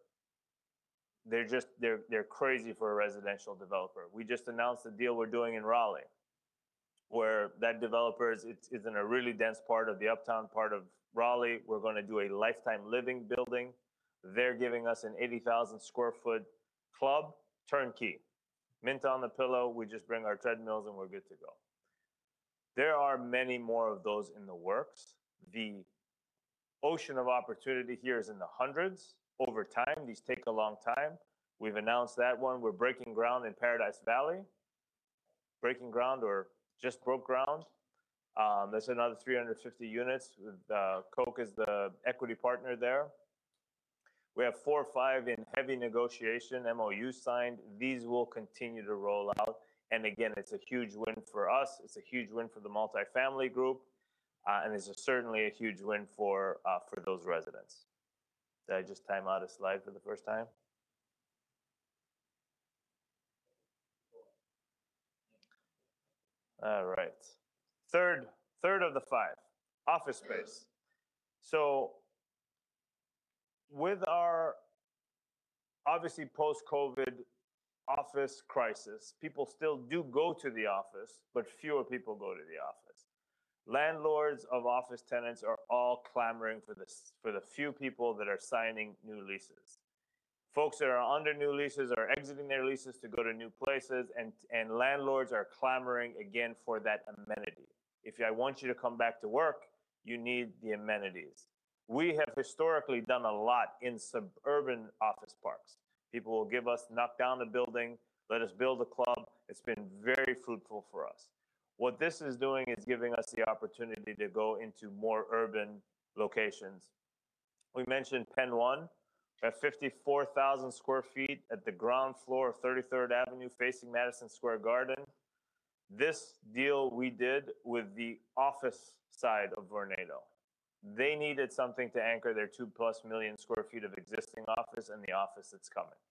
They're just, they're crazy for a residential developer. We just announced a deal we're doing in Raleigh, where that developer is, it's in a really dense part of the uptown part of Raleigh. We're gonna do a Life Time Living building. They're giving us an 80,000-sq-ft club, turnkey. Mint on the pillow. We just bring our treadmills, and we're good to go. There are many more of those in the works. The ocean of opportunity here is in the hundreds. Over time, these take a long time. We've announced that one. We're breaking ground in Paradise Valley. Breaking ground or just broke ground. That's another 350 units. Koch is the equity partner there. We have four or five in heavy negotiation, MOU signed. These will continue to roll out, and again, it's a huge win for us. It's a huge win for the multifamily group and it's certainly a huge win for, for those residents. Did I just time out a slide for the first time? All right. Third, third of the five, office space. So with our obviously post-COVID office crisis, people still do go to the office, but fewer people go to the office. Landlords of office tenants are all clamoring for this, for the few people that are signing new leases. Folks that are under new leases are exiting their leases to go to new places, and, and landlords are clamoring again for that amenity. If I want you to come back to work, you need the amenities. We have historically done a lot in suburban office parks. People will give us, knock down the building, let us build a club. It's been very fruitful for us. What this is doing is giving us the opportunity to go into more urban locations. We mentioned PENN 1. At 54,000 sq ft at the ground floor of Thirty-Third Avenue facing Madison Square Garden, this deal we did with the office side of Vornado. They needed something to anchor their 2+ million sq ft of existing office and the office that's coming.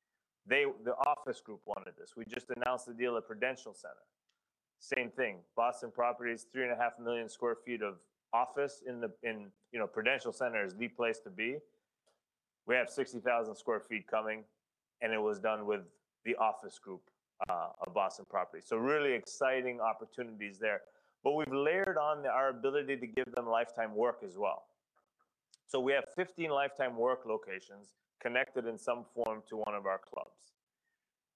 They the office group wanted this. We just announced the deal at Prudential Center. Same thing, Boston Properties, 3.5 million sq ft of office in the, in... You know, Prudential Center is the place to be. We have 60,000 sq ft coming, and it was done with the office group of Boston Properties. So really exciting opportunities there. But we've layered on our ability to give them Life Time Work as well. So we have 15 Life Time Work locations connected in some form to one of our clubs.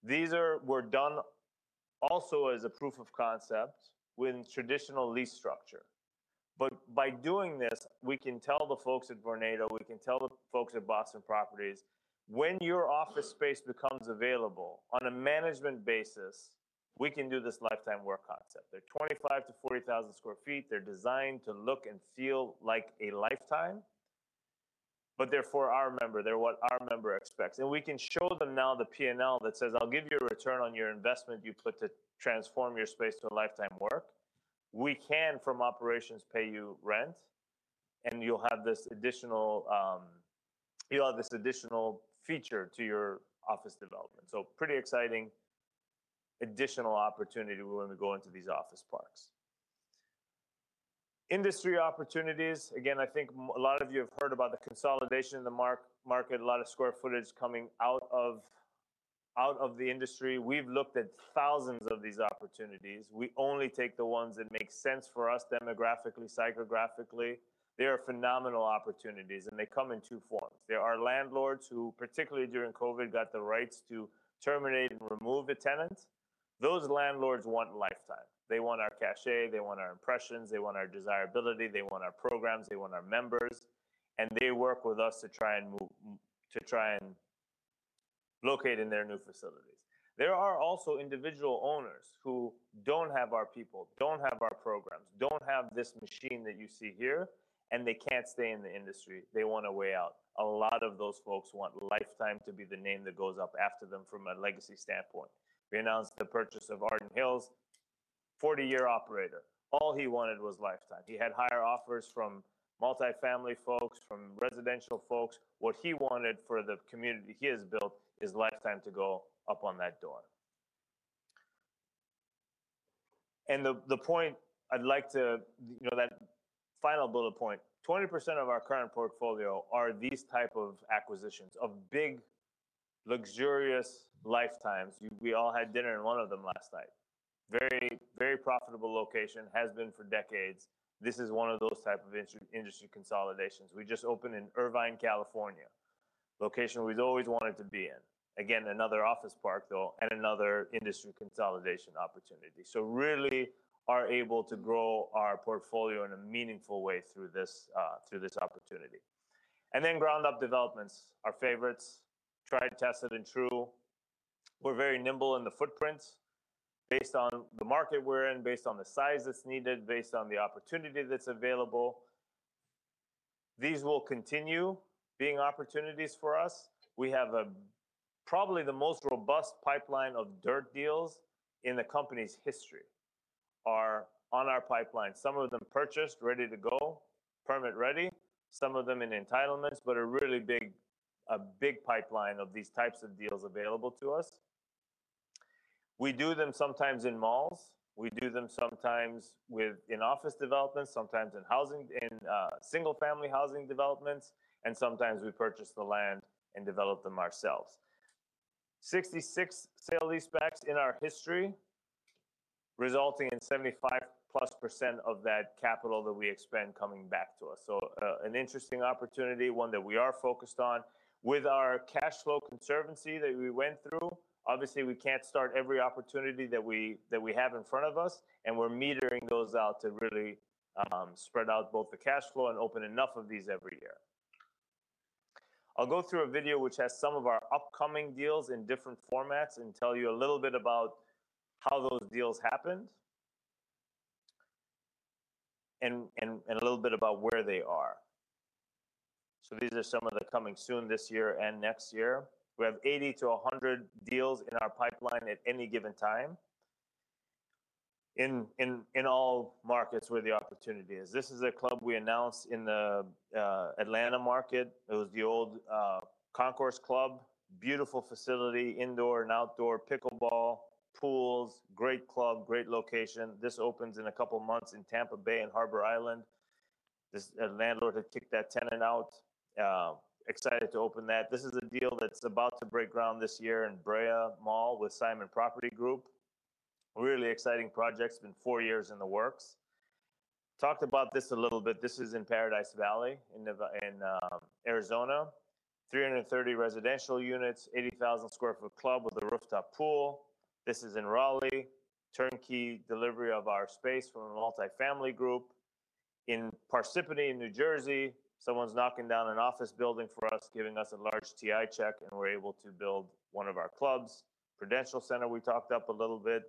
These were done also as a proof of concept with traditional lease structure. But by doing this, we can tell the folks at Vornado, we can tell the folks at Boston Properties, "When your office space becomes available on a management basis, we can do this Life Time Work concept." They're 25,000 sq ft-40,000 sq ft. They're designed to look and feel like a Life Time, but they're for our member. They're what our member expects, and we can show them now the P&L that says, "I'll give you a return on your investment you put to transform your space to a Life Time Work. We can, from operations, pay you rent, and you'll have this additional, you'll have this additional feature to your office development." So pretty exciting additional opportunity when we go into these office parks. Industry opportunities, again, I think a lot of you have heard about the consolidation in the market, a lot of square footage coming out of the industry. We've looked at thousands of these opportunities. We only take the ones that make sense for us demographically, psychographically. They are phenomenal opportunities, and they come in two forms. There are landlords who, particularly during COVID, got the rights to terminate and remove a tenant. Those landlords want Life Time. They want our cachet, they want our impressions, they want our desirability, they want our programs, they want our members, and they work with us to try and locate in their new facilities. There are also individual owners who don't have our people, don't have our programs, don't have this machine that you see here, and they can't stay in the industry. They want a way out. A lot of those folks want Life Time to be the name that goes up after them from a legacy standpoint. We announced the purchase of Arden Hills, 40-year operator. All he wanted was Life Time. He had higher offers from multifamily folks, from residential folks. What he wanted for the community he has built is Life Time to go up on that door. And the point I'd like to... You know, that final bullet point, 20% of our current portfolio are these type of acquisitions, of big, luxurious Life Times. We, we all had dinner in one of them last night. Very, very profitable location, has been for decades. This is one of those types of industry consolidations. We just opened in Irvine, California, location we've always wanted to be in. Again, another office park, though, and another industry consolidation opportunity. So really are able to grow our portfolio in a meaningful way through this, through this opportunity. And then ground-up developments, our favorites, tried, tested, and true. We're very nimble in the footprints based on the market we're in, based on the size that's needed, based on the opportunity that's available. These will continue being opportunities for us. We have probably the most robust pipeline of dirt deals in the company's history on our pipeline. Some of them purchased, ready to go, permit-ready, some of them in entitlements, but a really big, a big pipeline of these types of deals available to us. We do them sometimes in malls. We do them sometimes with in-office developments, sometimes in housing, in single-family housing developments, and sometimes we purchase the land and develop them ourselves. 66 sale-leasebacks in our history, resulting in 75%+ of that capital that we expend coming back to us. So, an interesting opportunity, one that we are focused on. With our cash flow conservancy that we went through, obviously, we can't start every opportunity that we, that we have in front of us, and we're metering those out to really spread out both the cash flow and open enough of these every year. I'll go through a video which has some of our upcoming deals in different formats and tell you a little bit about how those deals happened, and, and, and a little bit about where they are.... So these are some of the coming soon this year and next year. We have 80-100 deals in our pipeline at any given time, in all markets where the opportunity is. This is a club we announced in the Atlanta market. It was the old Concourse Club. Beautiful facility, indoor and outdoor pickleball, pools, great club, great location. This opens in a couple of months in Tampa Bay and Harbour Island. This landlord had kicked that tenant out, excited to open that. This is a deal that's about to break ground this year in Brea Mall with Simon Property Group. Really exciting project, it's been 4 years in the works. Talked about this a little bit. This is in Paradise Valley, in Neva- in Arizona. 330 residential units, 80,000 sq ft club with a rooftop pool. This is in Raleigh, turnkey delivery of our space from a multifamily group. In Parsippany, New Jersey, someone's knocking down an office building for us, giving us a large TI check, and we're able to build one of our clubs. Prudential Center, we talked about it a little bit,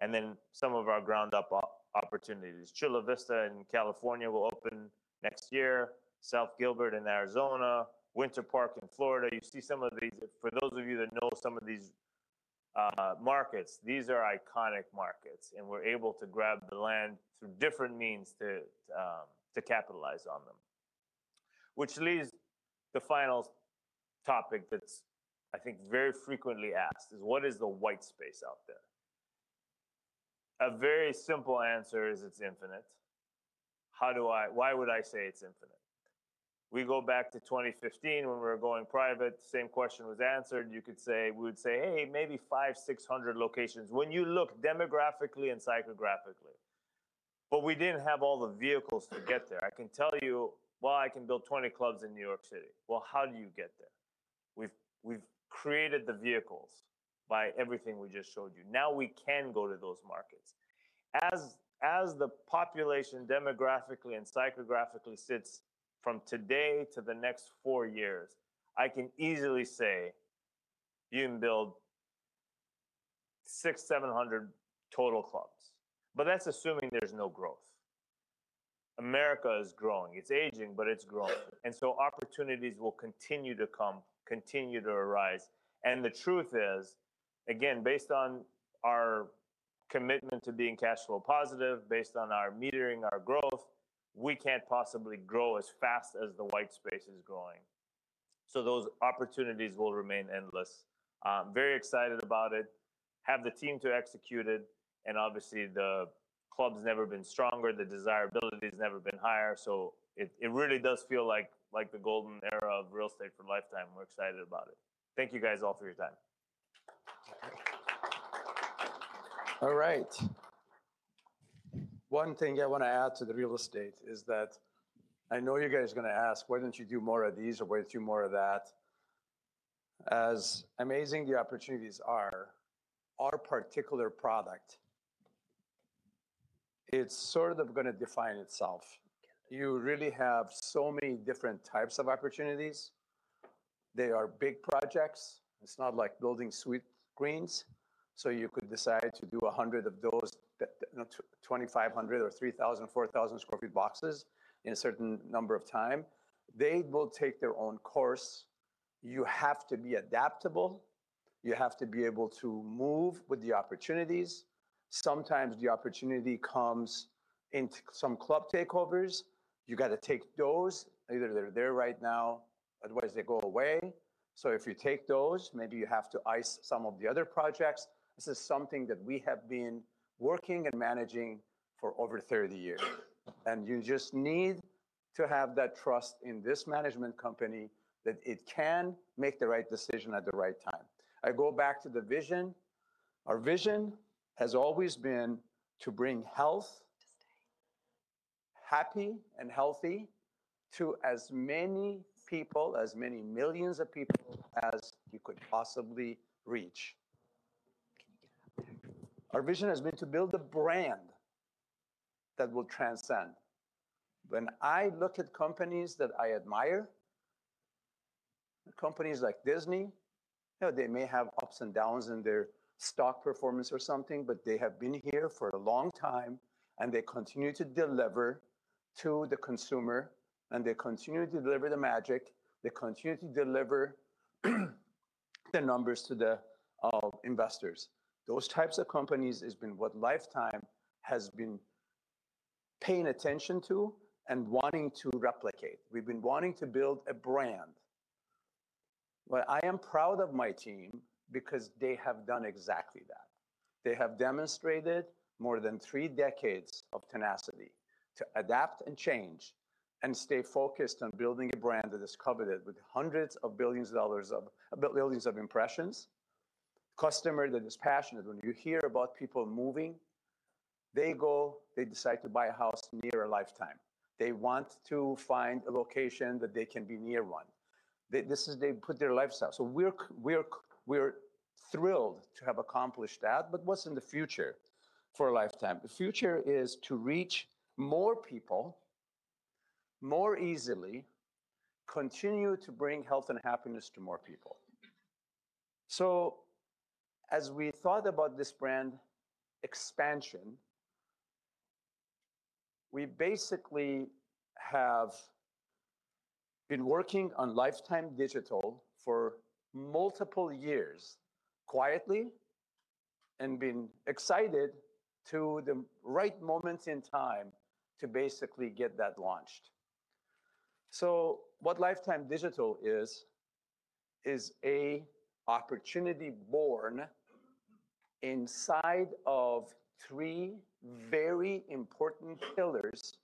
and then some of our ground-up opportunities. Chula Vista in California will open next year, South Gilbert in Arizona, Winter Park in Florida. You see some of these... For those of you that know some of these markets, these are iconic markets, and we're able to grab the land through different means to capitalize on them. Which leads to the final topic that's, I think, very frequently asked, is what is the white space out there? A very simple answer is it's infinite. Why would I say it's infinite? We go back to 2015 when we were going private, the same question was answered. You could say, we would say, "Hey, maybe 500-600 locations," when you look demographically and psychographically. But we didn't have all the vehicles to get there. I can tell you, well, I can build 20 clubs in New York City. Well, how do you get there? We've, we've created the vehicles by everything we just showed you. Now we can go to those markets. As, as the population, demographically and psychographically sits from today to the next four years, I can easily say you can build 600-700 total clubs, but that's assuming there's no growth. America is growing. It's aging, but it's growing, and so opportunities will continue to come, continue to arise. And the truth is, again, based on our commitment to being cash flow positive, based on our metering our growth, we can't possibly grow as fast as the white space is growing. Those opportunities will remain endless. I'm very excited about it, have the team to execute it, and obviously, the club's never been stronger, the desirability has never been higher, so it really does feel like the golden era of real estate for Life Time. We're excited about it. Thank you guys all for your time. All right. One thing I wanna add to the real estate is that I know you guys are gonna ask, "Why don't you do more of these, or why don't you do more of that?" As amazing the opportunities are, our particular product, it's sort of gonna define itself. You really have so many different types of opportunities. They are big projects. It's not like building Sweetgreen, so you could decide to do 100 of those, you know, 2,500 sq ft or 3,000 sq ft, 4,000 sq ft boxes in a certain number of time. They will take their own course. You have to be adaptable. You have to be able to move with the opportunities. Sometimes the opportunity comes in some club takeovers. You got to take those. Either they're there right now, otherwise, they go away. So if you take those, maybe you have to ice some of the other projects. This is something that we have been working and managing for over 30 years, and you just need to have that trust in this management company that it can make the right decision at the right time. I go back to the vision. Our vision has always been to bring health- Just stay. Happy and healthy to as many people, as many millions of people as you could possibly reach. Can you get out there? Our vision has been to build a brand that will transcend. When I look at companies that I admire, companies like Disney, you know, they may have ups and downs in their stock performance or something, but they have been here for a long time, and they continue to deliver to the consumer, and they continue to deliver the magic, they continue to deliver the numbers to the investors. Those types of companies has been what Life Time has been paying attention to and wanting to replicate. We've been wanting to build a brand. Well, I am proud of my team because they have done exactly that. They have demonstrated more than three decades of tenacity to adapt and change, and stay focused on building a brand that is coveted with hundreds of billions of dollars of billions of impressions, customer that is passionate. When you hear about people moving, they go, they decide to buy a house near a Life Time. They want to find a location that they can be near one. This is they put their lifestyle. So we're thrilled to have accomplished that, but what's in the future for Life Time? The future is to reach more people, more easily, continue to bring health and happiness to more people. So as we thought about this brand expansion. We basically have been working on Life Time Digital for multiple years quietly, and been excited to the right moment in time to basically get that launched. So what Life Time Digital is, is an opportunity born inside of three very important pillars,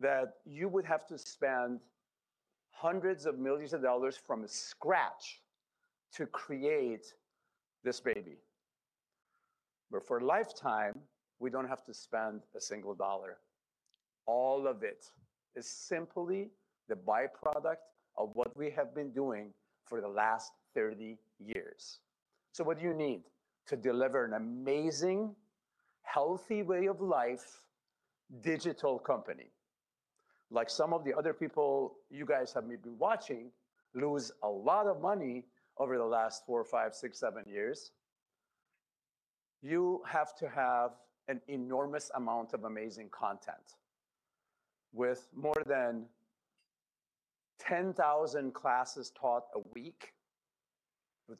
that you would have to spend $hundreds of millions from scratch to create this baby. But for Life Time, we don't have to spend a single dollar. All of it is simply the by-product of what we have been doing for the last 30 years. So what do you need to deliver an amazing, healthy way of life digital company? Like some of the other people you guys have maybe been watching lose a lot of money over the last 4, 5, 6, 7 years, you have to have an enormous amount of amazing content. With more than 10,000 classes taught a week, with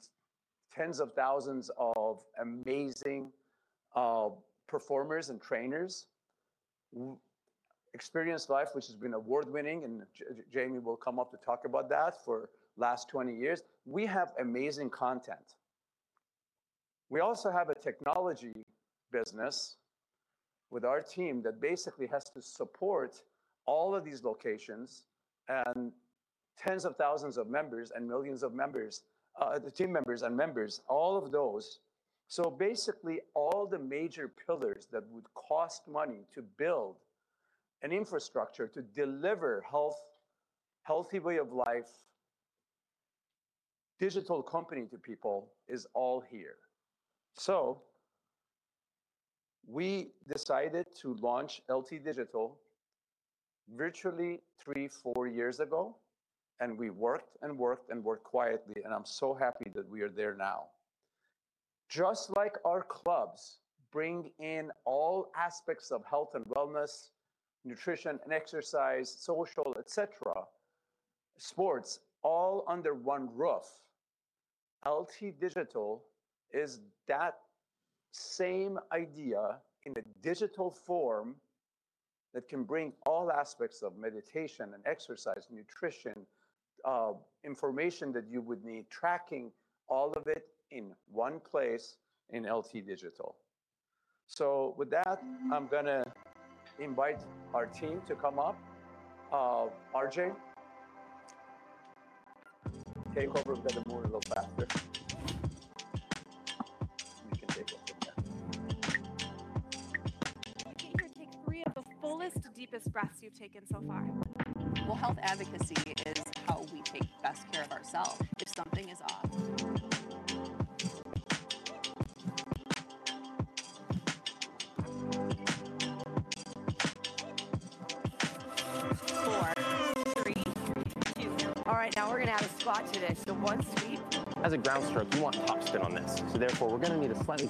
tens of thousands of amazing performers and trainers, Experience Life, which has been award-winning, and Jamie will come up to talk about that, for last 20 years, we have amazing content. We also have a technology business with our team that basically has to support all of these locations, and tens of thousands of members and millions of members, the team members and members, all of those. So basically, all the major pillars that would cost money to build an infrastructure to deliver healthy way of life digital company to people, is all here. So we decided to launch LT Digital virtually 3 years-4 years ago, and we worked and worked and worked quietly, and I'm so happy that we are there now. Just like our clubs bring in all aspects of health and wellness, nutrition and exercise, social, et cetera, sports, all under one roof, LT Digital is that same idea in a digital form that can bring all aspects of meditation and exercise, nutrition, information that you would need, tracking all of it in one place in LT Digital. So with that, I'm gonna invite our team to come up. RJ, take over, but move a little faster. I want you to take three of the fullest, deepest breaths you've taken so far. Well, health advocacy is how we take best care of ourselves if something is off. 4, 3, 2. All right, now we're gonna add a squat to this, so 1 sweep. As a groundstroke, you want top spin on this, so therefore, we're gonna need a slightly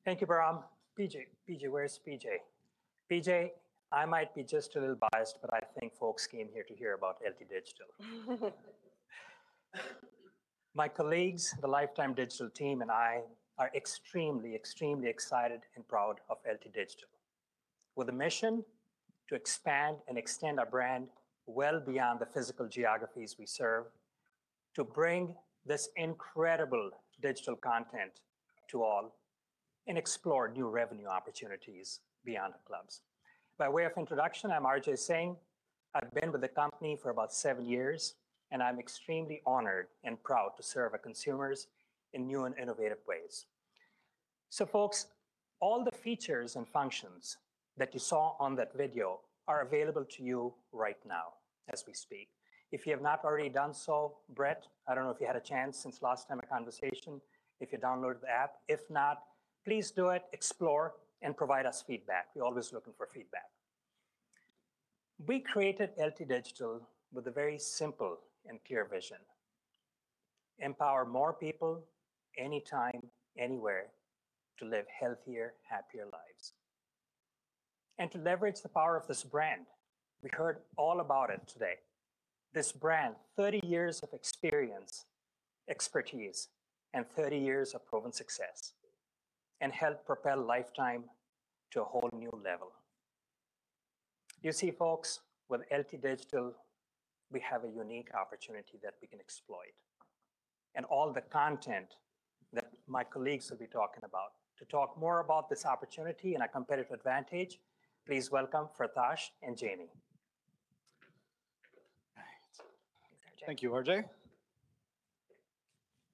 closed paddle face. Thank you, Bahram. PJ, PJ, where's PJ? PJ, I might be just a little biased, but I think folks came here to hear about LT Digital. My colleagues, the Life Time Digital team and I, are extremely, extremely excited and proud of LT Digital. With a mission to expand and extend our brand well beyond the physical geographies we serve, to bring this incredible digital content to all, and explore new revenue opportunities beyond clubs. By way of introduction, I'm RJ Singh. I've been with the company for about seven years, and I'm extremely honored and proud to serve our consumers in new and innovative ways. So folks, all the features and functions that you saw on that video are available to you right now as we speak. If you have not already done so, Brett, I don't know if you had a chance since last time our conversation, if you downloaded the app. If not, please do it, explore, and provide us feedback. We're always looking for feedback. We created LT Digital with a very simple and clear vision: empower more people, anytime, anywhere, to live healthier, happier lives, and to leverage the power of this brand. We heard all about it today. This brand, 30 years of experience, expertise, and 30 years of proven success, and help propel Life Time to a whole new level. You see, folks, with LT Digital, we have a unique opportunity that we can exploit, and all the content that my colleagues will be talking about. To talk more about this opportunity and our competitive advantage, please welcome Fartash and Jamie. Thanks. Thanks, Fartash. Thank you, RJ.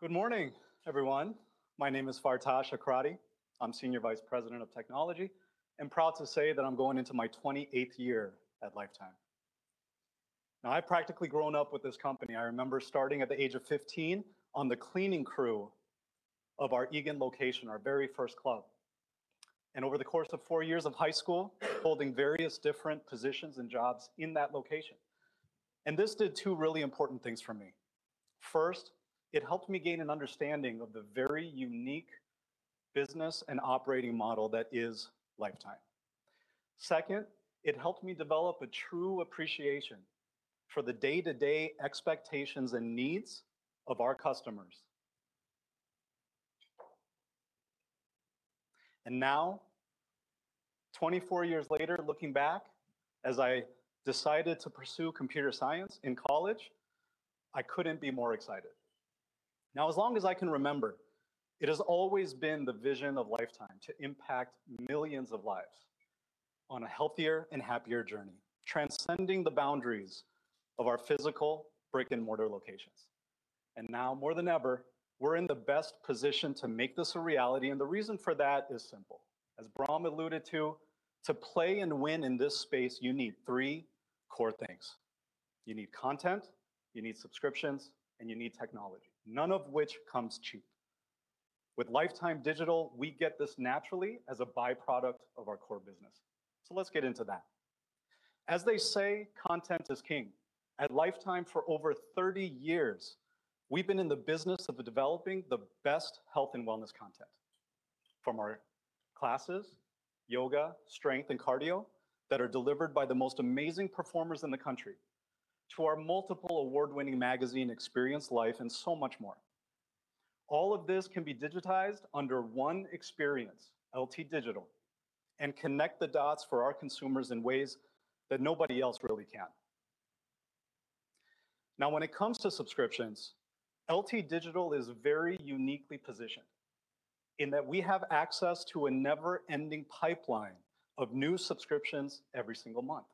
Good morning, everyone. My name is Fartash Akradi. I'm Senior Vice President of Technology, and proud to say that I'm going into my 28th year at Life Time. Now, I've practically grown up with this company. I remember starting at the age of 15 on the cleaning crew of our Eagan location, our very first club, and over the course of four years of high school, holding various different positions and jobs in that location. This did two really important things for me: first, it helped me gain an understanding of the very unique business and operating model that is Life Time. Second, it helped me develop a true appreciation for the day-to-day expectations and needs of our customers. Now, 24 years later, looking back, as I decided to pursue computer science in college, I couldn't be more excited. Now, as long as I can remember, it has always been the vision of Life Time to impact millions of lives on a healthier and happier journey, transcending the boundaries of our physical brick-and-mortar locations. And now, more than ever, we're in the best position to make this a reality, and the reason for that is simple. As Bahram alluded to, to play and win in this space, you need three core things: you need content, you need subscriptions, and you need technology, none of which comes cheap. With Life Time Digital, we get this naturally as a by-product of our core business. So let's get into that. As they say, content is king. At Life Time, for over thirty years, we've been in the business of developing the best health and wellness content, from our classes, yoga, strength, and cardio, that are delivered by the most amazing performers in the country, to our multiple award-winning magazine, Experience Life, and so much more. All of this can be digitized under one experience, LT Digital, and connect the dots for our consumers in ways that nobody else really can. Now, when it comes to subscriptions, LT Digital is very uniquely positioned, in that we have access to a never-ending pipeline of new subscriptions every single month,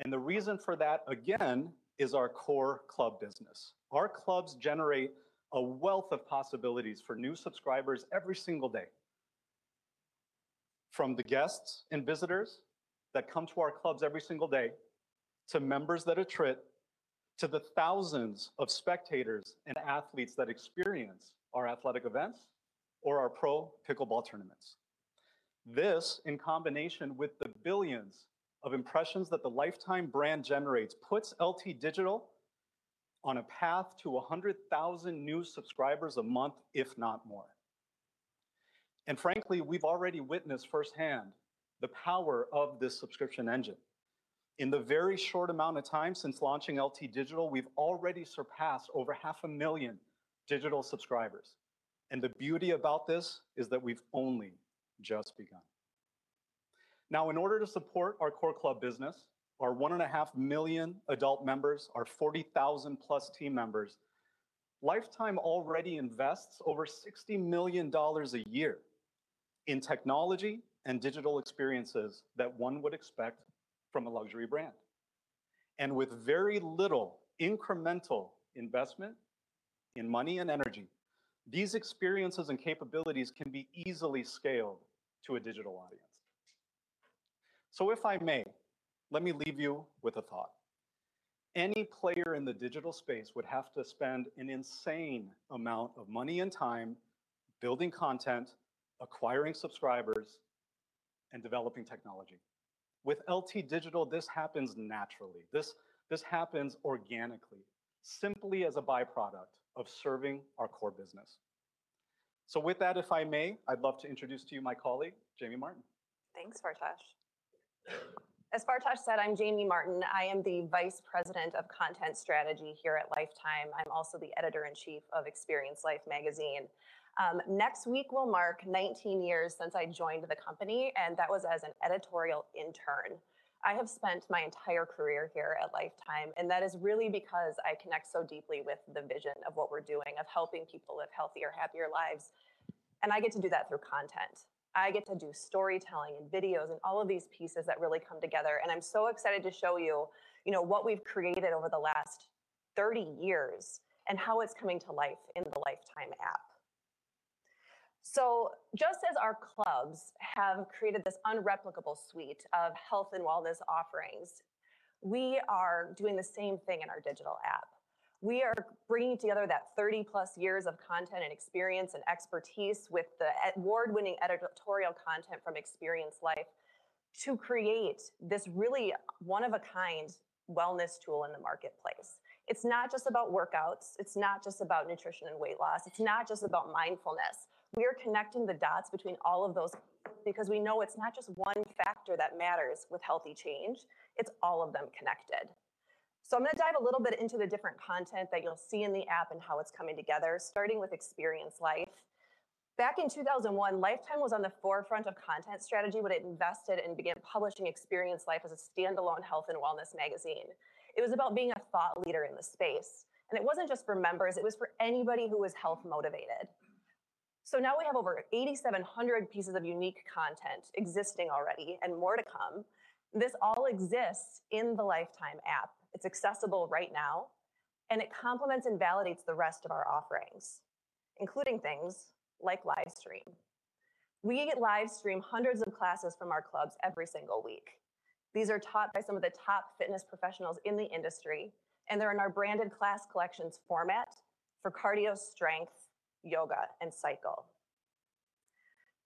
and the reason for that, again, is our core club business. Our clubs generate a wealth of possibilities for new subscribers every single day, from the guests and visitors that come to our clubs every single day, to members that are traveling, to the thousands of spectators and athletes that experience our athletic events or our pro pickleball tournaments. This, in combination with the billions of impressions that the Life Time brand generates, puts LT Digital on a path to 100,000 new subscribers a month, if not more. And frankly, we've already witnessed firsthand the power of this subscription engine. In the very short amount of time since launching LT Digital, we've already surpassed over 500,000 digital subscribers, and the beauty about this is that we've only just begun. Now, in order to support our core club business, our 1.5 million adult members, our 40,000+ team members, Life Time already invests over $60 million a year in technology and digital experiences that one would expect from a luxury brand. With very little incremental investment in money and energy, these experiences and capabilities can be easily scaled to a digital audience. If I may, let me leave you with a thought. Any player in the digital space would have to spend an insane amount of money and time building content, acquiring subscribers, and developing technology. With LT Digital, this happens naturally. This happens organically, simply as a by-product of serving our core business. With that, if I may, I'd love to introduce to you my colleague, Jamie Martin. Thanks, Fartash. As Fartash said, I'm Jamie Martin. I am the Vice President of Content Strategy here at Life Time. I'm also the Editor-in-Chief of Experience Life magazine. Next week will mark 19 years since I joined the company, and that was as an editorial intern. I have spent my entire career here at Life Time, and that is really because I connect so deeply with the vision of what we're doing, of helping people live healthier, happier lives, and I get to do that through content. I get to do storytelling, and videos, and all of these pieces that really come together, and I'm so excited to show you, you know, what we've created over the last 30 years, and how it's coming to life in the Life Time app. So just as our clubs have created this unreplicable suite of health and wellness offerings, we are doing the same thing in our digital app. We are bringing together that 30+ years of content, and experience, and expertise with the award-winning editorial content from Experience Life, to create this really one-of-a-kind wellness tool in the marketplace. It's not just about workouts. It's not just about nutrition and weight loss. It's not just about mindfulness. We are connecting the dots between all of those, because we know it's not just one factor that matters with healthy change, it's all of them connected. So I'm gonna dive a little bit into the different content that you'll see in the app and how it's coming together, starting with Experience Life. Back in 2001, Life Time was on the forefront of content strategy when it invested and began publishing Experience Life as a standalone health and wellness magazine. It was about being a thought leader in the space, and it wasn't just for members, it was for anybody who was health-motivated. So now we have over 8,700 pieces of unique content existing already and more to come. This all exists in the Life Time app. It's accessible right now, and it complements and validates the rest of our offerings, including things like live stream. We live stream hundreds of classes from our clubs every single week. These are taught by some of the top fitness professionals in the industry, and they're in our branded class collections format for cardio, strength, yoga, and cycle.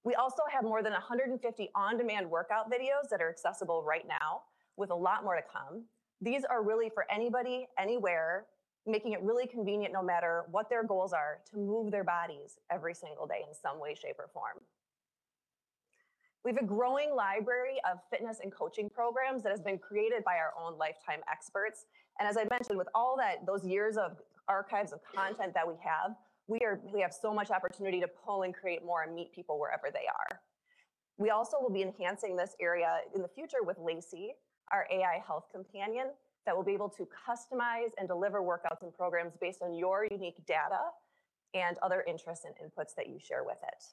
We also have more than 150 on-demand workout videos that are accessible right now, with a lot more to come. These are really for anybody, anywhere, making it really convenient no matter what their goals are, to move their bodies every single day in some way, shape, or form. We have a growing library of fitness and coaching programs that has been created by our own Life Time experts, and as I mentioned, with all that, those years of archives of content that we have, we have so much opportunity to pull and create more and meet people wherever they are. We also will be enhancing this area in the future with Lora, our AI health companion, that will be able to customize and deliver workouts and programs based on your unique data and other interests and inputs that you share with it.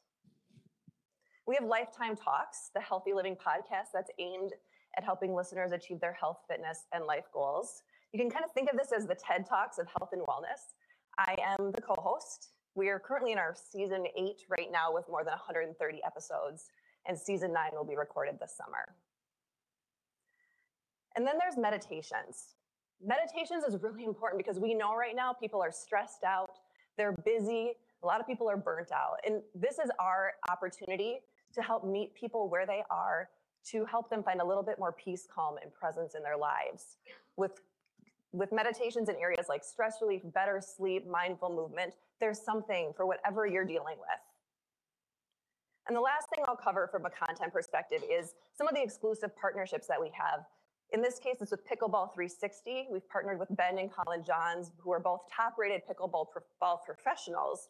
We have Life Time Talks, the healthy living podcast that's aimed at helping listeners achieve their health, fitness, and life goals. You can kind of think of this as the TED Talks of health and wellness. I am the co-host. We are currently in our season 8 right now with more than 130 episodes, and season 9 will be recorded this summer. Then there's meditations. Meditations is really important because we know right now people are stressed out, they're busy, a lot of people are burnt out, and this is our opportunity to help meet people where they are, to help them find a little bit more peace, calm, and presence in their lives. With meditations in areas like stress relief, better sleep, mindful movement, there's something for whatever you're dealing with. The last thing I'll cover from a content perspective is some of the exclusive partnerships that we have. In this case, it's with Pickleball 360. We've partnered with Ben and Colin Johns, who are both top-rated pickleball pro ball professionals,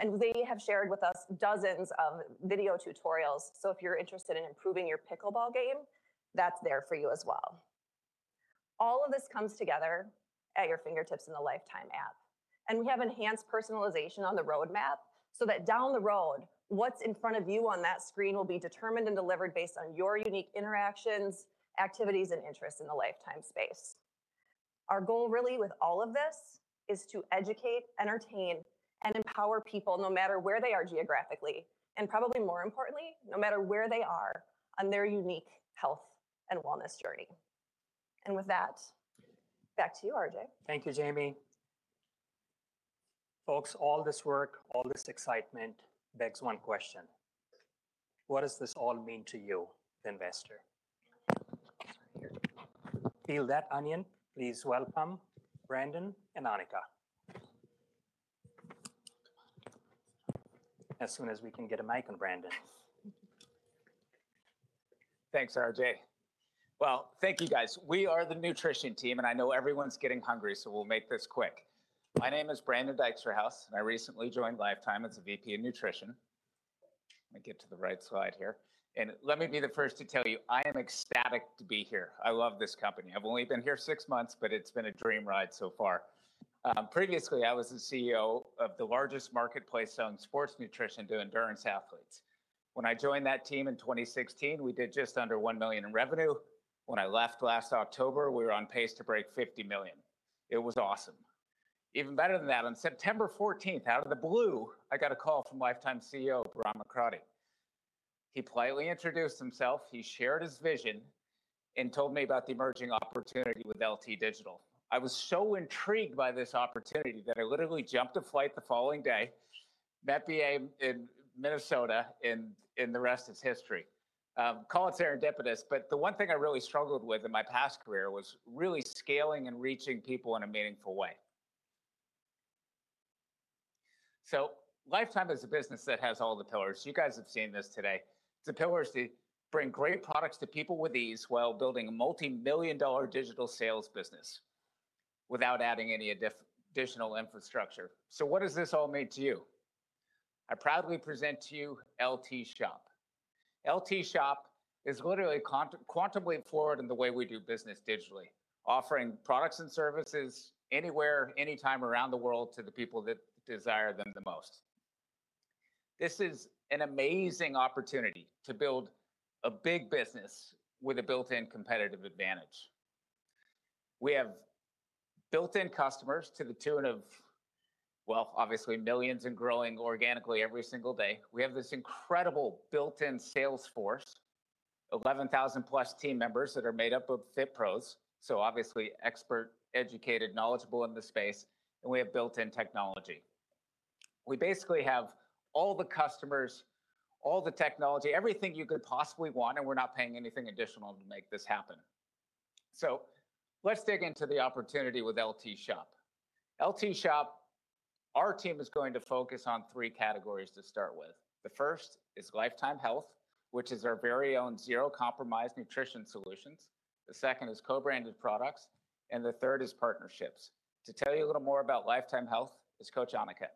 and they have shared with us dozens of video tutorials. So if you're interested in improving your pickleball game, that's there for you as well. All of this comes together at your fingertips in the Life Time app, and we have enhanced personalization on the roadmap, so that down the road, what's in front of you on that screen will be determined and delivered based on your unique interactions, activities, and interests in the Life Time space. Our goal really, with all of this, is to educate, entertain, and empower people no matter where they are geographically, and probably more importantly, no matter where they are on their unique health and wellness journey. With that, back to you, RJ. Thank you, Jamie. Folks, all this work, all this excitement, begs one question: What does this all mean to you, the investor? Peel that onion, please welcome Brandon and Annika. As soon as we can get a mic on Brandon. Thanks, RJ. Well, thank you, guys. We are the nutrition team, and I know everyone's getting hungry, so we'll make this quick. My name is Brandon Dyksterhouse, and I recently joined Life Time as the VP of Nutrition. Let me get to the right slide here, and let me be the first to tell you, I am ecstatic to be here. I love this company. I've only been here six months, but it's been a dream ride so far. Previously, I was the CEO of the largest marketplace selling sports nutrition to endurance athletes. When I joined that team in 2016, we did just under $1 million in revenue. When I left last October, we were on pace to break $50 million. It was awesome. Even better than that, on September 14, out of the blue, I got a call from Life Time CEO, Bahram Akradi. He politely introduced himself, he shared his vision, and told me about the emerging opportunity with LT Digital. I was so intrigued by this opportunity that I literally jumped a flight the following day, met the team in Minnesota, and the rest is history. Call it serendipitous, but the one thing I really struggled with in my past career was really scaling and reaching people in a meaningful way. So Life Time is a business that has all the pillars. You guys have seen this today. The pillars to bring great products to people with ease, while building a multimillion-dollar digital sales business, without adding any additional infrastructure. So what does this all mean to you? I proudly present to you LT Shop. LT Shop is literally quantifiably forward in the way we do business digitally, offering products and services anywhere, anytime around the world, to the people that desire them the most. This is an amazing opportunity to build a big business with a built-in competitive advantage. We have built-in customers to the tune of, well, obviously, millions and growing organically every single day. We have this incredible built-in sales force, 11,000+ team members that are made up of fit pros, so obviously expert, educated, knowledgeable in the space, and we have built-in technology. We basically have all the customers, all the technology, everything you could possibly want, and we're not paying anything additional to make this happen. So let's dig into the opportunity with LT Shop. LT Shop, our team is going to focus on three categories to start with. The first is Life Time Health which is our very own zero compromise nutrition solutions. The second is co-branded products, and the third is partnerships. To tell you a little more about Life Time Health is Coach Annika.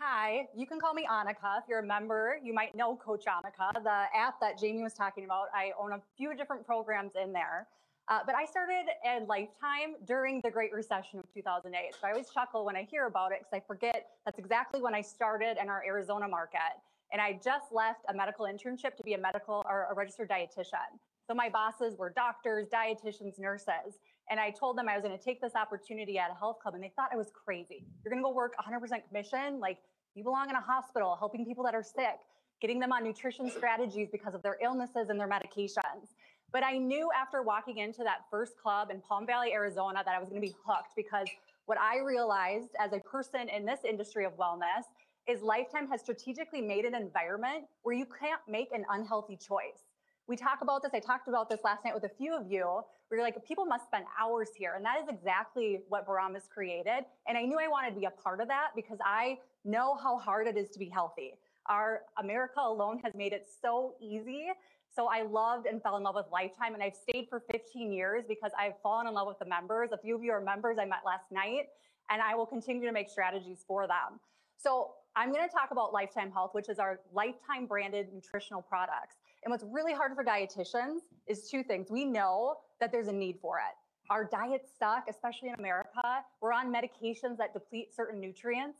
Hi, you can call me Annika. If you're a member, you might know Coach Annika. The app that Jamie was talking about, I own a few different programs in there. But I started at Life Time during the Great Recession of 2008. So I always chuckle when I hear about it, 'cause I forget, that's exactly when I started in our Arizona market, and I just left a medical internship to be a medical or a registered dietitian. So my bosses were doctors, dietitians, nurses, and I told them I was gonna take this opportunity at a health club, and they thought I was crazy. "You're gonna go work 100% commission? Like, you belong in a hospital, helping people that are sick, getting them on nutrition strategies because of their illnesses and their medications." But I knew after walking into that first club in Palm Valley, Arizona, that I was gonna be hooked, because what I realized as a person in this industry of wellness, is Life Time has strategically made an environment where you can't make an unhealthy choice. We talk about this, I talked about this last night with a few of you, where you're like: People must spend hours here, and that is exactly what Bahram's created, and I knew I wanted to be a part of that because I know how hard it is to be healthy. Our America alone has made it so easy, so I loved and fell in love with Life Time, and I've stayed for 15 years because I've fallen in love with the members. A few of you are members I met last night, and I will continue to make strategies for them. So I'm gonna talk about Life Time Health, which is our Life Time branded nutritional products. And what's really hard for dietitians is two things. We know that there's a need for it. Our diets suck, especially in America. We're on medications that deplete certain nutrients.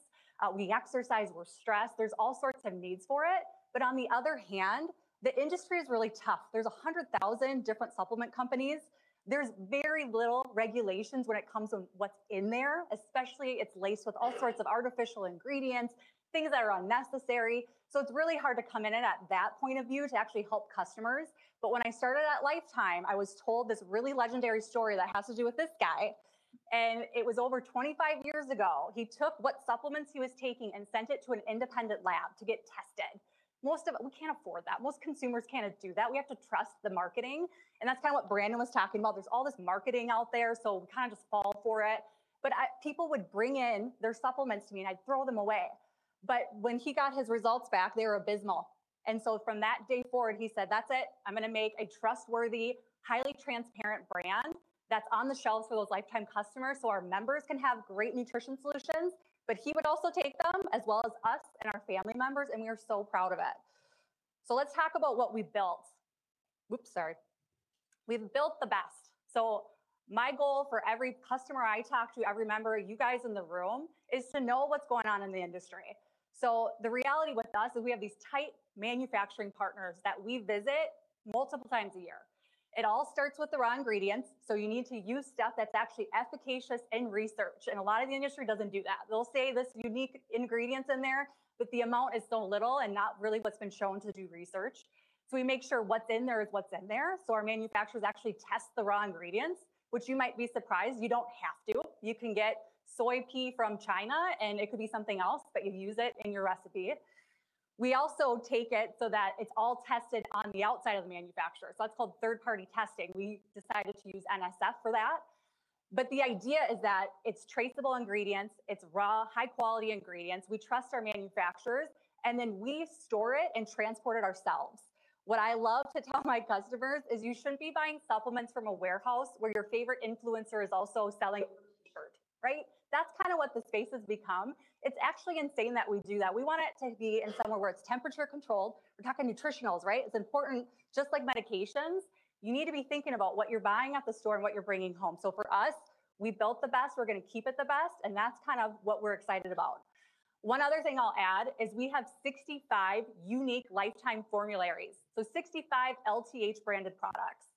We exercise, we're stressed, there's all sorts of needs for it. But on the other hand, the industry is really tough. There's 100,000 different supplement companies. There's very little regulations when it comes to what's in there, especially, it's laced with all sorts of artificial ingredients, things that are unnecessary. So it's really hard to come in at that point of view to actually help customers. But when I started at Life Time, I was told this really legendary story that has to do with this guy, and it was over 25 years ago. He took what supplements he was taking and sent it to an independent lab to get tested. Most of us, we can't afford that. Most consumers cannot do that. We have to trust the marketing, and that's kind of what Brandon was talking about. There's all this marketing out there, so we kind of just fall for it. But people would bring in their supplements to me, and I'd throw them away. But when he got his results back, they were abysmal, and so from that day forward, he said, "That's it I'm gonna make a trustworthy, highly transparent brand that's on the shelf for those Life Time customers, so our members can have great nutrition solutions." But he would also take them, as well as us and our family members, and we are so proud of it. So let's talk about what we've built. Oops, sorry. We've built the best. So my goal for every customer I talk to, every member, you guys in the room, is to know what's going on in the industry. So the reality with us is we have these tight manufacturing partners that we visit multiple times a year. It all starts with the raw ingredients, so you need to use stuff that's actually efficacious in research, and a lot of the industry doesn't do that. They'll say there's unique ingredients in there, but the amount is so little and not really what's been shown to do research. So we make sure what's in there is what's in there. So our manufacturers actually test the raw ingredients, which, you might be surprised, you don't have to. You can get soy, pea from China, and it could be something else, but you'd use it in your recipe. We also take it so that it's all tested on the outside of the manufacturer, so that's called third-party testing. We decided to use NSF for that. But the idea is that it's traceable ingredients, it's raw, high-quality ingredients. We trust our manufacturers, and then we store it and transport it ourselves. What I love to tell my customers is you shouldn't be buying supplements from a warehouse where your favorite influencer is also selling a shirt, right? That's kind of what the space has become. It's actually insane that we do that. We want it to be in somewhere where it's temperature controlled. We're talking nutritionals, right? It's important. Just like medications, you need to be thinking about what you're buying at the store and what you're bringing home. So for us, we've built the best, we're gonna keep it the best, and that's kind of what we're excited about. One other thing I'll add is we have 65 unique Life Time formularies, so 65 LTH branded products.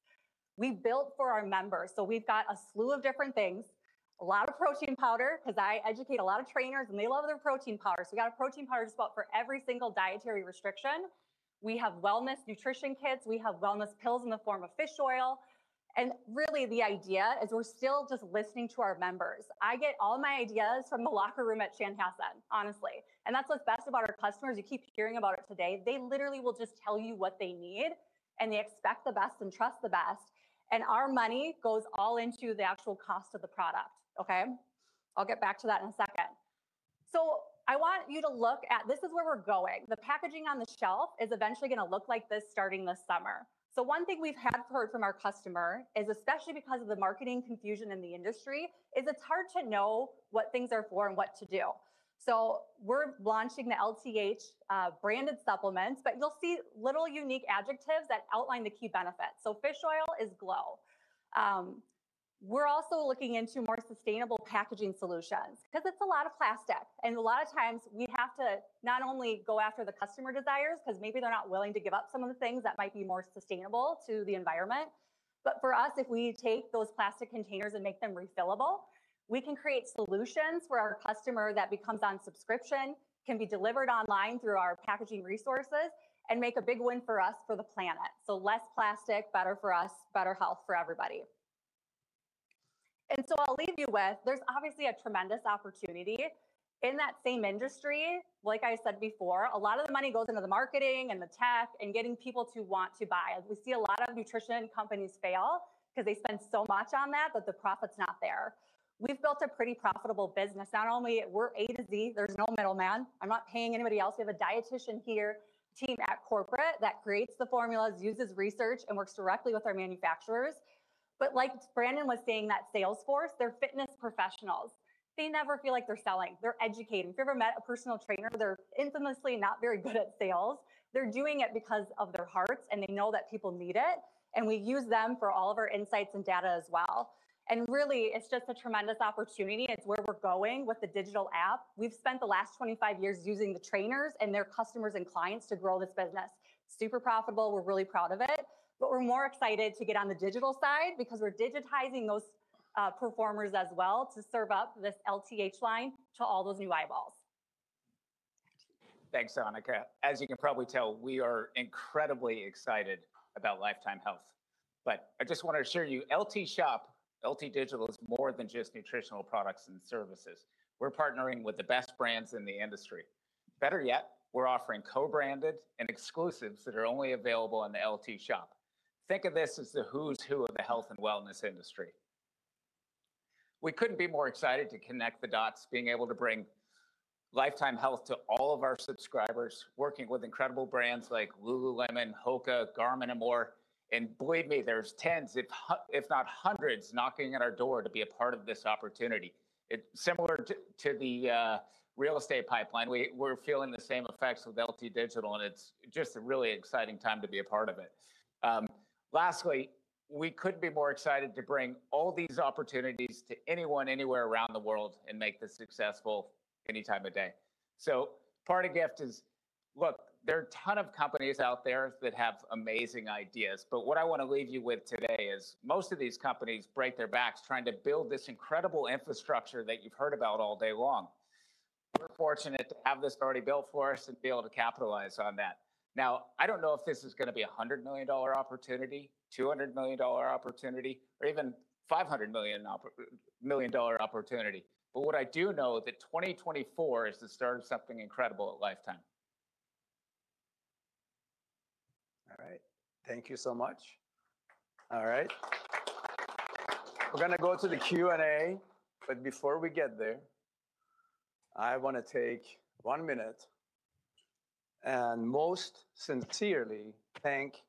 We've built for our members, so we've got a slew of different things, a lot of protein powder, 'cause I educate a lot of trainers, and they love their protein powder. So we got a protein powder spot for every single dietary restriction. We have wellness nutrition kits, we have wellness pills in the form of fish oil, and really, the idea is we're still just listening to our members. I get all my ideas from the locker room at Chanhassen, honestly, and that's what's best about our customers. You keep hearing about it today. They literally will just tell you what they need, and they expect the best and trust the best, and our money goes all into the actual cost of the product, okay? I'll get back to that in a second. So I want you to look at this is where we're going. The packaging on the shelf is eventually gonna look like this starting this summer. So one thing we've heard from our customer is, especially because of the marketing confusion in the industry, is it's hard to know what things are for and what to do. So we're launching the LTH branded supplements, but you'll see little unique adjectives that outline the key benefits. So fish oil is glow. We're also looking into more sustainable packaging solutions because it's a lot of plastic, and a lot of times we have to not only go after the customer desires, 'cause maybe they're not willing to give up some of the things that might be more sustainable to the environment. But for us, if we take those plastic containers and make them refillable, we can create solutions where our customer that becomes on subscription, can be delivered online through our packaging resources and make a big win for us, for the planet. So less plastic, better for us, better health for everybody. And so I'll leave you with, there's obviously a tremendous opportunity in that same industry. Like I said before, a lot of the money goes into the marketing and the tech and getting people to want to buy. We see a lot of nutrition companies fail because they spend so much on that, but the profit's not there. We've built a pretty profitable business. Not only we're A-Z, there's no middleman. I'm not paying anybody else. We have a dietitian here, team at corporate, that creates the formulas, uses research, and works directly with our manufacturers... but like Brandon was saying, that sales force, they're fitness professionals. They never feel like they're selling, they're educating. If you've ever met a personal trainer, they're infamously not very good at sales. They're doing it because of their hearts, and they know that people need it, and we use them for all of our insights and data as well, and really, it's just a tremendous opportunity. It's where we're going with the digital app. We've spent the last 25 years using the trainers and their customers and clients to grow this business. Super profitable, we're really proud of it, but we're more excited to get on the digital side because we're digitizing those performers as well to serve up this LTH line to all those new eyeballs. Thanks, Annika. As you can probably tell, we are incredibly excited about Life Time Health. But I just want to assure you, LT Shop, LT Digital is more than just nutritional products and services. We're partnering with the best brands in the industry. Better yet, we're offering co-branded and exclusives that are only available on the LT Shop. Think of this as the who's who of the health and wellness industry. We couldn't be more excited to connect the dots, being able to bring Life Time Health to all of our subscribers, working with incredible brands like Lululemon, HOKA, Garmin, and more, and believe me, there's tens, if not hundreds, knocking at our door to be a part of this opportunity. It's similar to the real estate pipeline. We're feeling the same effects with LT Digital, and it's just a really exciting time to be a part of it. Lastly, we couldn't be more excited to bring all these opportunities to anyone, anywhere around the world and make this successful any time of day. So part of gift is... Look, there are a ton of companies out there that have amazing ideas, but what I wanna leave you with today is, most of these companies break their backs trying to build this incredible infrastructure that you've heard about all day long. We're fortunate to have this already built for us and be able to capitalize on that. Now, I don't know if this is gonna be a $100 million opportunity, $200 million opportunity, or even $500 million opportunity, but what I do know that 2024 is the start of something incredible at Life Time. All right. Thank you so much. All right. We're gonna go to the Q&A, but before we get there, I wanna take one minute and most sincerely thank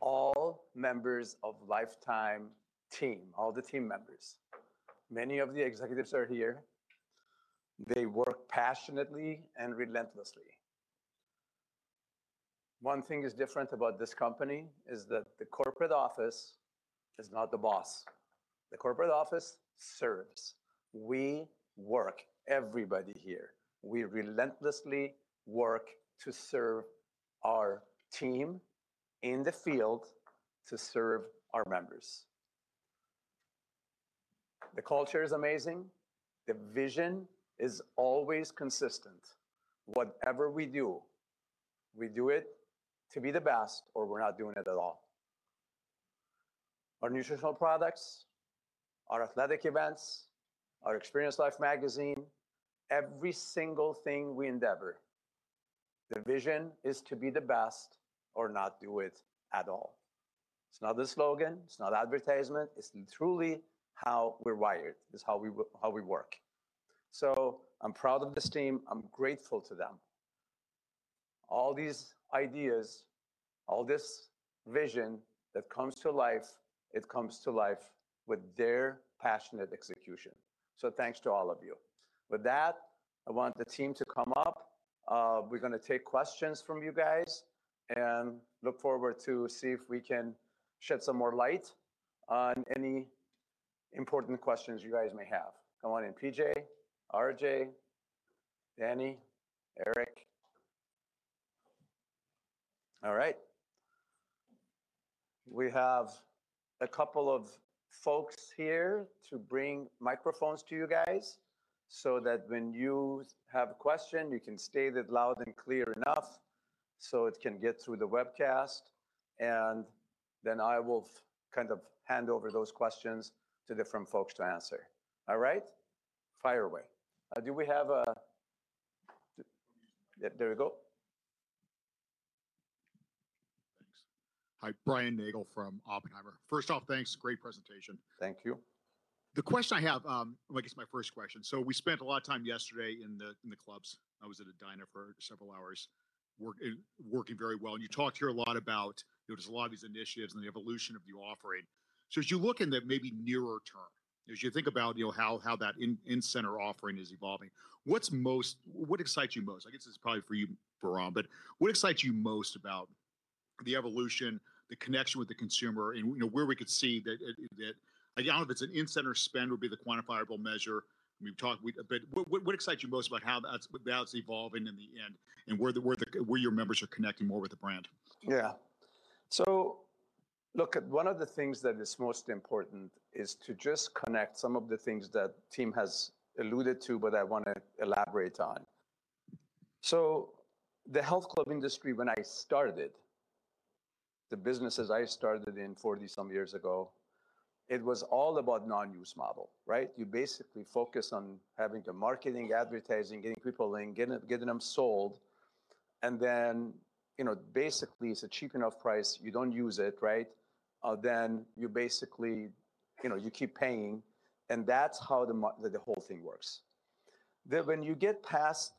all members of Life Time team, all the team members. Many of the executives are here. They work passionately and relentlessly. One thing is different about this company is that the corporate office is not the boss. The corporate office serves. We work, everybody here, we relentlessly work to serve our team in the field, to serve our members. The culture is amazing. The vision is always consistent. Whatever we do, we do it to be the best or we're not doing it at all. Our nutritional products, our athletic events, our Experience Life magazine, every single thing we endeavor, the vision is to be the best or not do it at all. It's not a slogan, it's not advertisement, it's truly how we're wired. It's how we work. So I'm proud of this team. I'm grateful to them. All these ideas, all this vision that comes to life, it comes to life with their passionate execution, so thanks to all of you. With that, I want the team to come up. We're gonna take questions from you guys, and look forward to see if we can shed some more light on any important questions you guys may have. Come on in, PJ, RJ, Dani, Eric. All right. We have a couple of folks here to bring microphones to you guys, so that when you have a question, you can state it loud and clear enough, so it can get through the webcast, and then I will kind of hand over those questions to different folks to answer. All right? Fire away. Do we have a...? Yeah, there we go. Thanks. Hi, Brian Nagel from Oppenheimer. First off, thanks, great presentation. Thank you. The question I have, I guess my first question, so we spent a lot of time yesterday in the clubs. I was at a dinner for several hours, working very well, and you talked here a lot about, you know, there's a lot of these initiatives and the evolution of the offering. So as you look in the maybe nearer term, as you think about, you know, how that in-center offering is evolving, what excites you most? I guess it's probably for you, Bahram, but what excites you most about the evolution, the connection with the consumer, and, you know, where we could see that. I don't know if it's an in-center spend would be the quantifiable measure. We've talked, but what excites you most about how that's evolving in the end and where your members are connecting more with the brand? Yeah. So look, one of the things that is most important is to just connect some of the things that team has alluded to, but I wanna elaborate on. So the health club industry, when I started, the businesses I started in 40-some years ago, it was all about non-use model, right? You basically focus on having the marketing, advertising, getting people in, getting them sold, and then, you know, basically, it's a cheap enough price, you don't use it, right? Then you basically, you know, you keep paying, and that's how the whole thing works. When you get past,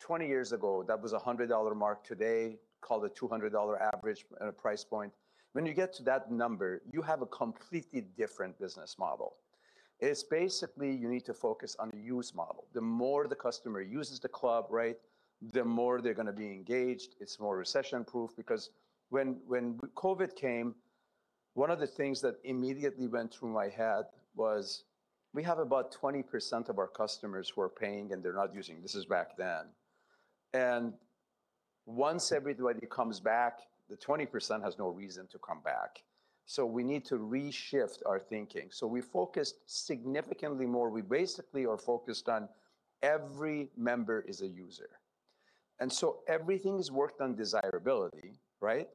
20 years ago, that was a 100-dollar mark. Today, call it $200 average at a price point. When you get to that number, you have a completely different business model. It's basically you need to focus on the use model. The more the customer uses the club, right, the more they're gonna be engaged. It's more recession-proof, because when COVID came, one of the things that immediately went through my head was, we have about 20% of our customers who are paying and they're not using. This is back then. Once everybody comes back, the 20% has no reason to come back. So we need to reshift our thinking. We focused significantly more... We basically are focused on every member is a user, and so everything is worked on desirability, right?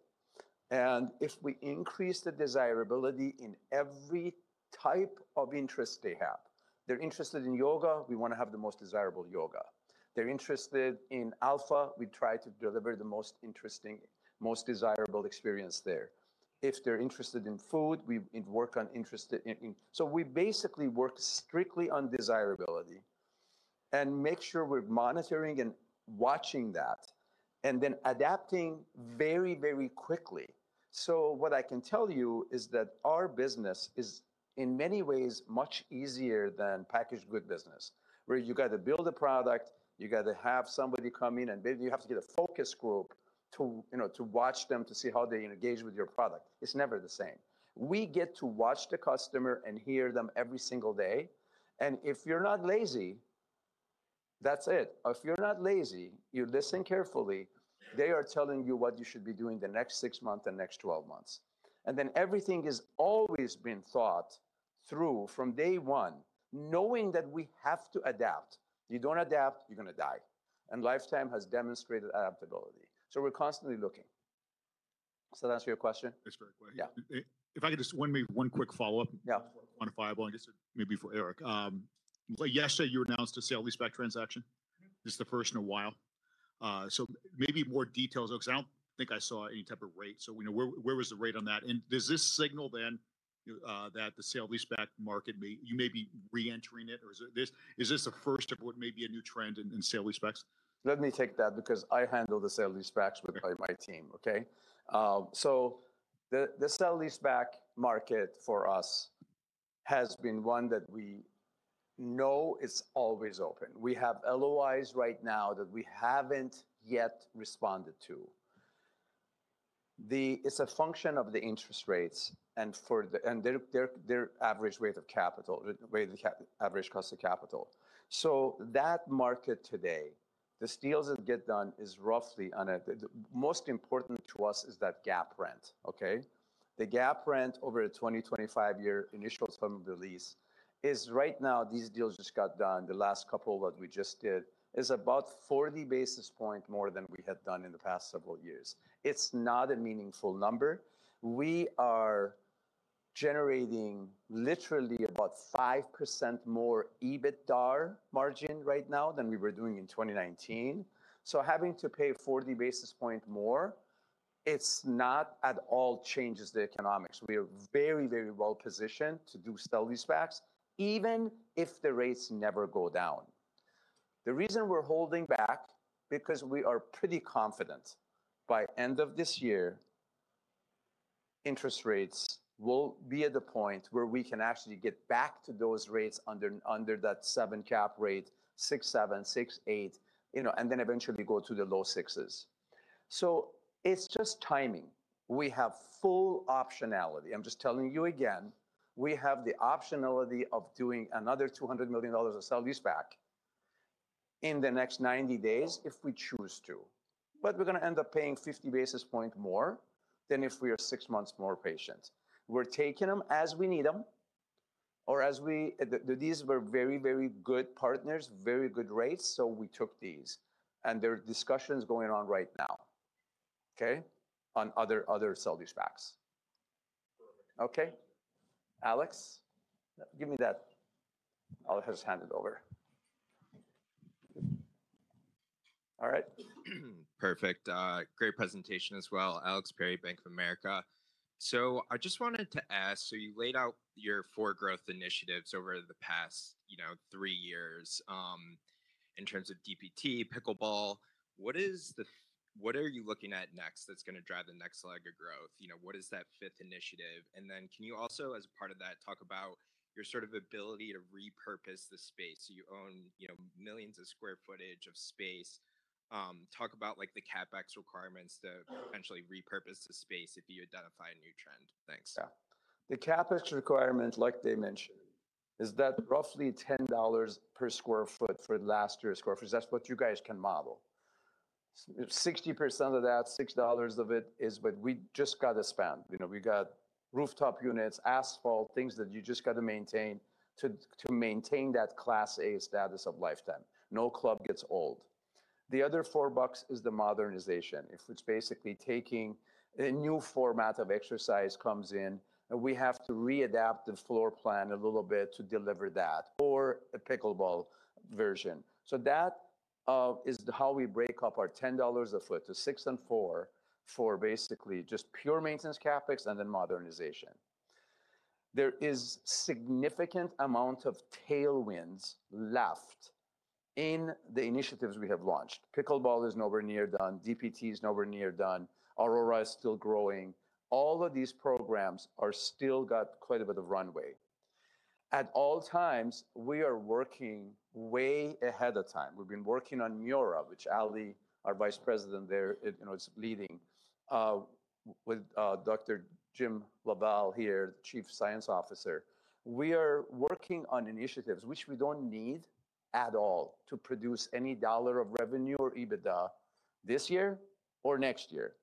And if we increase the desirability in every type of interest they have, they're interested in yoga, we wanna have the most desirable yoga. They're interested in Alpha, we try to deliver the most interesting, most desirable experience there. If they're interested in food, so we basically work strictly on desirability and make sure we're monitoring and watching that, and then adapting very, very quickly. So what I can tell you is that our business is, in many ways, much easier than packaged goods business, where you got to build a product, you got to have somebody come in, and then you have to get a focus group to, you know, to watch them, to see how they engage with your product. It's never the same. We get to watch the customer and hear them every single day, and if you're not lazy, that's it. If you're not lazy, you listen carefully, they are telling you what you should be doing the next 6 months and next 12 months. Then everything has always been thought through from day one, knowing that we have to adapt. You don't adapt, you're gonna die. Life Time has demonstrated adaptability, so we're constantly looking. Does that answer your question? It's very quick. Yeah. If I could just one more quick follow-up. Yeah. Quantifiable, I guess maybe for Eric. Well, yesterday you announced a sale-leaseback transaction. This is the first in a while. So maybe more details, because I don't think I saw any type of rate. So where was the rate on that, and does this signal then that the sale-leaseback market may... You may be reentering it, or is it this, is this the first of what may be a new trend in sale-leasebacks? Let me take that because I handle the sale-leasebacks- Okay... with my team. Okay? So the sale leaseback market for us has been one that we know is always open. We have LOIs right now that we haven't yet responded to. It's a function of the interest rates and for the... And their average cost of capital. So that market today, the deals that get done is roughly on a the most important to us is that gap rent, okay? The gap rent over a 20-25 year initial term of the lease is right now, these deals just got done. The last couple that we just did is about 40 basis point more than we had done in the past several years. It's not a meaningful number. We are generating literally about 5% more EBITDA margin right now than we were doing in 2019. Having to pay 40 basis points more, it's not at all changes the economics. We are very, very well positioned to do sale-leasebacks, even if the rates never go down. The reason we're holding back, because we are pretty confident by end of this year, interest rates will be at the point where we can actually get back to those rates under, under that 7 cap rate, 6.7, 6.8, you know, and then eventually go to the low sixes. So it's just timing. We have full optionality. I'm just telling you again, we have the optionality of doing another $200 million of sale-leaseback in the next 90 days if we choose to, but we're gonna end up paying 50 basis points more than if we are 6 months more patient. We're taking them as we need them, or as we—these were very, very good partners, very good rates, so we took these, and there are discussions going on right now, okay, on other sale-leasebacks. Okay? Alex, give me that. I'll just hand it over. All right. Perfect. Great presentation as well. Alex Perry, Bank of America. So I just wanted to ask, so you laid out your four growth initiatives over the past, you know, three years, in terms of DPT, pickleball. What are you looking at next that's gonna drive the next leg of growth? You know, what is that fifth initiative? And then can you also, as part of that, talk about your sort of ability to repurpose the space? You own, you know, millions of square footage of space. Talk about, like, the CapEx requirements to eventually repurpose the space if you identify a new trend. Thanks. Yeah. The CapEx requirement, like they mentioned, is that roughly $10 per sq ft for last year's square foot. That's what you guys can model. 60% of that, $6 of it, is what we just got to spend. You know, we got rooftop units, asphalt, things that you just got to maintain to maintain that Class A status of Life Time. No club gets old. The other $4 is the modernization. It's basically taking... A new format of exercise comes in, and we have to readapt the floor plan a little bit to deliver that or a pickleball version. So that is how we break up our $10 a foot to $6 and $4, for basically just pure maintenance CapEx and then modernization.... There is significant amount of tailwinds left in the initiatives we have launched. Pickleball is nowhere near done, DPT is nowhere near done, ARORA is still growing. All of these programs are still got quite a bit of runway. At all times, we are working way ahead of time. We've been working on Miora, which Allie, our vice president there, you know, is leading with Dr. Jim LaValle, the chief science officer. We are working on initiatives which we don't need at all to produce any dollar of revenue or EBITDA this year or next year.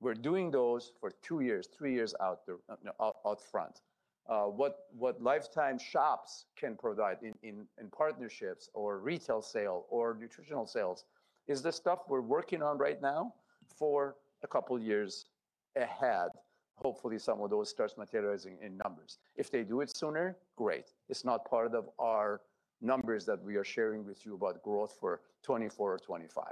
We're doing those for two years, three years out the out front. What Life Time shops can provide in partnerships or retail sale or nutritional sales is the stuff we're working on right now for a couple of years ahead. Hopefully, some of those starts materializing in numbers. If they do it sooner, great. It's not part of our numbers that we are sharing with you about growth for 2024 or 2025.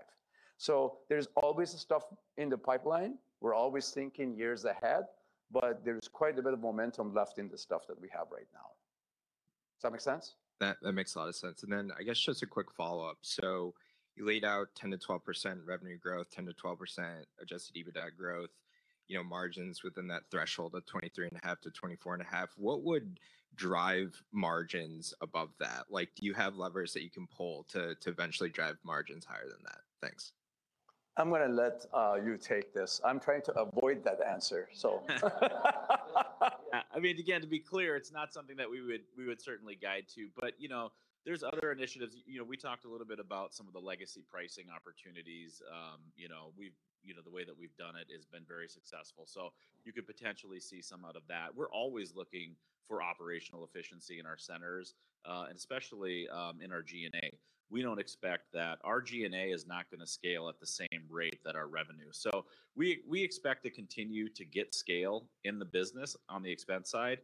So there's always stuff in the pipeline. We're always thinking years ahead, but there's quite a bit of momentum left in the stuff that we have right now. Does that make sense? That, that makes a lot of sense. And then I guess just a quick follow-up: so you laid out 10%-12% revenue growth, 10%-12% Adjusted EBITDA growth, you know, margins within that threshold of 23.5%-24.5%. What would drive margins above that? Like, do you have levers that you can pull to, to eventually drive margins higher than that? Thanks. I'm gonna let you take this. I'm trying to avoid that answer, so. Yeah, I mean, again, to be clear, it's not something that we would certainly guide to. But, you know, there's other initiatives. You know, we talked a little bit about some of the legacy pricing opportunities. You know, the way that we've done it has been very successful, so you could potentially see some out of that. We're always looking for operational efficiency in our centers, and especially in our G&A. We don't expect that. Our G&A is not gonna scale at the same rate that our revenue. So we expect to continue to get scale in the business on the expense side,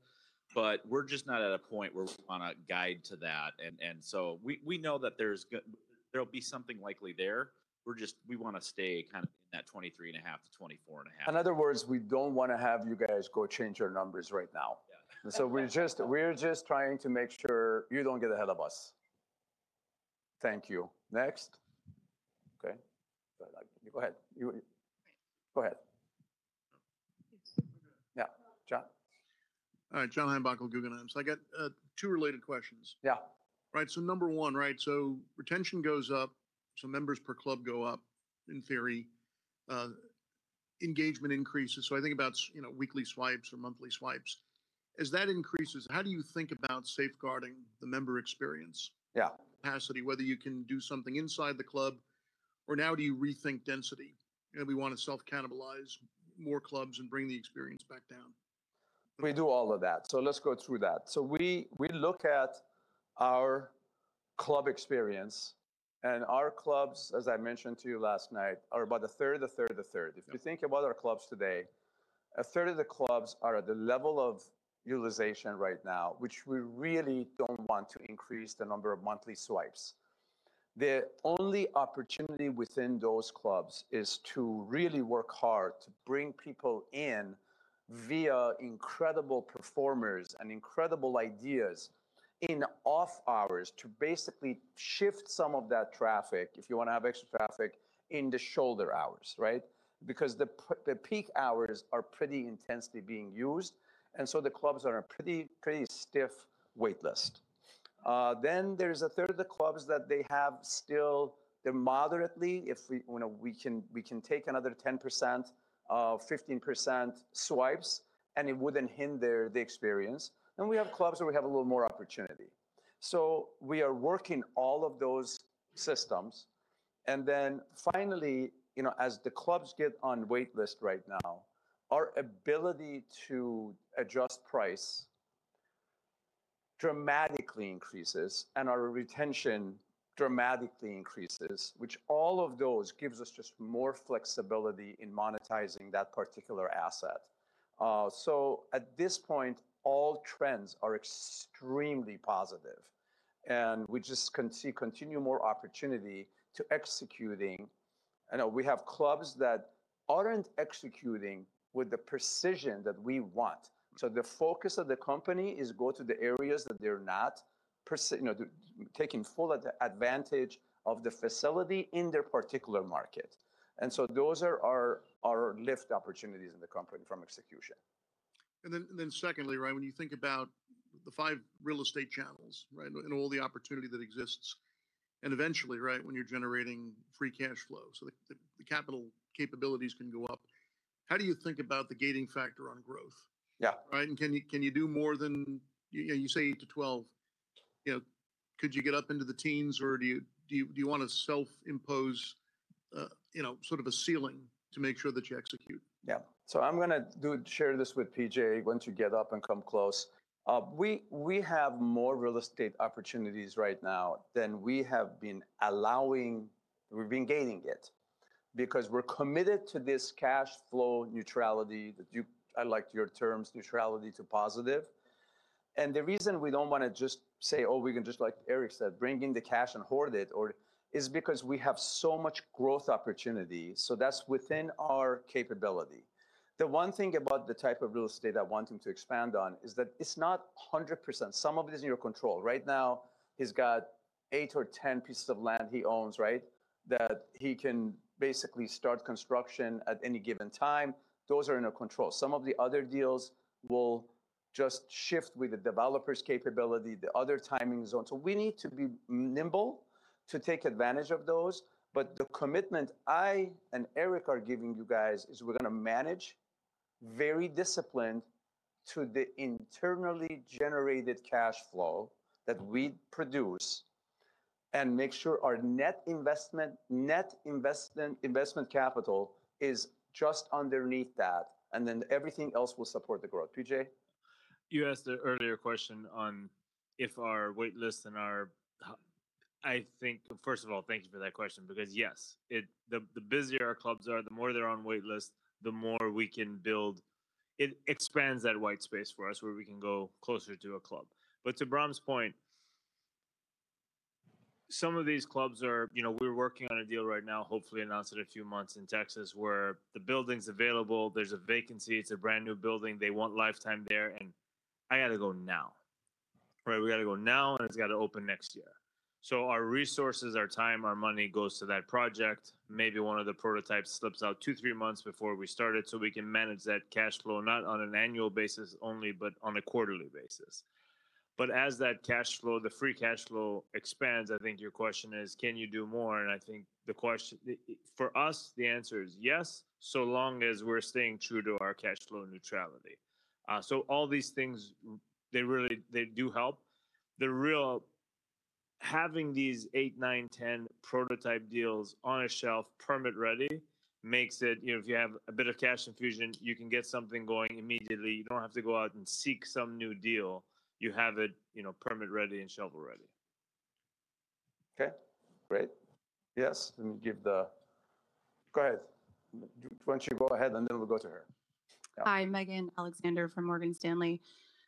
but we're just not at a point where we wanna guide to that. And so we know that there'll be something likely there. We're just, we wanna stay kind of in that 23.5-24.5. In other words, we don't wanna have you guys go change our numbers right now. Yeah. So we're just, we're just trying to make sure you don't get ahead of us. Thank you. Next? Okay. Go ahead. You, go ahead. It's- Yeah, John. All right. John Heinbockel, Guggenheim. So I got two related questions. Yeah. Right, so number one, right, so retention goes up, so members per club go up, in theory, engagement increases. So I think about you know, weekly swipes or monthly swipes. As that increases, how do you think about safeguarding the member experience? Yeah. Capacity, whether you can do something inside the club, or now do you rethink density, and we wanna self-cannibalize more clubs and bring the experience back down? We do all of that, so let's go through that. So we look at our club experience, and our clubs, as I mentioned to you last night, are about a third, a third, a third. Yeah. If you think about our clubs today, a third of the clubs are at the level of utilization right now, which we really don't want to increase the number of monthly swipes. The only opportunity within those clubs is to really work hard to bring people in via incredible performers and incredible ideas in off hours, to basically shift some of that traffic, if you wanna have extra traffic, into shoulder hours, right? Because the peak hours are pretty intensely being used, and so the clubs are on a pretty, pretty stiff wait list. Then there's a third of the clubs that they have still, they're moderately. If we, you know, we can, we can take another 10%, 15% swipes, and it wouldn't hinder the experience, and we have clubs where we have a little more opportunity. So we are working all of those systems. And then finally, you know, as the clubs get on wait list right now, our ability to adjust price dramatically increases, and our retention dramatically increases, which all of those gives us just more flexibility in monetizing that particular asset. So at this point, all trends are extremely positive, and we just can continue more opportunity to executing. I know we have clubs that aren't executing with the precision that we want, so the focus of the company is go to the areas that they're not you know, taking full advantage of the facility in their particular market, and so those are our lift opportunities in the company from execution. And then, secondly, right, when you think about the five real estate channels, right? And all the opportunity that exists, and eventually, right, when you're generating free cash flow, so the capital capabilities can go up, how do you think about the gating factor on growth? Yeah. Right, and can you, can you do more than... You say 8-12, you know, could you get up into the teens, or do you, do you, do you wanna self-impose, you know, sort of a ceiling to make sure that you execute? Yeah. So I'm gonna share this with PJ, why don't you get up and come close? We have more real estate opportunities right now than we have been allowing, we've been gaining it. Because we're committed to this cash flow neutrality that I liked your terms, "neutrality to positive." And the reason we don't wanna just say, "Oh, we can just," like Eric said, "bring in the cash and hoard it," is because we have so much growth opportunity, so that's within our capability. The one thing about the type of real estate I want him to expand on, is that it's not 100%. Some of it is in your control. Right now, he's got eight or 10 pieces of land he owns, right? That he can basically start construction at any given time. Those are in our control. Some of the other deals will just shift with the developer's capability, the other timing zone. So we need to be nimble to take advantage of those, but the commitment I and Eric are giving you guys is we're gonna manage very disciplined to the internally generated cash flow that we produce, and make sure our net investment, net investment, investment capital is just underneath that, and then everything else will support the growth. PJ? You asked the earlier question on if our wait list and our, I think, first of all, thank you for that question, because, yes, the busier our clubs are, the more they're on wait list, the more we can build. It expands that white space for us, where we can go closer to a club. But to Bahram's point, some of these clubs are, you know, we're working on a deal right now, hopefully announce it a few months in Texas, where the building's available, there's a vacancy, it's a brand-new building, they want Life Time there, and I gotta go now, right? We gotta go now, and it's gotta open next year. So our resources, our time, our money goes to that project. Maybe one of the prototypes slips out two, three months before we started, so we can manage that cash flow, not on an annual basis only, but on a quarterly basis. But as that cash flow, the Free Cash Flow expands, I think your question is: Can you do more? And I think the question, for us, the answer is yes, so long as we're staying true to our cash flow neutrality. So all these things, they really, they do help. Having these eight, nine, 10 prototype deals on a shelf, permit-ready, makes it, you know, if you have a bit of cash infusion, you can get something going immediately. You don't have to go out and seek some new deal. You have it, you know, permit-ready and shovel-ready. Okay, great. Yes, let me give the... Go ahead. Why don't you go ahead, and then we'll go to her? Hi, Megan Alexander from Morgan Stanley.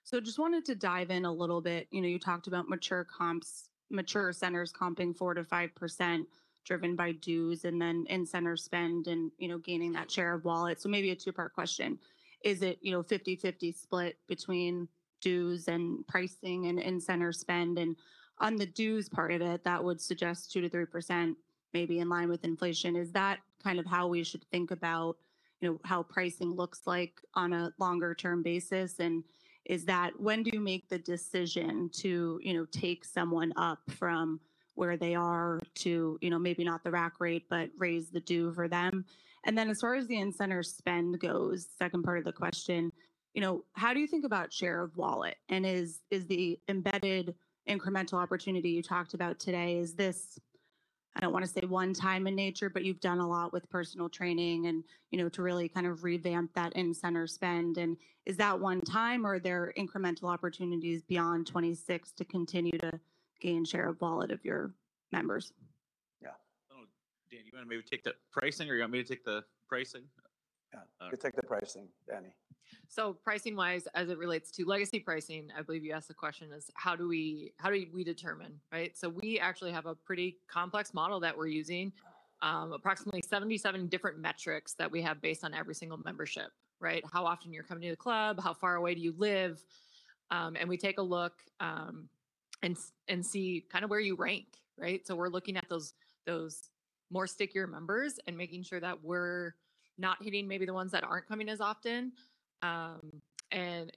So just wanted to dive in a little bit. You know, you talked about mature comps, mature centers comping 4%-5%, driven by dues, and then in-center spend and, you know, gaining that share of wallet. So maybe a two-part question: Is it, you know, 50/50 split between dues and pricing and in-center spend? And on the dues part of it, that would suggest 2%-3%, maybe in line with inflation. Is that kind of how we should think about, you know, how pricing looks like on a longer-term basis? And is that—when do you make the decision to, you know, take someone up from where they are to, you know, maybe not the rack rate, but raise the due for them? And then as far as the in-center spend goes, second part of the question, you know, how do you think about share of wallet? And is the embedded incremental opportunity you talked about today, is this, I don't wanna say one-time in nature, but you've done a lot with personal training and, you know, to really kind of revamp that in-center spend. And is that one-time, or are there incremental opportunities beyond 26 to continue to gain share of wallet of your members? Yeah. Oh, Dan, you wanna maybe take the pricing, or you want me to take the pricing? Yeah. Okay. You take the pricing, Dani. So pricing-wise, as it relates to legacy pricing, I believe you asked the question: How do we determine, right? So we actually have a pretty complex model that we're using. Approximately 77 different metrics that we have based on every single membership, right? How often you're coming to the club, how far away do you live? And we take a look, and see kinda where you rank, right? So we're looking at those more stickier members and making sure that we're not hitting maybe the ones that aren't coming as often. And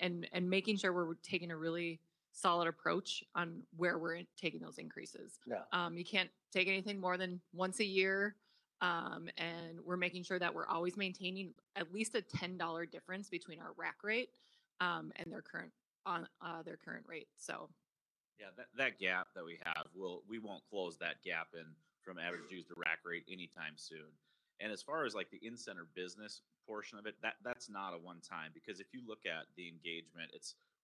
making sure we're taking a really solid approach on where we're taking those increases. Yeah. You can't take anything more than once a year, and we're making sure that we're always maintaining at least a $10 difference between our rack rate and their current rate, so. Yeah, that gap that we have, we won't close that gap in from average dues to rack rate anytime soon. And as far as, like, the in-center business portion of it, that's not a one time, because if you look at the engagement,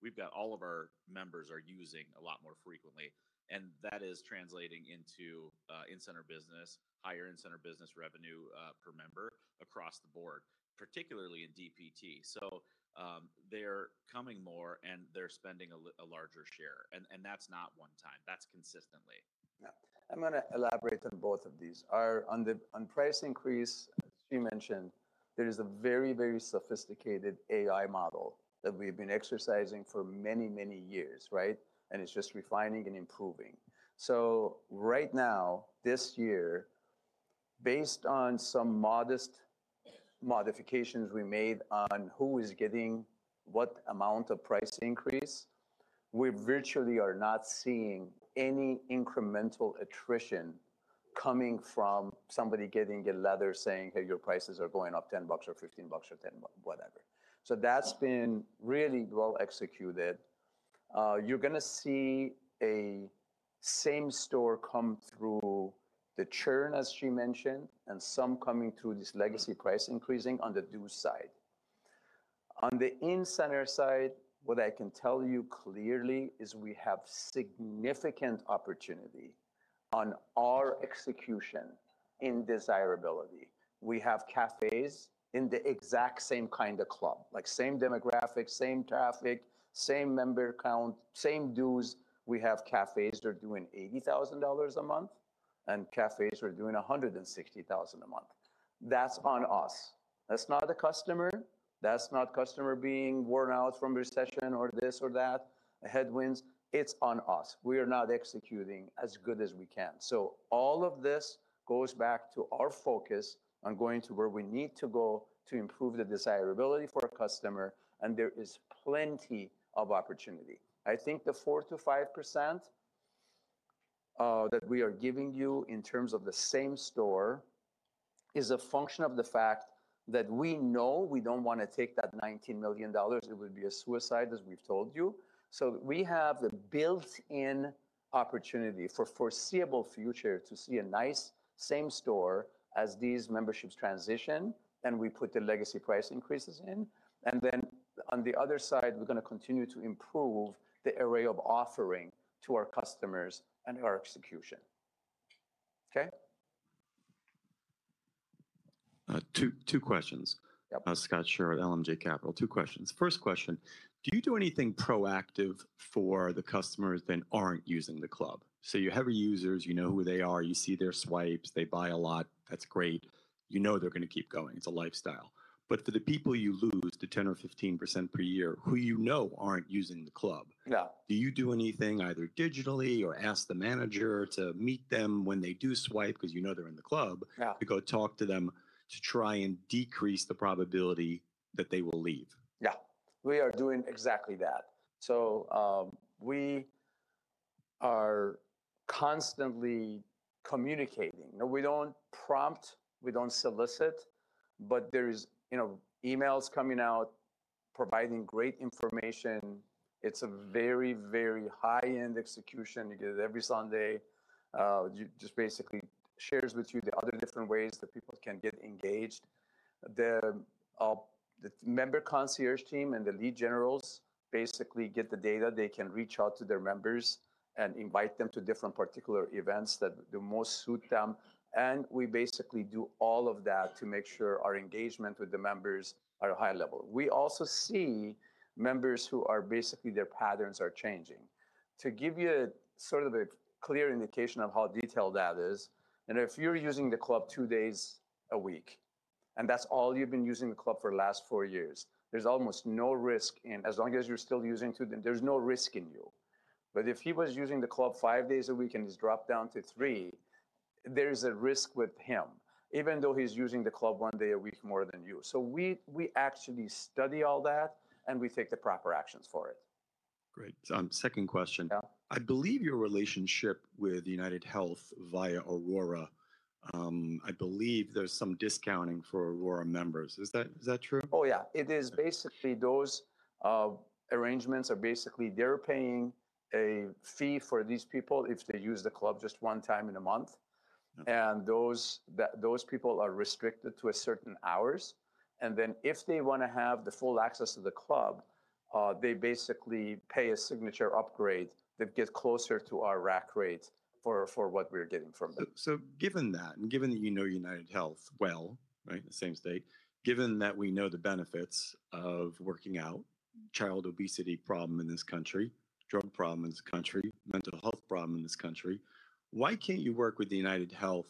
we've got all of our members are using a lot more frequently, and that is translating into in-center business, higher in-center business revenue per member across the board, particularly in DPT. So, they're coming more, and they're spending a larger share, and that's not one time. That's consistently. Yeah. I'm gonna elaborate on both of these. On price increase, as she mentioned, there is a very, very sophisticated AI model that we've been exercising for many, many years, right? And it's just refining and improving. So right now, this year, based on some modest modifications we made on who is getting what amount of price increase, we virtually are not seeing any incremental attrition coming from somebody getting a letter saying, "Hey, your prices are going up $10 or $15 or $10," whatever. So that's been really well executed. You're gonna see a same store come through the churn, as she mentioned, and some coming through this legacy price increasing on the due side. On the in-center side, what I can tell you clearly is we have significant opportunity on our execution in desirability. We have cafes in the exact same kind of club, like same demographic, same traffic, same member count, same dues. We have cafes that are doing $80,000 a month, and cafes that are doing $160,000 a month. That's on us. That's not the customer, that's not customer being worn out from recession or this or that, headwinds, it's on us. We are not executing as good as we can. So all of this goes back to our focus on going to where we need to go to improve the desirability for a customer, and there is plenty of opportunity. I think the 4%-5% that we are giving you in terms of the same store, is a function of the fact that we know we don't wanna take that $19 million. It would be a suicide, as we've told you. So we have the built-in opportunity for foreseeable future to see a nice same store as these memberships transition, and we put the legacy price increases in, and then on the other side, we're gonna continue to improve the array of offering to our customers and our execution. Okay? Two questions. Yep. Scott Scher, LMJ Capital. Two questions. First question: Do you do anything proactive for the customers that aren't using the club? So you have your users, you know who they are, you see their swipes, they buy a lot, that's great. You know they're gonna keep going, it's a lifestyle. But for the people you lose, the 10% or 15% per year, who you know aren't using the club- Yeah. Do you do anything, either digitally or ask the manager to meet them when they do swipe, because you know they're in the club? Yeah... to go talk to them, to try and decrease the probability that they will leave? Yeah. We are doing exactly that. So, we are constantly communicating. Now, we don't prompt, we don't solicit, but there is, you know, emails coming out, providing great information. It's a very, very high-end execution. We do it every Sunday. You just basically shares with you the other different ways that people can get engaged. The member concierge team and the lead generals basically get the data. They can reach out to their members and invite them to different particular events that the most suit them, and we basically do all of that to make sure our engagement with the members are high level. We also see members who are basically, their patterns are changing. To give you sort of a clear indication of how detailed that is, and if you're using the club 2 days a week, and that's all you've been using the club for the last 4 years, there's almost no risk in, as long as you're still using 2, then there's no risk in you. But if he was using the club 5 days a week and has dropped down to 3, there's a risk with him, even though he's using the club 1 day a week more than you. So we actually study all that, and we take the proper actions for it. Great. Second question. Yeah. I believe your relationship with UnitedHealthcare via ARORA, I believe there's some discounting for ARORA members. Is that, is that true? Oh, yeah. It is. Basically, those arrangements are basically they're paying a fee for these people if they use the club just one time in a month. Mm. Those people are restricted to a certain hours, and then if they wanna have the full access to the club, they basically pay a signature upgrade that gets closer to our rack rate for what we're getting from them. So given that, and given that you know UnitedHealthcare well, right? The same state. Given that we know the benefits of working out, child obesity problem in this country, drug problem in this country, mental health problem in this country, why can't you work with UnitedHealthcare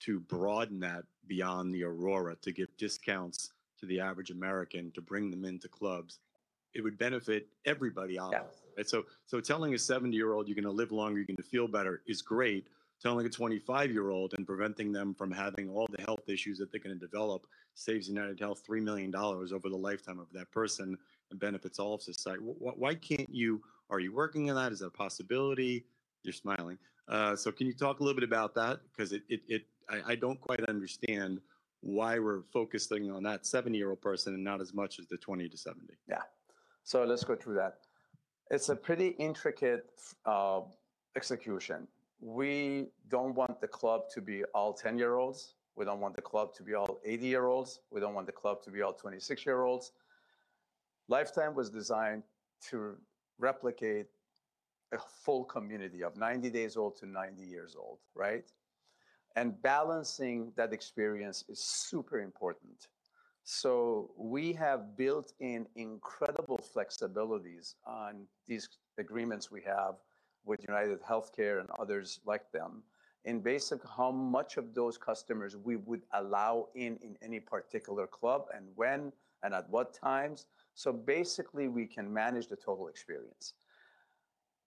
to broaden that beyond the ARORA to give discounts to the average American, to bring them into clubs? It would benefit everybody out there. Yeah. Telling a 70-year-old, "You're gonna live longer, you're gonna feel better," is great. Telling a 25-year-old and preventing them from having all the health issues that they're gonna develop saves UnitedHealthcare $3 million over the Life Time of that person and benefits all of society. Why can't you... Are you working on that? Is that a possibility? You're smiling. So can you talk a little bit about that? 'Cause it, I don't quite understand why we're focusing on that 70-year-old person and not as much as the 20-70. Yeah. So let's go through that. It's a pretty intricate execution. We don't want the club to be all 10-year-olds; we don't want the club to be all 80-year-olds; we don't want the club to be all 26-year-olds. Life Time was designed to replicate a full community of 90 days old to 90 years old, right? And balancing that experience is super important. So we have built in incredible flexibilities on these agreements we have with UnitedHealthcare and others like them, in basic, how much of those customers we would allow in, in any particular club and when, and at what times. So basically, we can manage the total experience.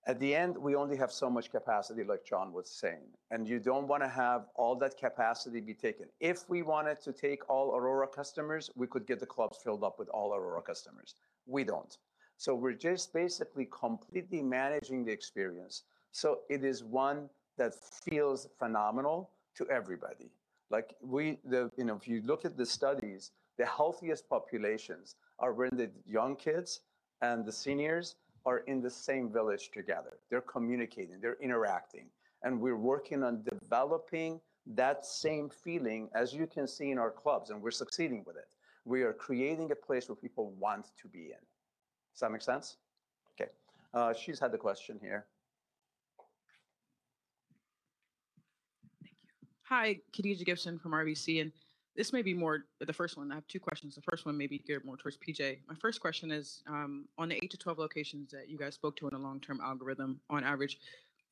At the end, we only have so much capacity, like John was saying, and you don't wanna have all that capacity be taken. If we wanted to take all ARORA customers, we could get the clubs filled up with all ARORA customers. We don't. So we're just basically completely managing the experience, so it is one that feels phenomenal to everybody. Like we, you know, if you look at the studies, the healthiest populations are where the young kids and the seniors are in the same village together. They're communicating, they're interacting, and we're working on developing that same feeling, as you can see in our clubs, and we're succeeding with it. We are creating a place where people want to be in. Does that make sense? Okay. She's had a question here. Thank you. Hi, Khadija [Haque] from RBC, and this may be more the first one. I have two questions. The first one may be geared more towards PJ. My first question is, on the 8-12 locations that you guys spoke to on a long-term algorithm, on average,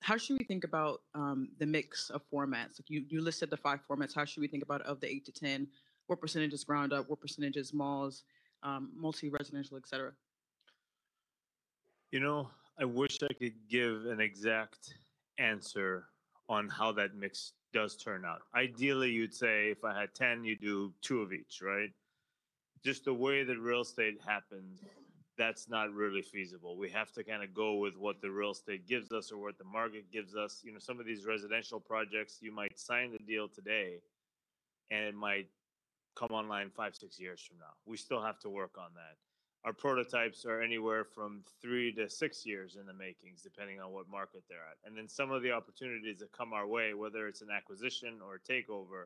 how should we think about, the mix of formats? You listed the five formats. How should we think about, of the 8-10, what percentage is ground up, what percentage is malls, multi-residential, et cetera? You know, I wish I could give an exact answer on how that mix does turn out. Ideally, you'd say if I had 10, you'd do two of each, right? Just the way that real estate happens, that's not really feasible. We have to kinda go with what the real estate gives us or what the market gives us. You know, some of these residential projects, you might sign the deal today, and it might come online five, six years from now. We still have to work on that. Our prototypes are anywhere from 3 years-6 years in the making, depending on what market they're at, and then some of the opportunities that come our way, whether it's an acquisition or a takeover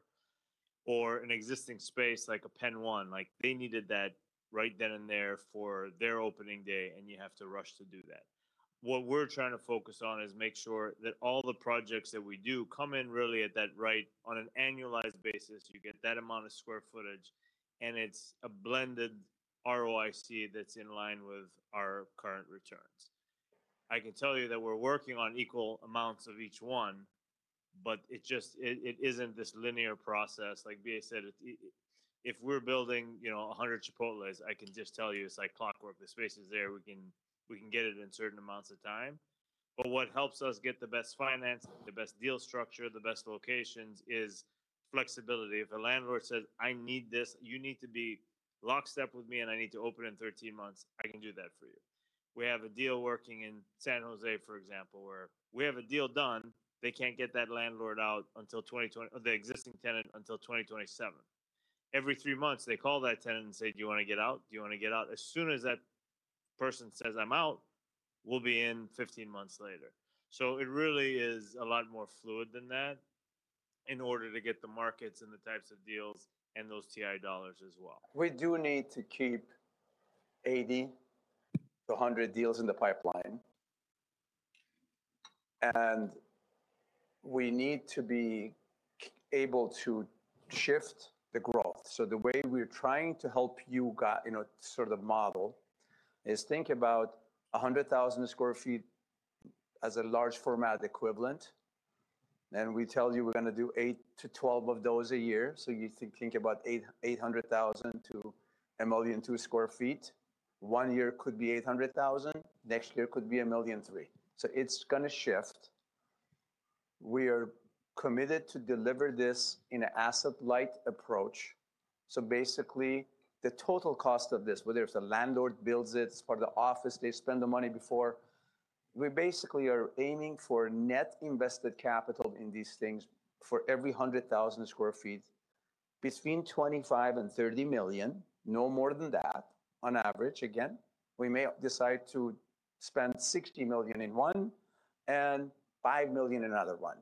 or an existing space, like a PENN 1, like they needed that right then and there for their opening day, and you have to rush to do that. What we're trying to focus on is make sure that all the projects that we do come in really at that rate, on an annualized basis, you get that amount of square footage, and it's a blended ROIC that's in line with our current returns. I can tell you that we're working on equal amounts of each one, but it just isn't this linear process. Like BA said, if we're building, you know, 100 Chipotles, I can just tell you, it's like clockwork. The space is there. We can get it in certain amounts of time. But what helps us get the best financing, the best deal structure, the best locations is flexibility. If a landlord says, "I need this, you need to be lockstep with me, and I need to open in 13 months," I can do that for you. We have a deal working in San Jose, for example, where we have a deal done. They can't get that landlord out until 2027, the existing tenant, until 2027. Every 3 months, they call that tenant and say: "Do you wanna get out? Do you wanna get out?" As soon as that person says, "I'm out," we'll be in 15 months later. It really is a lot more fluid than that in order to get the markets and the types of deals and those TI dollars as well. We do need to keep 80-100 deals in the pipeline, and we need to be able to shift the growth. So the way we're trying to help you guys, you know, sort of model, is think about 100,000 sq ft as a large format equivalent, and we tell you we're gonna do 8-12 of those a year. So you think about 800,000 sq ft-1.2 million sq ft. One year could be 800,000; next year could be 1.3 million. So it's gonna shift. We are committed to deliver this in an asset-light approach. So basically, the total cost of this, whether it's the landlord builds it, it's part of the office, they spend the money before, we basically are aiming for net invested capital in these things for every 100,000 sq ft, between $25 million-$30 million, no more than that, on average. Again, we may decide to spend $60 million in one and $5 million in another one.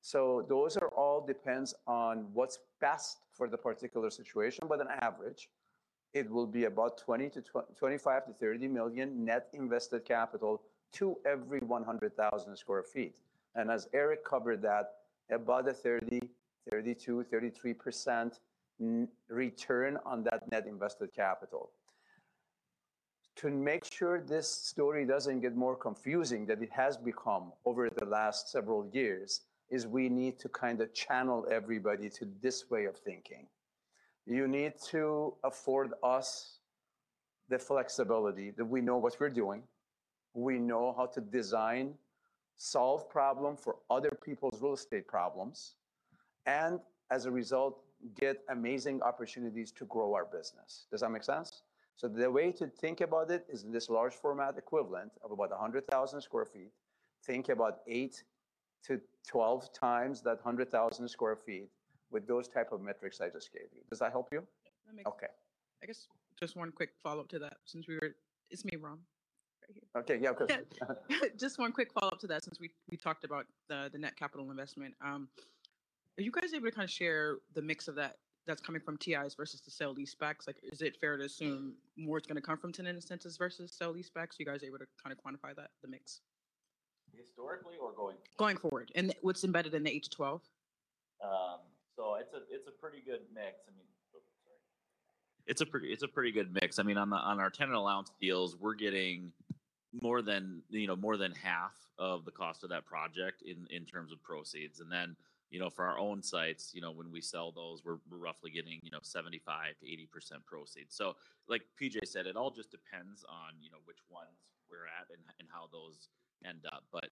So those are all depends on what's best for the particular situation, but on average, it will be about $20 million-$25 million to $30 million net invested capital to every 100,000 sq ft. And as Eric covered that, about a 30%, 32%, 33% return on that net invested capital. To make sure this story doesn't get more confusing than it has become over the last several years, is we need to kinda channel everybody to this way of thinking. You need to afford us the flexibility that we know what we're doing. We know how to design, solve problem for other people's real estate problems, and as a result, get amazing opportunities to grow our business. Does that make sense? So the way to think about it is this large format equivalent of about 100,000 sq ft. Think about 8-12 times that 100,000 sq ft with those type of metrics I just gave you. Does that help you? Yeah, that makes- Okay. I guess just one quick follow-up to that since we were... It's me, Bahram. Right here. Okay. Yeah, of course. Just one quick follow-up to that, since we talked about the net capital investment. Are you guys able to kinda share the mix of that that's coming from TIs versus the sale-leasebacks? Like, is it fair to assume more it's gonna come from tenant incentives versus sale-leasebacks? Are you guys able to kinda quantify that, the mix? Historically or going forward? Going forward, and what's embedded in the 8-12. So it's a pretty good mix. I mean, on our tenant allowance deals, we're getting more than, you know, more than half of the cost of that project in terms of proceeds, and then, you know, for our own sites, you know, when we sell those, we're roughly getting, you know, 75%-80% proceeds. So like PJ said, it all just depends on, you know, which ones we're at and how those end up. But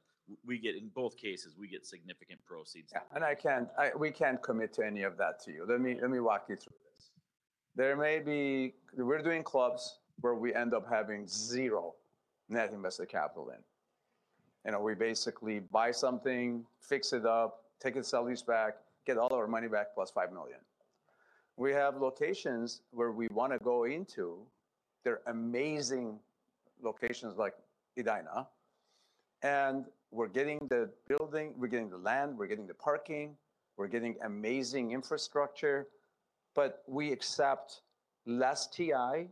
we get, in both cases, we get significant proceeds. Yeah, and we can't commit to any of that to you. Let me walk you through this. There may be—we're doing clubs where we end up having zero net invested capital in, and we basically buy something, fix it up, take a sale-leaseback, get all of our money back, plus $5 million. We have locations where we wanna go into, they're amazing locations, like Edina, and we're getting the building, we're getting the land, we're getting the parking, we're getting amazing infrastructure, but we accept less TI,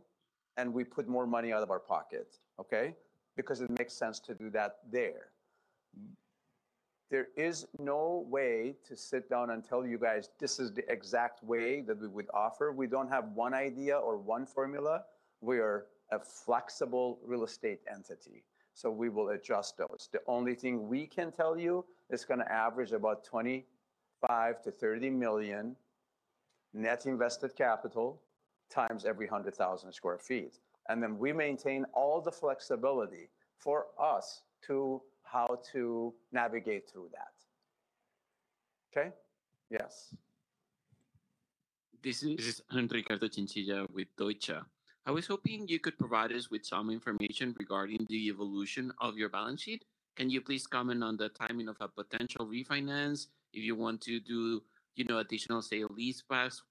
and we put more money out of our pockets, okay? Because it makes sense to do that there. There is no way to sit down and tell you guys, "This is the exact way that we would offer." We don't have one idea or one formula. We are a flexible real estate entity, so we will adjust those. The only thing we can tell you, it's gonna average about $25 million-$30 million net invested capital times every 100,000 sq ft, and then we maintain all the flexibility for us to how to navigate through that. Okay? Yes. I'm Ricardo Chinchilla with Deutsche. I was hoping you could provide us with some information regarding the evolution of your balance sheet. Can you please comment on the timing of a potential refinance, if you want to do, you know, additional sale-leasebacks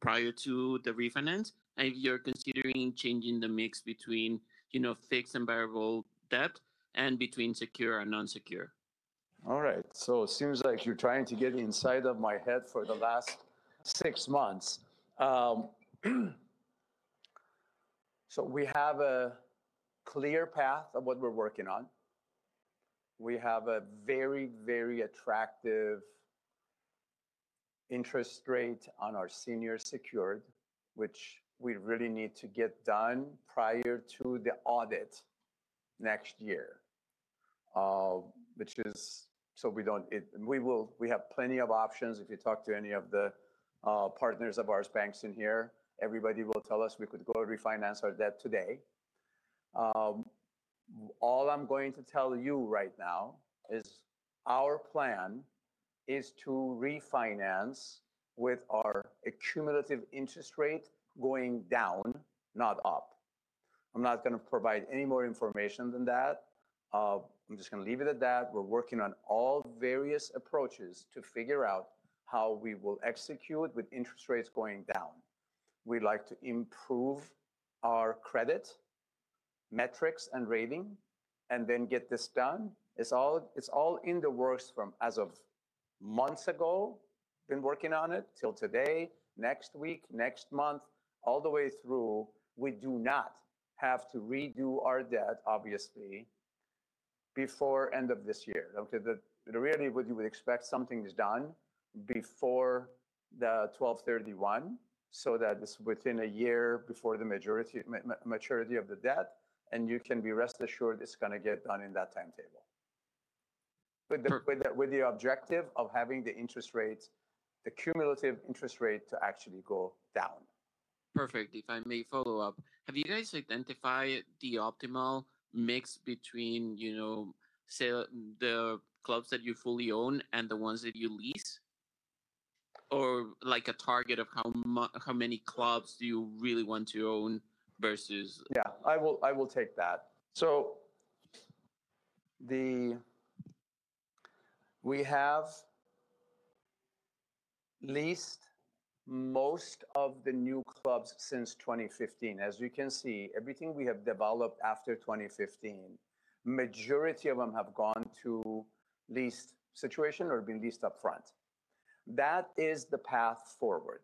prior to the refinance? And if you're considering changing the mix between, you know, fixed and variable debt and between secure and non-secure. All right. So it seems like you're trying to get inside of my head for the last six months. So we have a clear path of what we're working on. We have a very, very attractive interest rate on our senior secured, which we really need to get done prior to the audit next year. Which is so we don't, we have plenty of options. If you talk to any of the partners of ours, banks in here, everybody will tell us we could go and refinance our debt today. All I'm going to tell you right now is our plan is to refinance with our accumulative interest rate going down, not up. I'm not gonna provide any more information than that. I'm just gonna leave it at that. We're working on all various approaches to figure out how we will execute with interest rates going down. We'd like to improve our credit, metrics, and rating, and then get this done. It's all in the works from as of months ago, been working on it till today, next week, next month, all the way through. We do not have to redo our debt, obviously, before end of this year, okay? Really what you would expect, something is done before the 12/31, so that it's within a year before the majority maturity of the debt, and you can be rest assured it's gonna get done in that timetable. With the objective of having the interest rates, the cumulative interest rate to actually go down. Perfect. If I may follow up, have you guys identified the optimal mix between, you know, the clubs that you fully own and the ones that you lease? Or like a target of how many clubs do you really want to own versus- Yeah, I will, I will take that. So the... We have leased most of the new clubs since 2015. As you can see, everything we have developed after 2015, majority of them have gone to leased situation or been leased upfront. That is the path forward.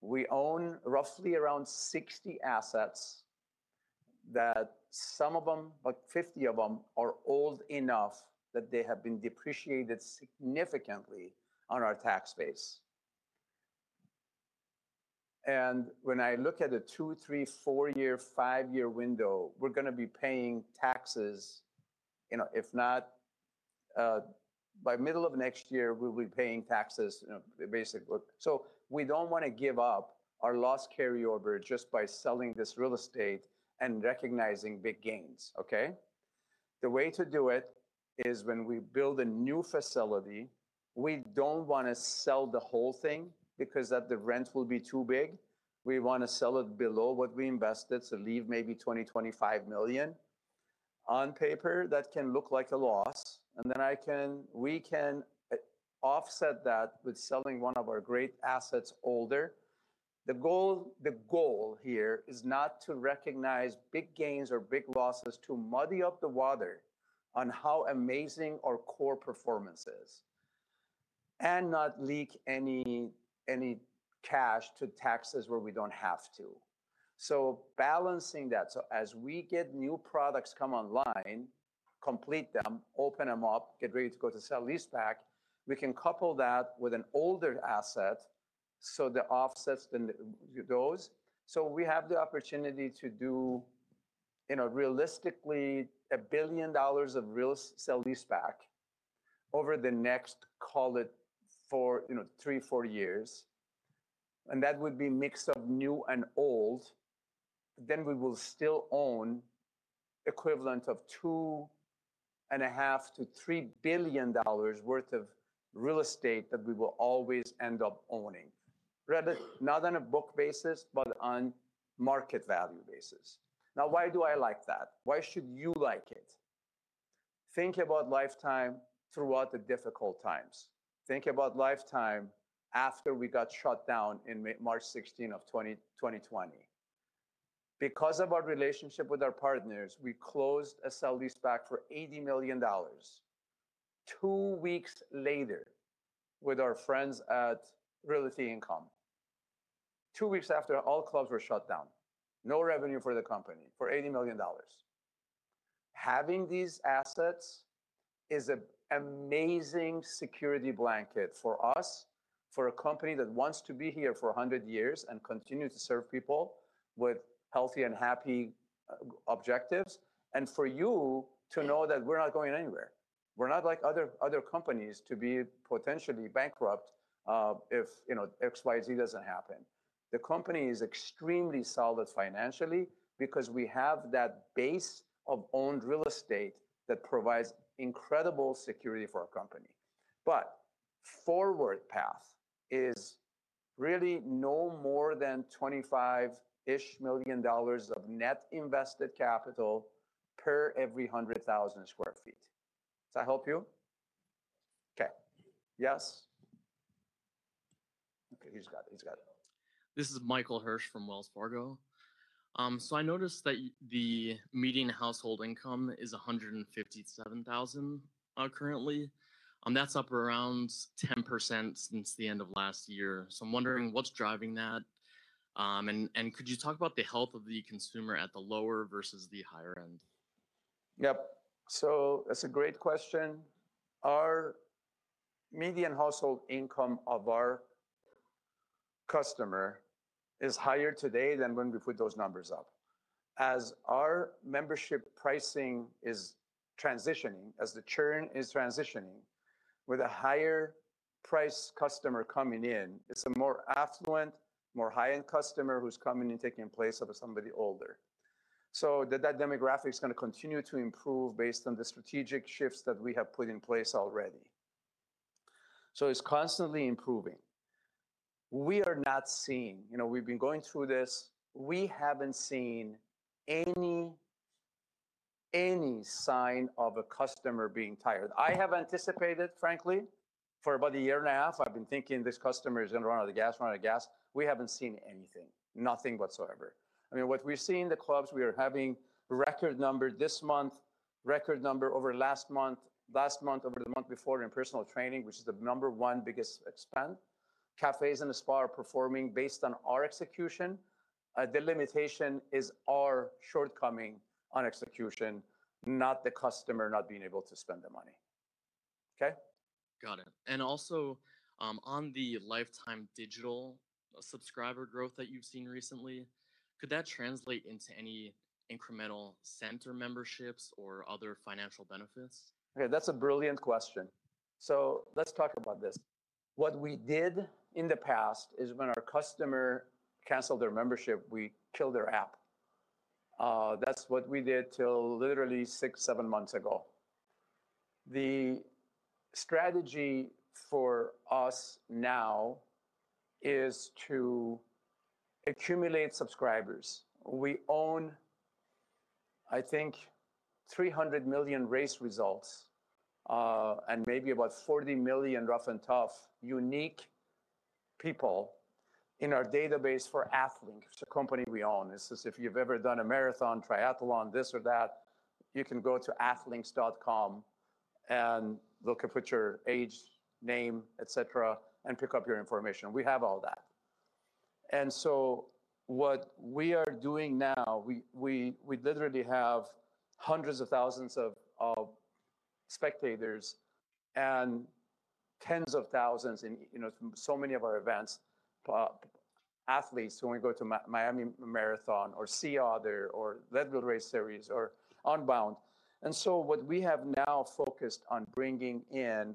We own roughly around 60 assets that some of them, about 50 of them, are old enough that they have been depreciated significantly on our tax base. And when I look at a 2-, 3-, 4-year, 5-year window, we're gonna be paying taxes, you know, if not by middle of next year, we'll be paying taxes, you know, basically. So we don't wanna give up our loss carryover just by selling this real estate and recognizing big gains, okay? The way to do it is when we build a new facility, we don't wanna sell the whole thing because then the rent will be too big. We wanna sell it below what we invested, so leave maybe $20 million-$25 million. On paper, that can look like a loss, and then I can--we can offset that with selling one of our great assets older. The goal, the goal here is not to recognize big gains or big losses, to muddy up the water on how amazing our core performance is, and not leak any, any cash to taxes where we don't have to. So balancing that, so as we get new products come online, complete them, open them up, get ready to go to sell-leaseback, we can couple that with an older asset, so that offsets the n-those. So we have the opportunity to do, you know, realistically $1 billion of real sale-leaseback over the next, call it 4, you know, 3 years-4 years, and that would be mix of new and old. Then we will still own equivalent of $2.5 billion-$3 billion worth of real estate that we will always end up owning. Rather, not on a book basis, but on market value basis. Now, why do I like that? Why should you like it? Think about Life Time throughout the difficult times. Think about Life Time after we got shut down in May, March 16, 2020. Because of our relationship with our partners, we closed a sale-leaseback for $80 million two weeks later with our friends at Realty Income. Two weeks after all clubs were shut down, no revenue for the company, for $80 million. Having these assets is an amazing security blanket for us, for a company that wants to be here for 100 years and continue to serve people with healthy and happy objectives, and for you to know that we're not going anywhere. We're not like other companies to be potentially bankrupt, if, you know, XYZ doesn't happen. The company is extremely solid financially because we have that base of owned real estate that provides incredible security for our company. But forward path is really no more than $25-ish million of net invested capital per every 100,000 sq ft. Does that help you? Okay. Yes? Okay, he's got it. He's got it. This is Michael Hirsch from Wells Fargo. So I noticed that the median household income is $157,000 currently, that's up around 10% since the end of last year. So I'm wondering what's driving that, and and could you talk about the health of the consumer at the lower versus the higher end? Yep. So that's a great question. Our median household income of our customer is higher today than when we put those numbers up. As our membership pricing is transitioning, as the churn is transitioning, with a higher price customer coming in, it's a more affluent, more high-end customer who's coming and taking place of somebody older. So that demographic is gonna continue to improve based on the strategic shifts that we have put in place already. So it's constantly improving. We are not seeing—You know, we've been going through this. We haven't seen any, any sign of a customer being tired. I have anticipated, frankly, for about a year and a half, I've been thinking this customer is gonna run out of gas, run out of gas. We haven't seen anything. Nothing whatsoever. I mean, what we've seen in the clubs, we are having record number this month, record number over last month, last month over the month before in personal training, which is the number one biggest expend. Cafes and the spa are performing based on our execution, the limitation is our shortcoming on execution, not the customer not being able to spend the money. Okay? Got it. And also, on the Life Time Digital subscriber growth that you've seen recently, could that translate into any incremental center memberships or other financial benefits? Okay, that's a brilliant question. So let's talk about this. What we did in the past is when our customer canceled their membership, we killed their app. That's what we did till literally 6, 7 months ago. The strategy for us now is to accumulate subscribers. We own, I think, 300 million race results, and maybe about 40 million roughly unique people in our database for Athlinks, it's a company we own. This is if you've ever done a marathon, triathlon, this or that, you can go to athlinks.com and look and put your age, name, et cetera, and pick up your information. We have all that. What we are doing now, we literally have hundreds of thousands of spectators and tens of thousands, you know, from so many of our events, athletes, when we go to Miami Marathon or Sea Otter or Leadville Race Series or Unbound. What we have now focused on bringing in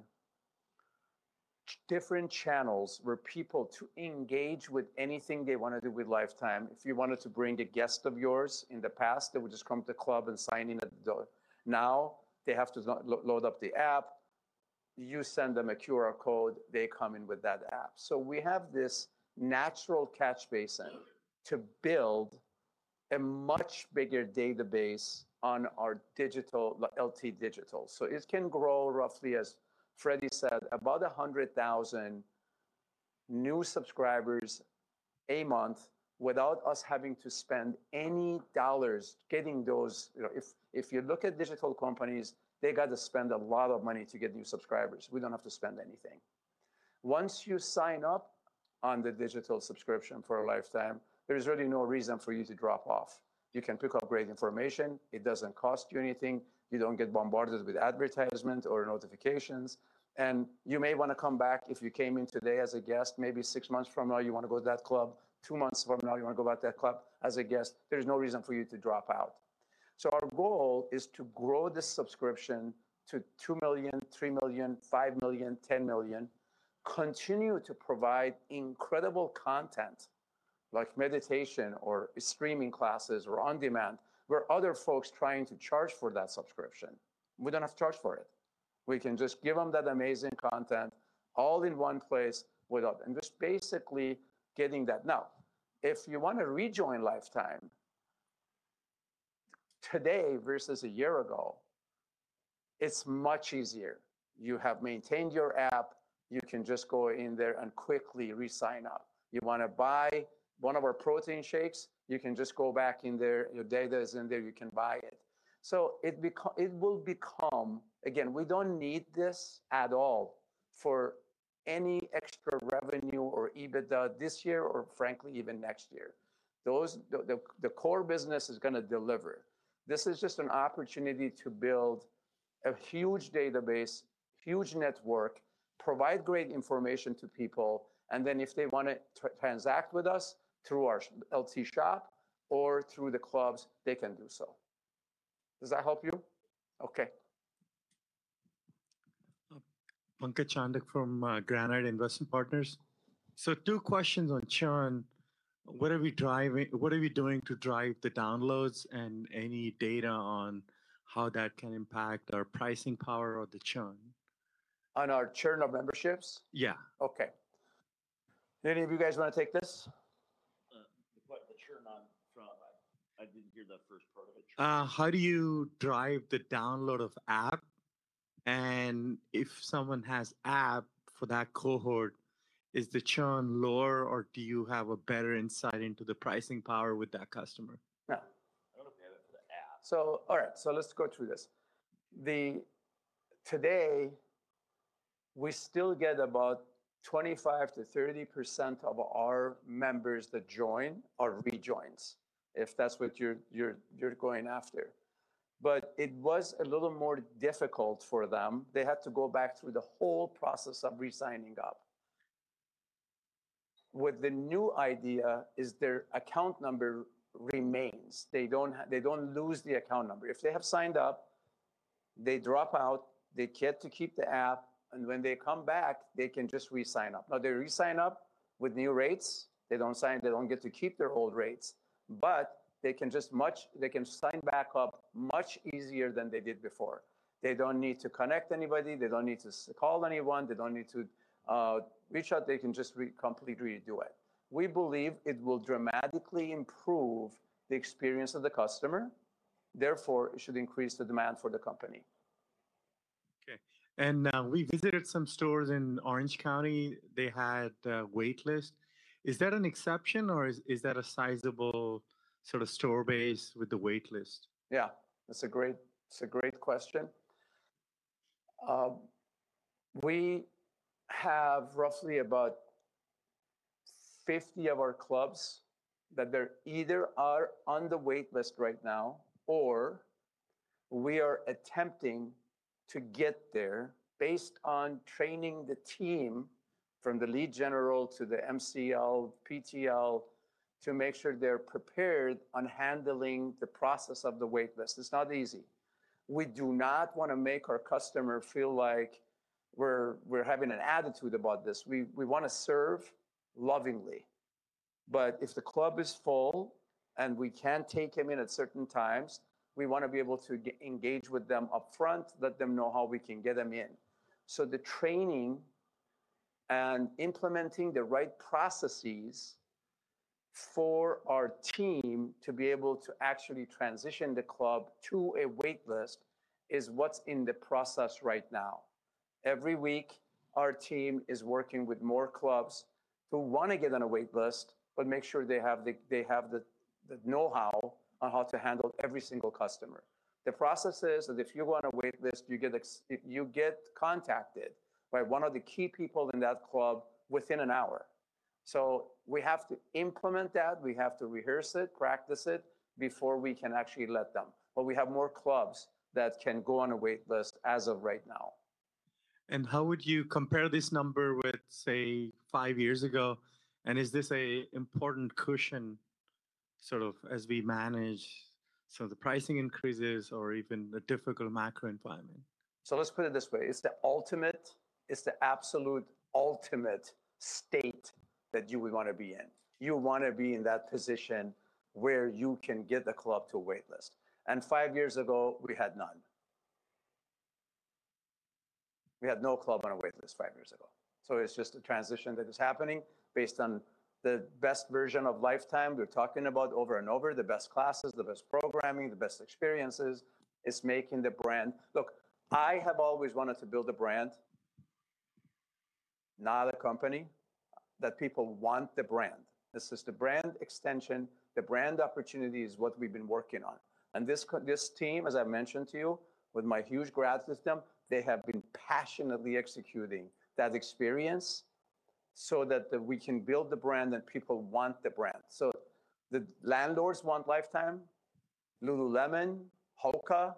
different channels, where people to engage with anything they wanna do with Life Time. If you wanted to bring a guest of yours in the past, they would just come to the club and sign in at the door. Now, they have to load up the app, you send them a QR code, they come in with that app. So we have this natural catch basin to build a much bigger database on our digital LT Digital. So it can grow, roughly, as Freddy said, about 100,000 new subscribers a month without us having to spend any dollars getting those... You know, if you look at digital companies, they got to spend a lot of money to get new subscribers. We don't have to spend anything. Once you sign up on the digital subscription for a Life Time, there's really no reason for you to drop off. You can pick up great information, it doesn't cost you anything, you don't get bombarded with advertisements or notifications, and you may wanna come back if you came in today as a guest, maybe six months from now, you wanna go to that club, two months from now, you wanna go back to that club as a guest, there's no reason for you to drop out. So our goal is to grow this subscription to 2 million, 3 million, 5 million, 10 million, continue to provide incredible content, like meditation or streaming classes or on-demand, where other folks trying to charge for that subscription. We don't have to charge for it. We can just give them that amazing content all in one place without... And just basically getting that. Now, if you want to rejoin Life Time, today versus a year ago, it's much easier. You have maintained your app, you can just go in there and quickly re-sign up. You wanna buy one of our protein shakes, you can just go back in there, your data is in there, you can buy it. So it will become... Again, we don't need this at all for any extra revenue or EBITDA this year, or frankly, even next year. The core business is gonna deliver. This is just an opportunity to build a huge database, huge network, provide great information to people, and then if they wanna transact with us through our LT Shop or through the clubs, they can do so. Does that help you? Okay. Pankaj Chandak from Granite Investment Partners. So two questions on churn. What are we doing to drive the downloads, and any data on how that can impact our pricing power or the churn? On our churn of memberships? Yeah. Okay. Any of you guys wanna take this? What the churn on from... I didn't hear the first part of it. How do you drive the download of app? And if someone has app for that cohort, is the churn lower, or do you have a better insight into the pricing power with that customer? Yeah. I don't know if they have the app. So, all right, so let's go through this. Today, we still get about 25%-30% of our members that join are rejoins, if that's what you're going after. But it was a little more difficult for them. They had to go back through the whole process of re-signing up. With the new idea is their account number remains. They don't lose the account number. If they have signed up, they drop out, they get to keep the app, and when they come back, they can just re-sign up. Now, they re-sign up with new rates. They don't get to keep their old rates, but they can sign back up much easier than they did before. They don't need to connect anybody; they don't need to call anyone; they don't need to reach out. They can just completely redo it. We believe it will dramatically improve the experience of the customer, therefore it should increase the demand for the company. Okay. We visited some stores in Orange County. They had a wait list. Is that an exception, or is that a sizable sort of store base with the wait list? Yeah, that's a great, that's a great question. We have roughly about 50 of our clubs that they're either are on the wait list right now, or we are attempting to get there based on training the team, from the lead general to the MCL, PTL, to make sure they're prepared on handling the process of the wait list. It's not easy. We do not wanna make our customer feel like we're, we're having an attitude about this. We, we wanna serve lovingly, but if the club is full and we can't take him in at certain times, we wanna be able to engage with them upfront, let them know how we can get them in. So the training and implementing the right processes for our team to be able to actually transition the club to a wait list is what's in the process right now. Every week, our team is working with more clubs who wanna get on a wait list, but make sure they have the know-how on how to handle every single customer. The process is that if you want a wait list, you get contacted by one of the key people in that club within an hour. So we have to implement that, we have to rehearse it, practice it, before we can actually let them. But we have more clubs that can go on a wait list as of right now. How would you compare this number with, say, five years ago? Is this an important cushion, sort of as we manage, so the pricing increases or even the difficult macro environment? So let's put it this way: It's the ultimate, it's the absolute ultimate state that you would wanna be in. You wanna be in that position where you can get the club to a wait list, and five years ago, we had none. We had no club on a wait list five years ago. So it's just a transition that is happening based on the best version of Life Time we're talking about over and over, the best classes, the best programming, the best experiences. It's making the brand. Look, I have always wanted to build a brand, not a company. That people want the brand. This is the brand extension, the brand opportunity is what we've been working on. And this team, as I mentioned to you, with my huge grad system, they have been passionately executing that experience so that we can build the brand, that people want the brand. So the landlords want Life Time, Lululemon, HOKA,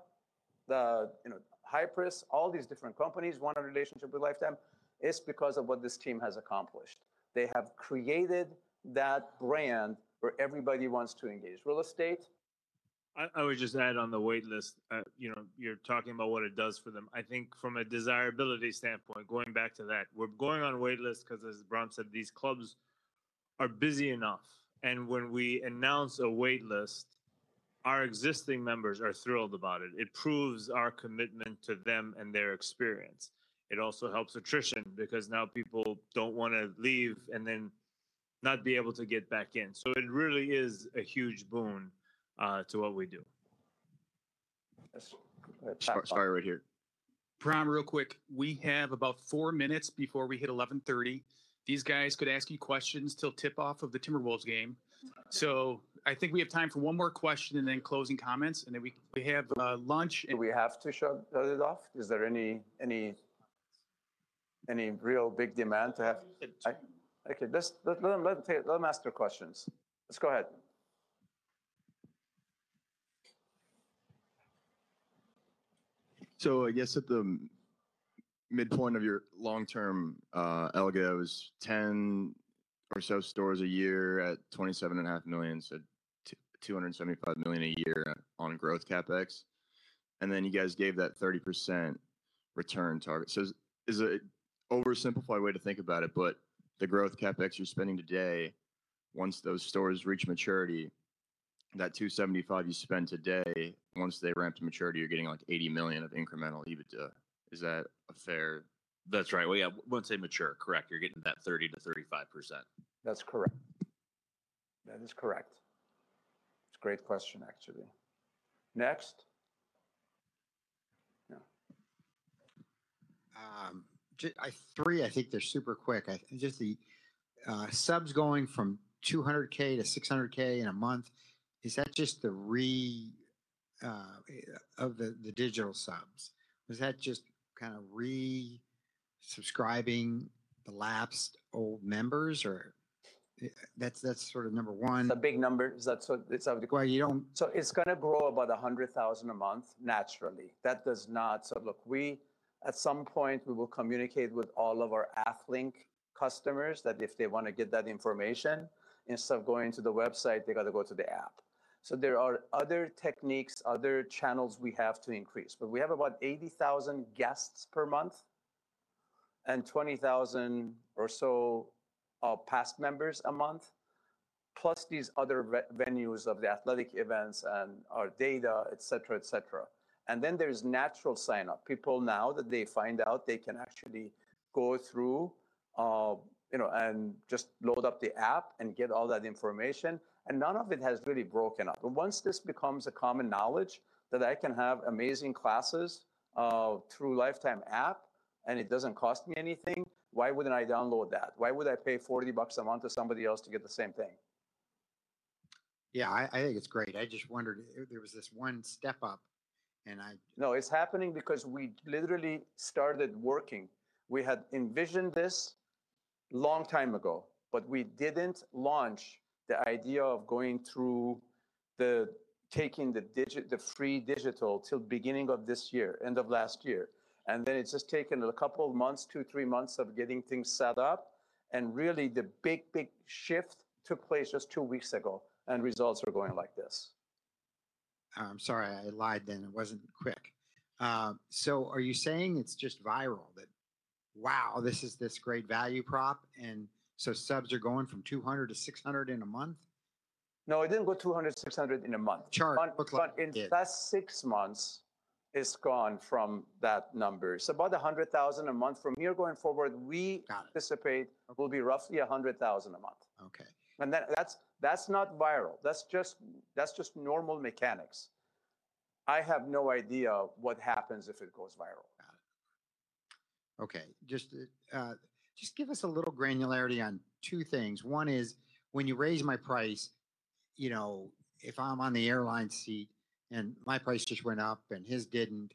the, you know, Hyperice, all these different companies want a relationship with Life Time. It's because of what this team has accomplished. They have created that brand where everybody wants to engage. Real estate- I would just add on the wait list, you know, you're talking about what it does for them. I think from a desirability standpoint, going back to that, we're going on a wait list 'cause as Bahram said, these clubs are busy enough. And when we announce a wait list, our existing members are thrilled about it. It proves our commitment to them and their experience. It also helps attrition, because now people don't wanna leave and then not be able to get back in. So it really is a huge boon to what we do. Yes. Sorry, right here. Bahram, real quick, we have about four minutes before we hit 11:30. These guys could ask you questions till tip-off of the Timberwolves game. So I think we have time for one more question and then closing comments, and then we, we have lunch- Do we have to shut it off? Is there any real big demand to have - Okay, let's let them ask their questions. Let's go ahead. ... So I guess at the midpoint of your long-term, LGOs, 10 or so stores a year at $27.5 million, so two hundred and seventy-five million a year on growth CapEx, and then you guys gave that 30% return target. So is it, oversimplified way to think about it, but the growth CapEx you're spending today, once those stores reach maturity, that $275 million you spend today, once they ramp to maturity, you're getting, like, $80 million of incremental EBITDA. Is that a fair- That's right. Well, yeah, once they mature, correct, you're getting that 30%-35%. That's correct. That is correct. It's a great question, actually. Next? Yeah. I think they're super quick. Just the subs going from 200,000-600,000 in a month, is that just the re-sub of the digital subs? Was that just kinda re-subscribing the lapsed old members, or? That's sort of number one. It's a big number. Is that so- it's a- Well, you don't- So it's gonna grow about 100,000 a month naturally. That does not... So look, we, at some point, we will communicate with all of our AthLink customers, that if they wanna get that information, instead of going to the website, they've got to go to the app. So there are other techniques, other channels we have to increase, but we have about 80,000 guests per month, and 20,000 or so, past members a month, plus these other venues of the athletic events and our data, et cetera, et cetera. And then there's natural sign-up. People, now that they find out, they can actually go through, you know, and just load up the app and get all that information, and none of it has really broken out. But once this becomes a common knowledge that I can have amazing classes through Life Time app, and it doesn't cost me anything, why wouldn't I download that? Why would I pay $40 a month to somebody else to get the same thing? Yeah, I think it's great. I just wondered if there was this one step up, and I- No, it's happening because we literally started working. We had envisioned this long time ago, but we didn't launch the idea of going through the free digital till beginning of this year, end of last year. And then it's just taken a couple of months, 2, 3 months, of getting things set up, and really, the big, big shift took place just 2 weeks ago, and results are going like this. I'm sorry I lied then. It wasn't quick. So are you saying it's just viral? That, wow, this is this great value prop, and so subs are going from 200 to 600 in a month? No, it didn't go 200-600 in a month. Sure, it looks like it did. But in the last six months, it's gone from that number. It's about 100,000 a month. From here going forward, we- Got it... anticipate it will be roughly $100,000 a month. Okay. That's not viral. That's just normal mechanics. I have no idea what happens if it goes viral. Got it. Okay, just give us a little granularity on two things. One is, when you raise my price, you know, if I'm on the airline seat, and my price just went up, and his didn't,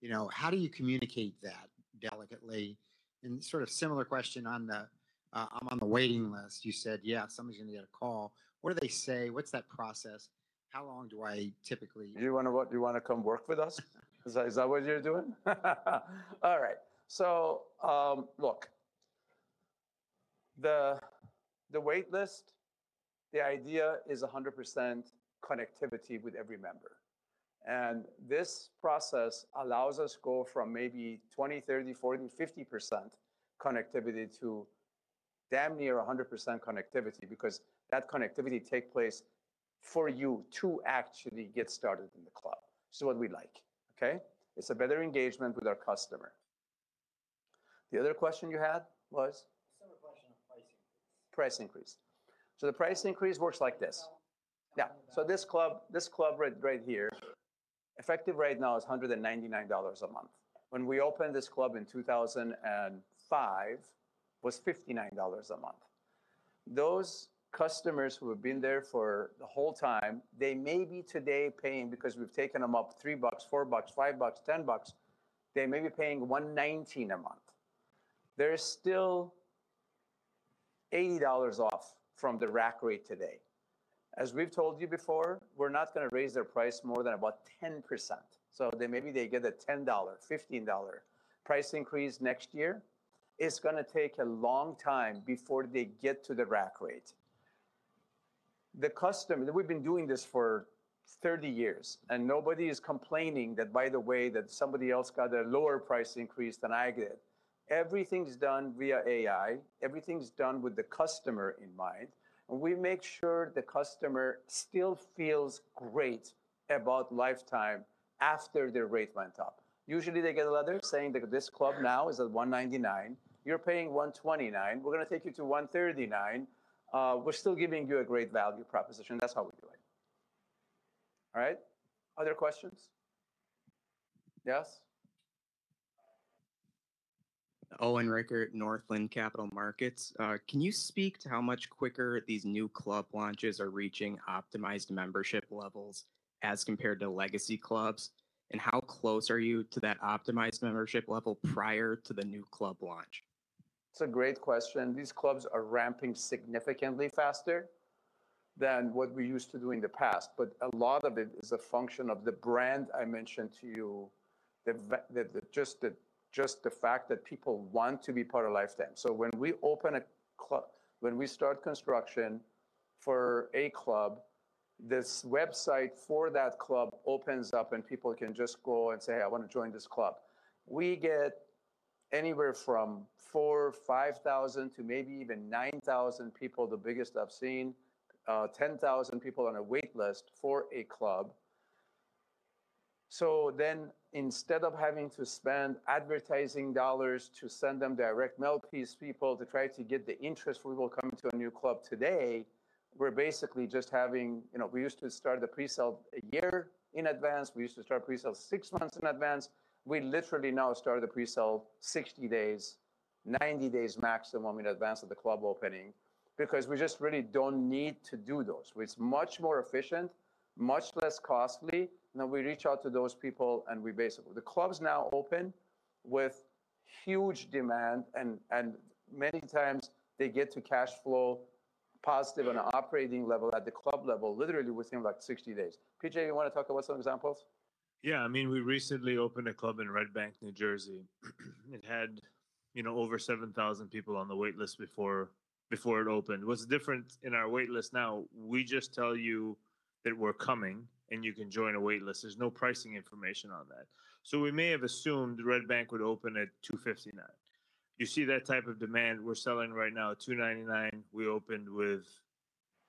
you know, how do you communicate that delicately? And sort of similar question on the, I'm on the waiting list. You said, "Yeah, somebody's gonna get a call." What do they say? What's that process? How long do I typically- Do you wanna come work with us? Is that, is that what you're doing? All right. So, look, the wait list, the idea is 100% connectivity with every member, and this process allows us go from maybe 20, 30, 40, 50% connectivity to damn near 100% connectivity. Because that connectivity take place for you to actually get started in the club, so what we like, okay? It's a better engagement with our customer. The other question you had was? The second question, price increase. Price increase. So the price increase works like this. Yeah, so this club, this club right, right here, effective right now, is $199 a month. When we opened this club in 2005, it was $59 a month. Those customers who have been there for the whole time, they may be today paying, because we've taken them up $3, $4, $5, $10, they may be paying $119 a month. They're still $80 off from the rack rate today. As we've told you before, we're not gonna raise their price more than about 10%, so they maybe they get a $10, $15 price increase next year. It's gonna take a long time before they get to the rack rate. We've been doing this for 30 years, and nobody is complaining that, by the way, that somebody else got a lower price increase than I get. Everything's done via AI, everything's done with the customer in mind, and we make sure the customer still feels great about Life Time after their rate went up. Usually, they get a letter saying that, "This club now is at $199. You're paying $129. We're gonna take you to $139. We're still giving you a great value proposition." That's how we do it. All right? Other questions? Yes. Owen Lau, Northland Capital Markets. Can you speak to how much quicker these new club launches are reaching optimized membership levels as compared to legacy clubs? How close are you to that optimized membership level prior to the new club launch? It's a great question. These clubs are ramping significantly faster than what we used to do in the past, but a lot of it is a function of the brand I mentioned to you. The fact that people want to be part of Life Time. So when we start construction for a club, this website for that club opens up, and people can just go and say, "I want to join this club." We get anywhere from 4,000-5,000 to maybe even 9,000 people, the biggest I've seen, 10,000 people on a wait list for a club. So then, instead of having to spend advertising dollars to send them direct mail, these people, to try to get the interest, we will come to a new club today, we're basically just having... You know, we used to start the presale a year in advance. We used to start presale six months in advance. We literally now start the presale 60 days, 90 days maximum in advance of the club opening, because we just really don't need to do those. It's much more efficient, much less costly, and then we reach out to those people, and we basically. The clubs now open with huge demand and, and many times they get to cash flow positive on an operating level, at the club level, literally within about 60 days. PJ, you wanna talk about some examples? Yeah. I mean, we recently opened a club in Red Bank, New Jersey. It had, you know, over 7,000 people on the wait list before it opened. What's different in our wait list now, we just tell you that we're coming, and you can join a wait list. There's no pricing information on that. So we may have assumed Red Bank would open at $259. You see that type of demand, we're selling right now at $299. We opened with...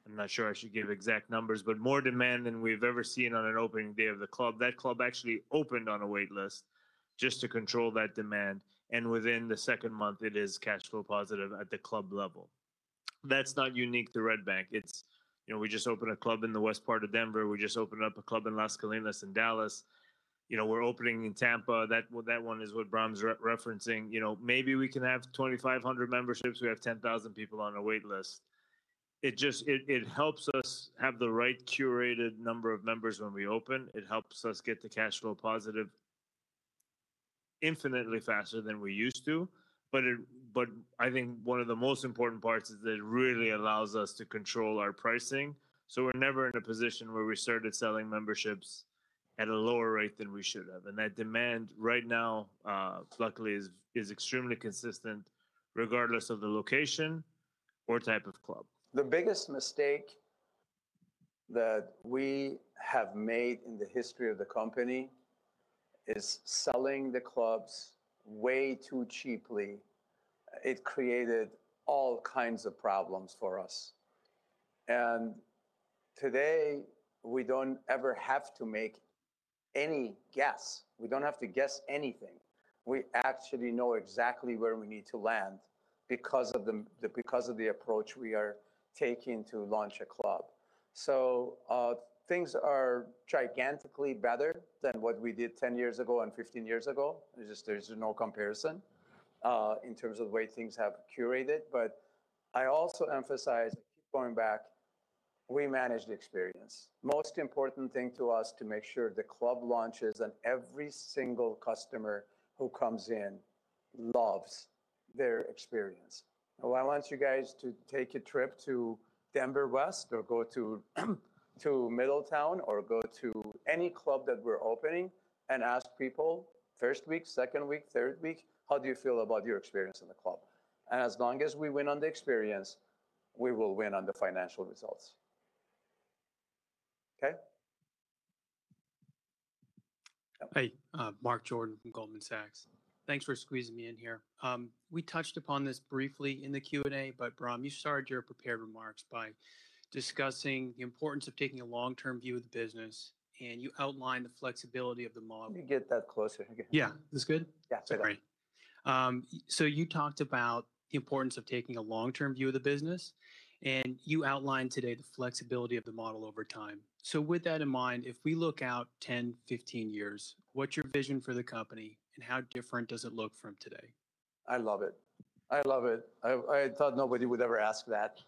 I'm not sure I should give exact numbers, but more demand than we've ever seen on an opening day of the club. That club actually opened on a wait list just to control that demand, and within the second month, it is cash flow positive at the club level. That's not unique to Red Bank. It's, you know, we just opened a club in the west part of Denver West. We just opened up a club in Las Colinas in Dallas. You know, we're opening in Tampa. That one, that one is what Bahram's referencing. You know, maybe we can have 2,500 memberships; we have 10,000 people on our wait list. It just helps us have the right curated number of members when we open. It helps us get to cash flow positive infinitely faster than we used to, but I think one of the most important parts is that it really allows us to control our pricing. So we're never in a position where we started selling memberships at a lower rate than we should have, and that demand right now, luckily is extremely consistent, regardless of the location or type of club. The biggest mistake that we have made in the history of the company is selling the clubs way too cheaply. It created all kinds of problems for us, and today, we don't ever have to make any guess. We don't have to guess anything. We actually know exactly where we need to land because of the approach we are taking to launch a club. So, things are gigantically better than what we did 10 years ago and 15 years ago. There's just, there's no comparison, in terms of the way things have curated. But I also emphasize, going back, we manage the experience. Most important thing to us, to make sure the club launches, and every single customer who comes in loves their experience. I want you guys to take a trip to Denver West or go to, to Middletown, or go to any club that we're opening and ask people, first week, second week, third week: "How do you feel about your experience in the club?" And as long as we win on the experience, we will win on the financial results. Okay? Hey, Mark Jordan from Goldman Sachs. Thanks for squeezing me in here. We touched upon this briefly in the Q&A, but Bahram, you started your prepared remarks by discussing the importance of taking a long-term view of the business, and you outlined the flexibility of the model. Let me get that closer again. Yeah. This good? Yeah, it's good. All right. So you talked about the importance of taking a long-term view of the business, and you outlined today the flexibility of the model over time. With that in mind, if we look out 10, 15 years, what's your vision for the company, and how different does it look from today? I love it. I love it. I, I thought nobody would ever ask that.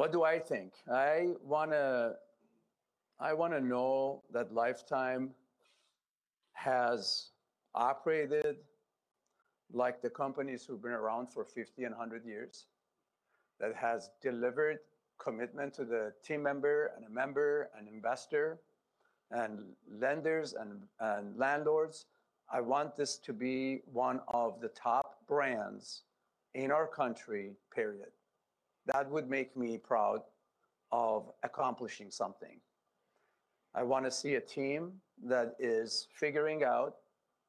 What do I think? I wanna... I wanna know that Life Time has operated like the companies who've been around for 50 and 100 years, that has delivered commitment to the team member and a member and investor and lenders and, and landlords. I want this to be one of the top brands in our country, period. That would make me proud of accomplishing something. I wanna see a team that is figuring out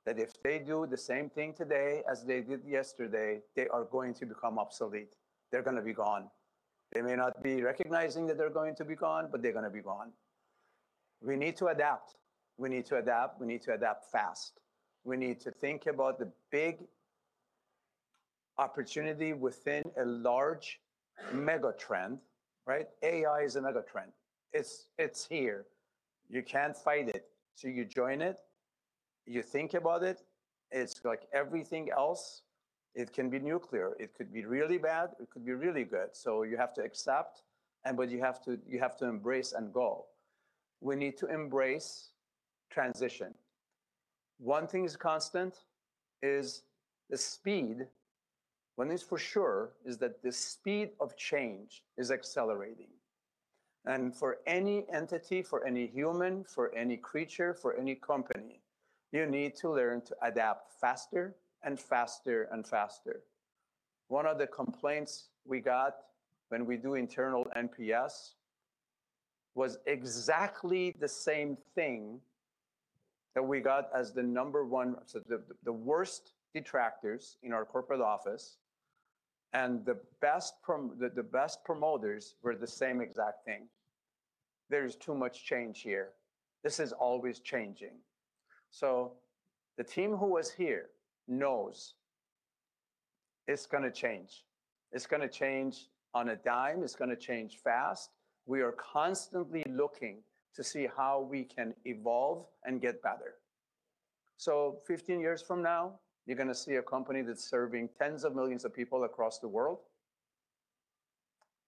that if they do the same thing today as they did yesterday, they are going to become obsolete. They're gonna be gone. They may not be recognizing that they're going to be gone, but they're gonna be gone. We need to adapt. We need to adapt. We need to adapt fast. We need to think about the big opportunity within a large mega trend, right? AI is a mega trend. It's, it's here. You can't fight it, so you join it. You think about it. It's like everything else. It can be nuclear. It could be really bad, it could be really good. So you have to accept, and but you have to, you have to embrace and go... We need to embrace transition. One thing is constant, is the speed. One thing's for sure, is that the speed of change is accelerating, and for any entity, for any human, for any creature, for any company, you need to learn to adapt faster and faster and faster. One of the complaints we got when we do internal NPS was exactly the same thing that we got as the number one—so the, the, the worst detractors in our corporate office and the best prom—the, the best promoters were the same exact thing: "There's too much change here. This is always changing." So the team who was here knows it's gonna change. It's gonna change on a dime, it's gonna change fast. We are constantly looking to see how we can evolve and get better. So 15 years from now, you're gonna see a company that's serving tens of millions of people across the world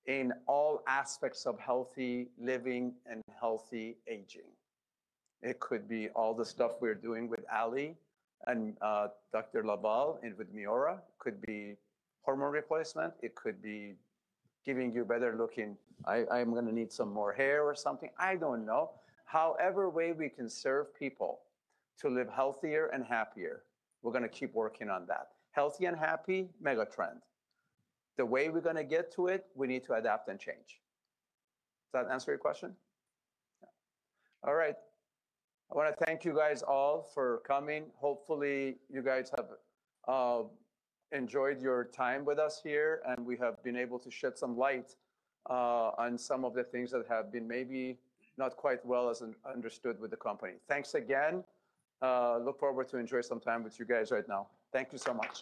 in all aspects of healthy living and healthy aging. It could be all the stuff we're doing with Al and, Dr. LaValle and with Miora. Could be hormone replacement, it could be giving you better looking... I, I'm gonna need some more hair or something. I don't know. However way we can serve people to live healthier and happier, we're gonna keep working on that. Healthy and happy, megatrend. The way we're gonna get to it, we need to adapt and change. Does that answer your question? Yeah. All right. I wanna thank you guys all for coming. Hopefully, you guys have enjoyed your time with us here, and we have been able to shed some light on some of the things that have been maybe not quite as well understood with the company. Thanks again. Look forward to enjoy some time with you guys right now. Thank you so much!